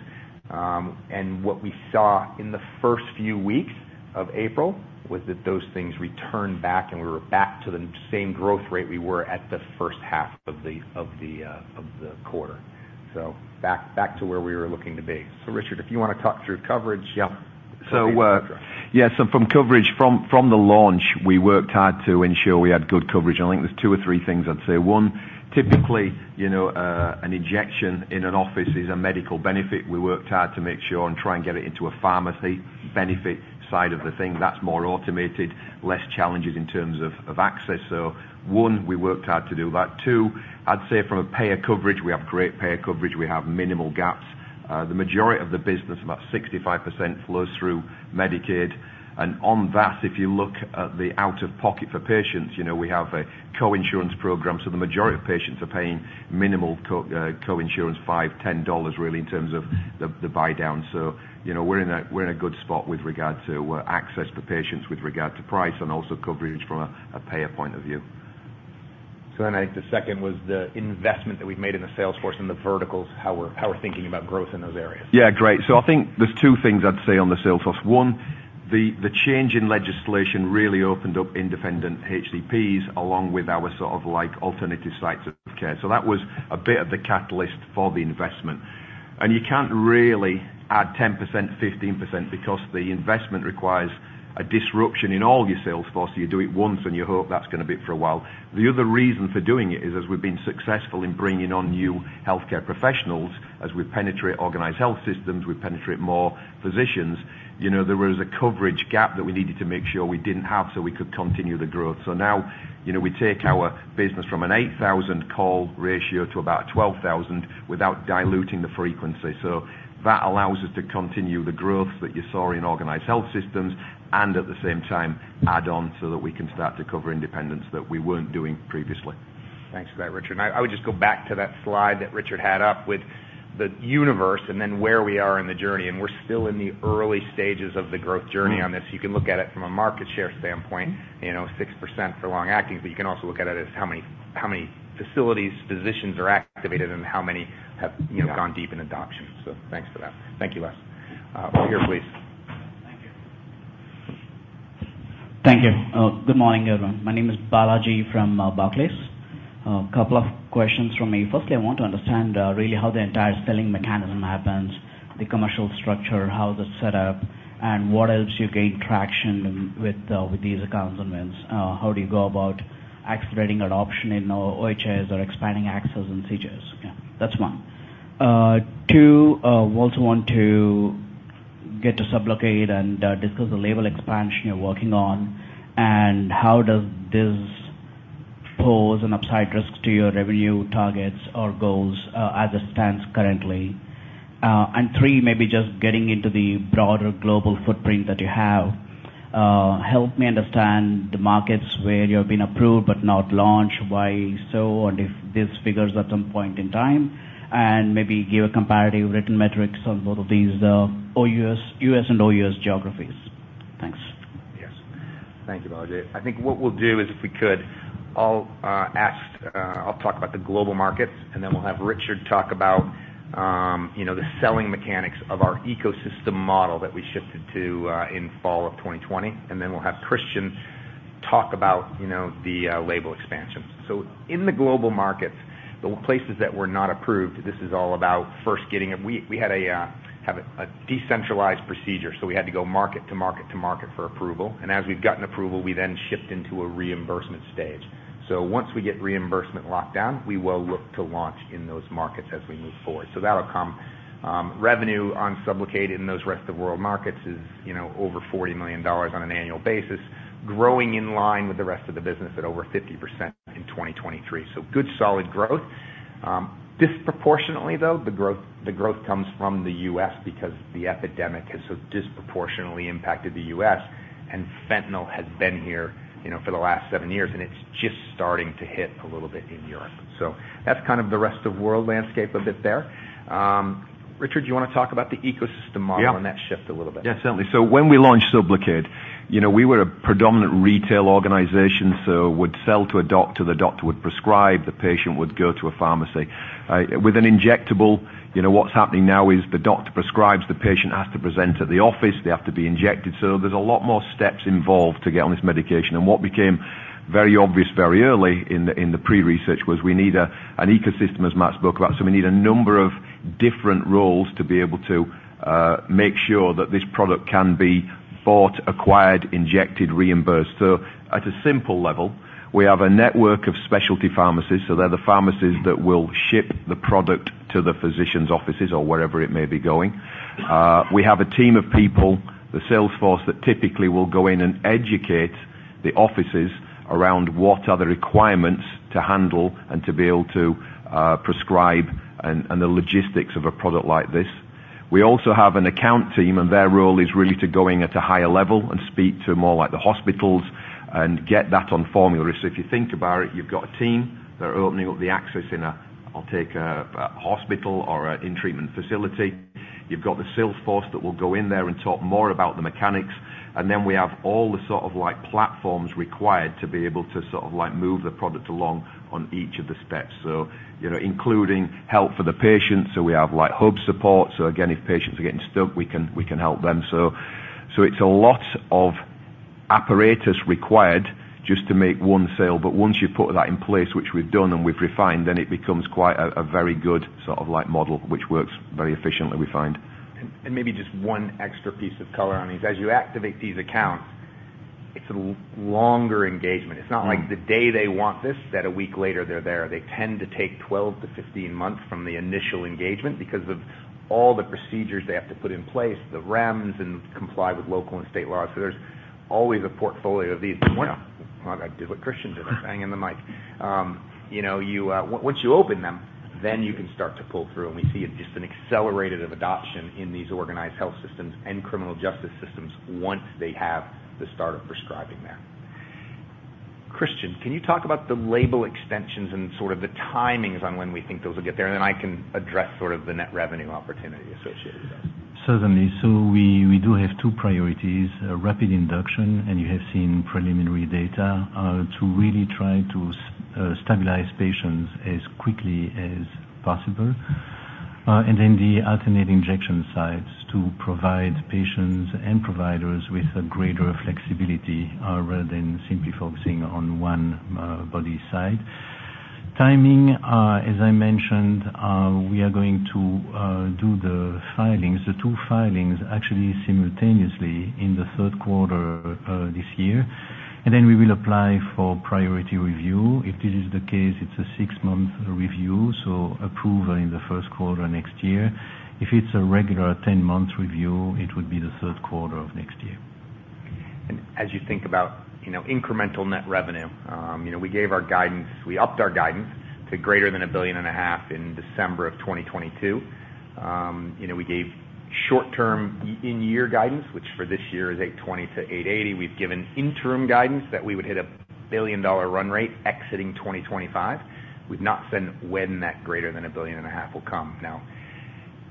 What we saw in the first few weeks of April was that those things returned back, and we were back to the same growth rate we were at the first half of the quarter. So back, back to where we were looking to be. So, Richard, if you wanna talk through coverage. Yeah. So, yeah, so from coverage—from the launch, we worked hard to ensure we had good coverage. I think there's 2 or 3 things I'd say. 1, typically, you know, an injection in an office is a medical benefit. We worked hard to make sure and try and get it into a pharmacy benefit side of the thing. That's more automated, less challenges in terms of access. So 1, we worked hard to do that. 2, I'd say from a payer coverage, we have great payer coverage. We have minimal gaps. The majority of the business, about 65%, flows through Medicaid. And on that, if you look at the out-of-pocket for patients, you know, we have a co-insurance program, so the majority of patients are paying minimal co-insurance, $5, $10, really, in terms of the buy down. You know, we're in a good spot with regard to access to patients with regard to price and also coverage from a payer point of view. So then I think the second was the investment that we've made in the sales force and the verticals, how we're, how we're thinking about growth in those areas. Yeah, great. So I think there's two things I'd say on the sales force. One, the change in legislation really opened up independent HCPs, along with our sort of, like, alternative sites of care. So that was a bit of the catalyst for the investment. And you can't really add 10%, 15%, because the investment requires a disruption in all your sales force. So you do it once, and you hope that's going to be it for a while. The other reason for doing it is, as we've been successful in bringing on new healthcare professionals, as we penetrate organized health systems, we penetrate more physicians, you know, there was a coverage gap that we needed to make sure we didn't have, so we could continue the growth. Now, you know, we take our business from an 8,000 call ratio to about 12,000 without diluting the frequency. That allows us to continue the growth that you saw in organized health systems and at the same time, add on so that we can start to cover independents that we weren't doing previously. Thanks for that, Richard. I would just go back to that slide that Richard had up with the universe and then where we are in the journey, and we're still in the early stages of the growth journey on this. You can look at it from a market share standpoint, you know, 6% for long acting, but you can also look at it as how many facilities, physicians are activated and how many have, you know- Yeah... gone deep in adoption. Thanks for that. Thank you, Wes. Here, please. Thank you. Thank you. Good morning, everyone. My name is Balaji from Barclays. Couple of questions from me. Firstly, I want to understand really how the entire selling mechanism happens, the commercial structure, how it's set up, and what helps you gain traction with with these accounts, and then how do you go about accelerating adoption in OHS or expanding access in CJS? Yeah, that's one. Two, we also want to get to SUBLOCADE and discuss the label expansion you're working on, and how does this pose an upside risk to your revenue targets or goals as it stands currently? And three, maybe just getting into the broader global footprint that you have, help me understand the markets where you have been approved but not launched, why so, and if these figures at some point in time, and maybe give a comparative written metrics on both of these, OUS—US and OUS geographies. Thanks. Yes. Thank you, Balaji. I think what we'll do is, if we could, I'll talk about the global markets, and then we'll have Richard talk about, you know, the selling mechanics of our ecosystem model that we shifted to, in fall of 2020, and then we'll have Christian talk about, you know, the label expansions. So in the global markets, the places that were not approved, this is all about first getting a decentralized procedure, so we had to go market to market to market for approval, and as we've gotten approval, we then shift into a reimbursement stage. So once we get reimbursement locked down, we will look to launch in those markets as we move forward. So that'll come. Revenue on SUBLOCADE in those rest of the world markets is, you know, over $40 million on an annual basis, growing in line with the rest of the business at over 50% in 2023. So good, solid growth. Disproportionately, though, the growth, the growth comes from the US because the epidemic has so disproportionately impacted the US, and fentanyl has been here, you know, for the last seven years, and it's just starting to hit a little bit in Europe. So that's kind of the rest of world landscape a bit there. Richard, do you want to talk about the ecosystem model- Yeah. and that shift a little bit? Yeah, certainly. So when we launched SUBLOCADE, you know, we were a predominant retail organization, so would sell to a doctor, the doctor would prescribe, the patient would go to a pharmacy. With an injectable, you know, what's happening now is the doctor prescribes, the patient has to present at the office, they have to be injected. So there's a lot more steps involved to get on this medication. And what became very obvious very early in the pre-research was we need an ecosystem, as Matt spoke about. So we need a number of different roles to be able to make sure that this product can be bought, acquired, injected, reimbursed. So at a simple level, we have a network of specialty pharmacies, so they're the pharmacies that will ship the product to the physician's offices or wherever it may be going. We have a team of people, the sales force, that typically will go in and educate the offices around what are the requirements to handle and to be able to prescribe and the logistics of a product like this. We also have an account team, and their role is really to go in at a higher level and speak to more like the hospitals and get that on formulary. So if you think about it, you've got a team that are opening up the access in a, I'll take a, a hospital or a in-treatment facility. You've got the sales force that will go in there and talk more about the mechanics. And then we have all the sort of like platforms required to be able to sort of, like, move the product along on each of the steps. So, you know, including help for the patients, so we have, like, hub support. So again, if patients are getting stuck, we can help them. So, it's a lot of apparatus required just to make one sale, but once you put that in place, which we've done and we've refined, then it becomes quite a very good sort of like model, which works very efficiently, we find. And maybe just one extra piece of color on these. As you activate these accounts, it's a longer engagement. Mm-hmm. It's not like the day they want this, that a week later, they're there. They tend to take 12-15 months from the initial engagement because of all the procedures they have to put in place, the REMS and comply with local and state laws. So there's always a portfolio of these. Well, I did what Christian did, bang in the mic. You know, you... Once you open them, then you can start to pull through, and we see it just an accelerated of adoption in these organized health systems and criminal justice systems once they have the start of prescribing them. Christian, can you talk about the label extensions and sort of the timings on when we think those will get there? And then I can address sort of the net revenue opportunity associated with that. Certainly. So we do have two priorities, a rapid induction, and you have seen preliminary data to really try to stabilize patients as quickly as possible. And then the alternate injection sites to provide patients and providers with a greater flexibility rather than simply focusing on one body site. Timing, as I mentioned, we are going to do the filings, the two filings, actually simultaneously in the third quarter this year, and then we will apply for priority review. If this is the case, it's a six-month review, so approval in the first quarter next year. If it's a regular 10-month review, it would be the third quarter of next year. And as you think about, you know, incremental net revenue, you know, we gave our guidance. We upped our guidance to greater than $1.5 billion in December 2022. You know, we gave short-term in-year guidance, which for this year is $820 million-$880 million. We've given interim guidance that we would hit a $1 billion run rate exiting 2025. We've not said when that greater than $1.5 billion will come. Now,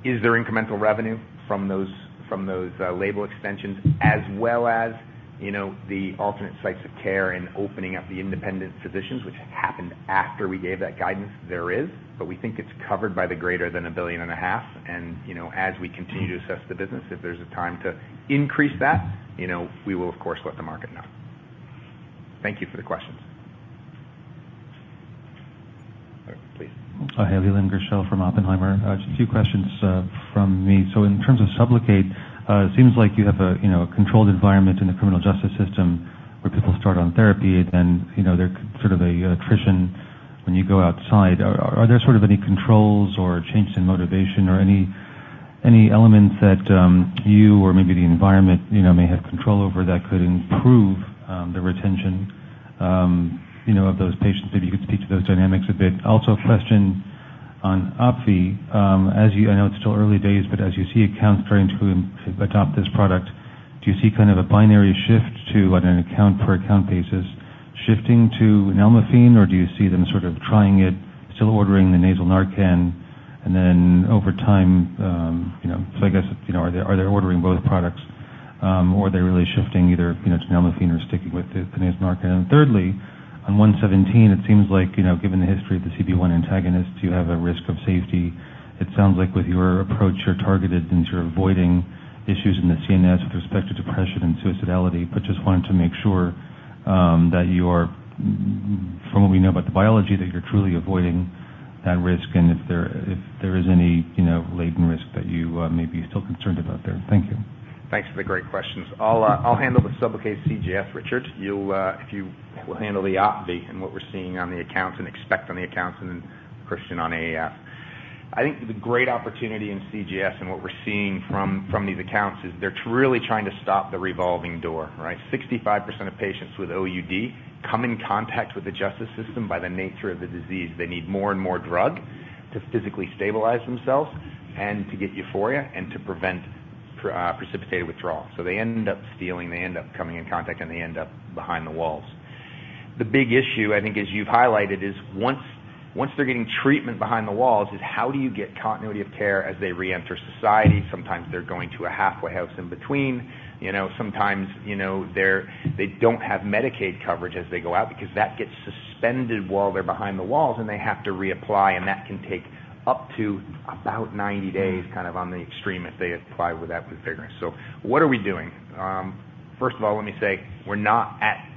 is there incremental revenue from those, from those, label extensions, as well as, you know, the alternate sites of care and opening up the independent physicians, which happened after we gave that guidance? There is, but we think it's covered by the greater than $1.5 billion. You know, as we continue to assess the business, if there's a time to increase that, you know, we will, of course, let the market know. Thank you for the questions. Please. Hi, Leland Gershell from Oppenheimer. Just two questions from me. So in terms of SUBLOCADE, it seems like you have a, you know, a controlled environment in the criminal justice system where people start on therapy and, you know, there's sort of a attrition when you go outside. Are, are there sort of any controls or changes in motivation or any, any elements that, you or maybe the environment, you know, may have control over that could improve, the retention, you know, of those patients? Maybe you could speak to those dynamics a bit. Also, a question on OPVEE, as you... I know it's still early days, but as you see accounts starting to adopt this product, do you see kind of a binary shift to, on an account-per-account basis, shifting to Nalmefene, or do you see them sort of trying it, still ordering the nasal Narcan, and then over time, you know? So I guess, you know, are they, are they ordering both products, or are they really shifting either, you know, to Nalmefene or sticking with the, the nasal Narcan? And thirdly, on one seventeen, it seems like, you know, given the history of the CB1 antagonists, you have a risk of safety. It sounds like with your approach, you're targeted into avoiding issues in the CNS with respect to depression and suicidality, but just wanted to make sure that you're, from what we know about the biology, that you're truly avoiding that risk, and if there is any, you know, latent risk that you may be still concerned about there. Thank you. Thanks for the great questions. I'll, I'll handle the SUBLOCADE CJS. Richard, you'll, if you will handle the OPVEE and what we're seeing on the accounts and expect on the accounts, and Christian on AF. I think the great opportunity in CJS and what we're seeing from these accounts is they're really trying to stop the revolving door, right? 65% of patients with OUD come in contact with the justice system by the nature of the disease. They need more and more drug to physically stabilize themselves and to get euphoria and to prevent precipitated withdrawal. So they end up stealing, they end up coming in contact, and they end up behind the walls. The big issue, I think, as you've highlighted, is once they're getting treatment behind the walls, is how do you get continuity of care as they reenter society? Sometimes they're going to a halfway house in between, you know, sometimes, you know, they're—they don't have Medicaid coverage as they go out because that gets suspended while they're behind the walls, and they have to reapply, and that can take up to about 90 days, kind of on the extreme, if they apply with that figure. So what are we doing? First of all, let me say, we're not at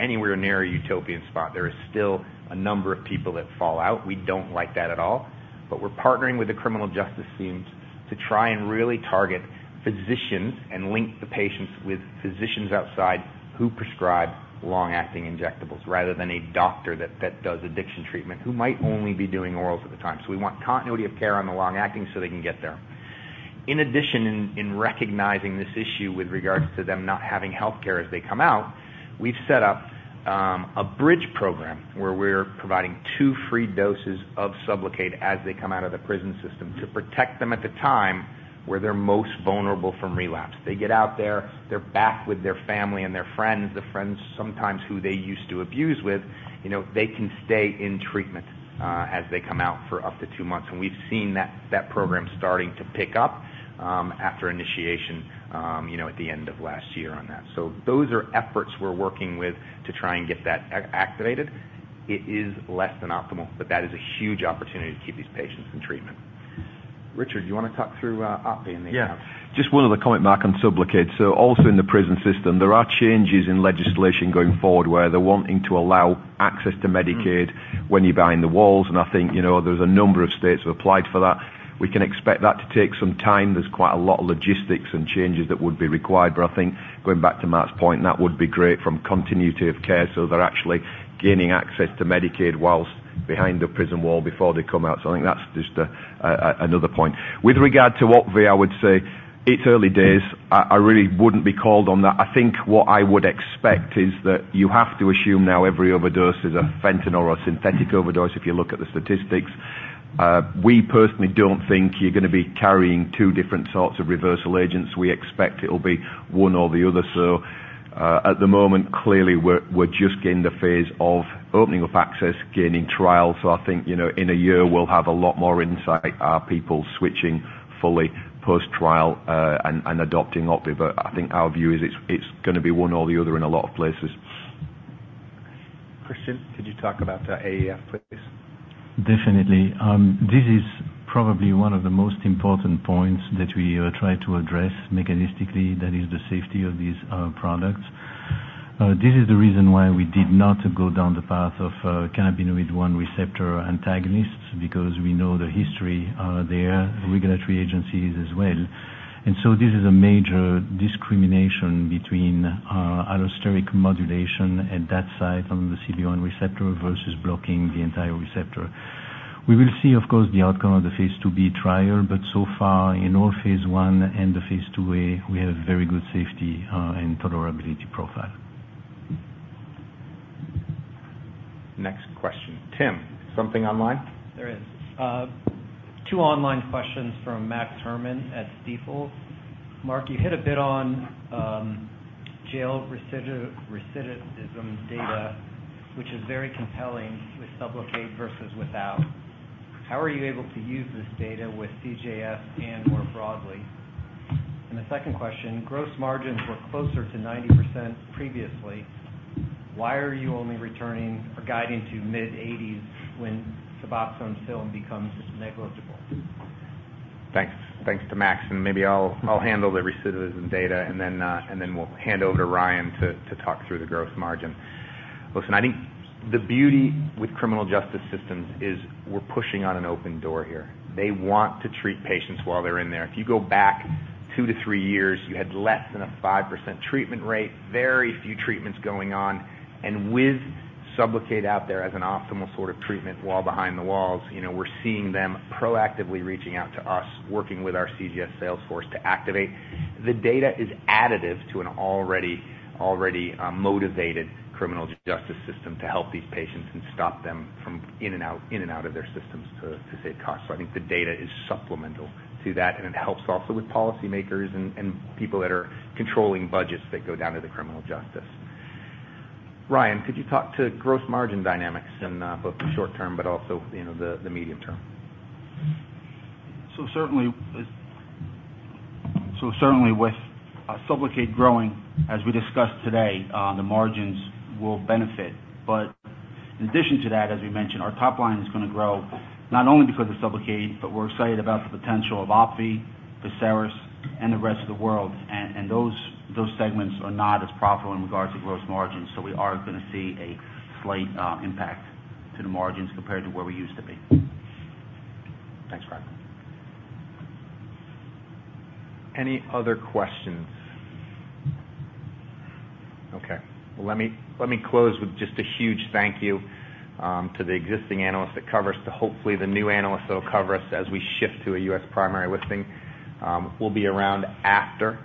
anywhere near a utopian spot. There is still a number of people that fall out. We don't like that at all, but we're partnering with the criminal justice teams to try and really target physicians and link the patients with physicians outside who prescribe long-acting injectables rather than a doctor that does addiction treatment, who might only be doing orals at the time. So we want continuity of care on the long-acting so they can get there. In addition, in recognizing this issue with regards to them not having healthcare as they come out, we've set up a bridge program where we're providing two free doses of SUBLOCADE as they come out of the prison system to protect them at the time where they're most vulnerable from relapse. They get out there, they're back with their family and their friends, the friends sometimes who they used to abuse with, you know, they can stay in treatment as they come out for up to two months. And we've seen that program starting to pick up after initiation, you know, at the end of last year on that. So those are efforts we're working with to try and get that activated. It is less than optimal, but that is a huge opportunity to keep these patients in treatment. Richard, do you want to talk through OPVEE in the account? Yeah. Just one other comment, Mark, on SUBLOCADE. So also in the prison system, there are changes in legislation going forward, where they're wanting to allow access to Medicaid when you're behind the walls. And I think, you know, there's a number of states who applied for that. We can expect that to take some time. There's quite a lot of logistics and changes that would be required, but I think going back to Mark's point, that would be great from continuity of care, so they're actually gaining access to Medicaid whilst behind the prison wall before they come out. So I think that's just another point. With regard to OPVEE, I would say it's early days. I really wouldn't be called on that. I think what I would expect is that you have to assume now every overdose is a fentanyl or a synthetic overdose, if you look at the statistics. We personally don't think you're gonna be carrying two different sorts of reversal agents. We expect it'll be one or the other. So, at the moment, clearly, we're just in the phase of opening up access, gaining trial. So I think, you know, in a year, we'll have a lot more insight. Are people switching fully post-trial and adopting OPVEE? But I think our view is it's gonna be one or the other in a lot of places. Christian, could you talk about the AEF, please? Definitely. This is probably one of the most important points that we try to address mechanistically, that is the safety of these products. This is the reason why we did not go down the path of cannabinoid 1 receptor antagonists, because we know the history there, regulatory agencies as well. And so this is a major discrimination between allosteric modulation at that site on the CB1 receptor versus blocking the entire receptor. We will see, of course, the outcome of the phase 2B trial, but so far, in all phase 1 and the phase 2A, we have a very good safety and tolerability profile. Next question. Tim, something online? There is. Two online questions from Max Herrmann at Stifel. Mark, you hit a bit on jail recidivism data, which is very compelling with SUBLOCADE versus without. How are you able to use this data with CJS and more broadly? And the second question, gross margins were closer to 90% previously. Why are you only returning or guiding to mid-80s% when SUBOXONE Film becomes negligible? Thanks. Thanks to Max, and maybe I'll handle the recidivism data, and then, and then we'll hand over to Ryan to talk through the gross margin. Listen, I think the beauty with criminal justice systems is we're pushing on an open door here. They want to treat patients while they're in there. If you go back two to three years, you had less than a 5% treatment rate, very few treatments going on. And with SUBLOCADE out there as an optimal sort of treatment while behind the walls, you know, we're seeing them proactively reaching out to us, working with our CJS sales force to activate. The data is additive to an already motivated criminal justice system to help these patients and stop them from in and out, in and out of their systems to save costs. So I think the data is supplemental to that, and it helps also with policymakers and people that are controlling budgets that go down to the criminal justice. Ryan, could you talk to gross margin dynamics in both the short term, but also, you know, the medium term? So certainly with SUBLOCADE growing, as we discussed today, the margins will benefit. But in addition to that, as we mentioned, our top line is gonna grow not only because of SUBLOCADE, but we're excited about the potential of OPVEE, PERSERIS, and the rest of the world. And those segments are not as profitable in regards to gross margins, so we are gonna see a slight impact to the margins compared to where we used to be. Thanks, Ryan. Any other questions? Okay, well, let me close with just a huge thank you to the existing analysts that cover us, to hopefully the new analysts that will cover us as we shift to a U.S. primary listing. We'll be around after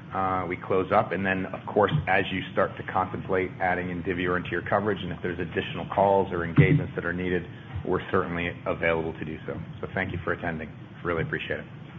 we close up, and then, of course, as you start to contemplate adding Indivior into your coverage, and if there's additional calls or engagements that are needed, we're certainly available to do so. So thank you for attending. Really appreciate it.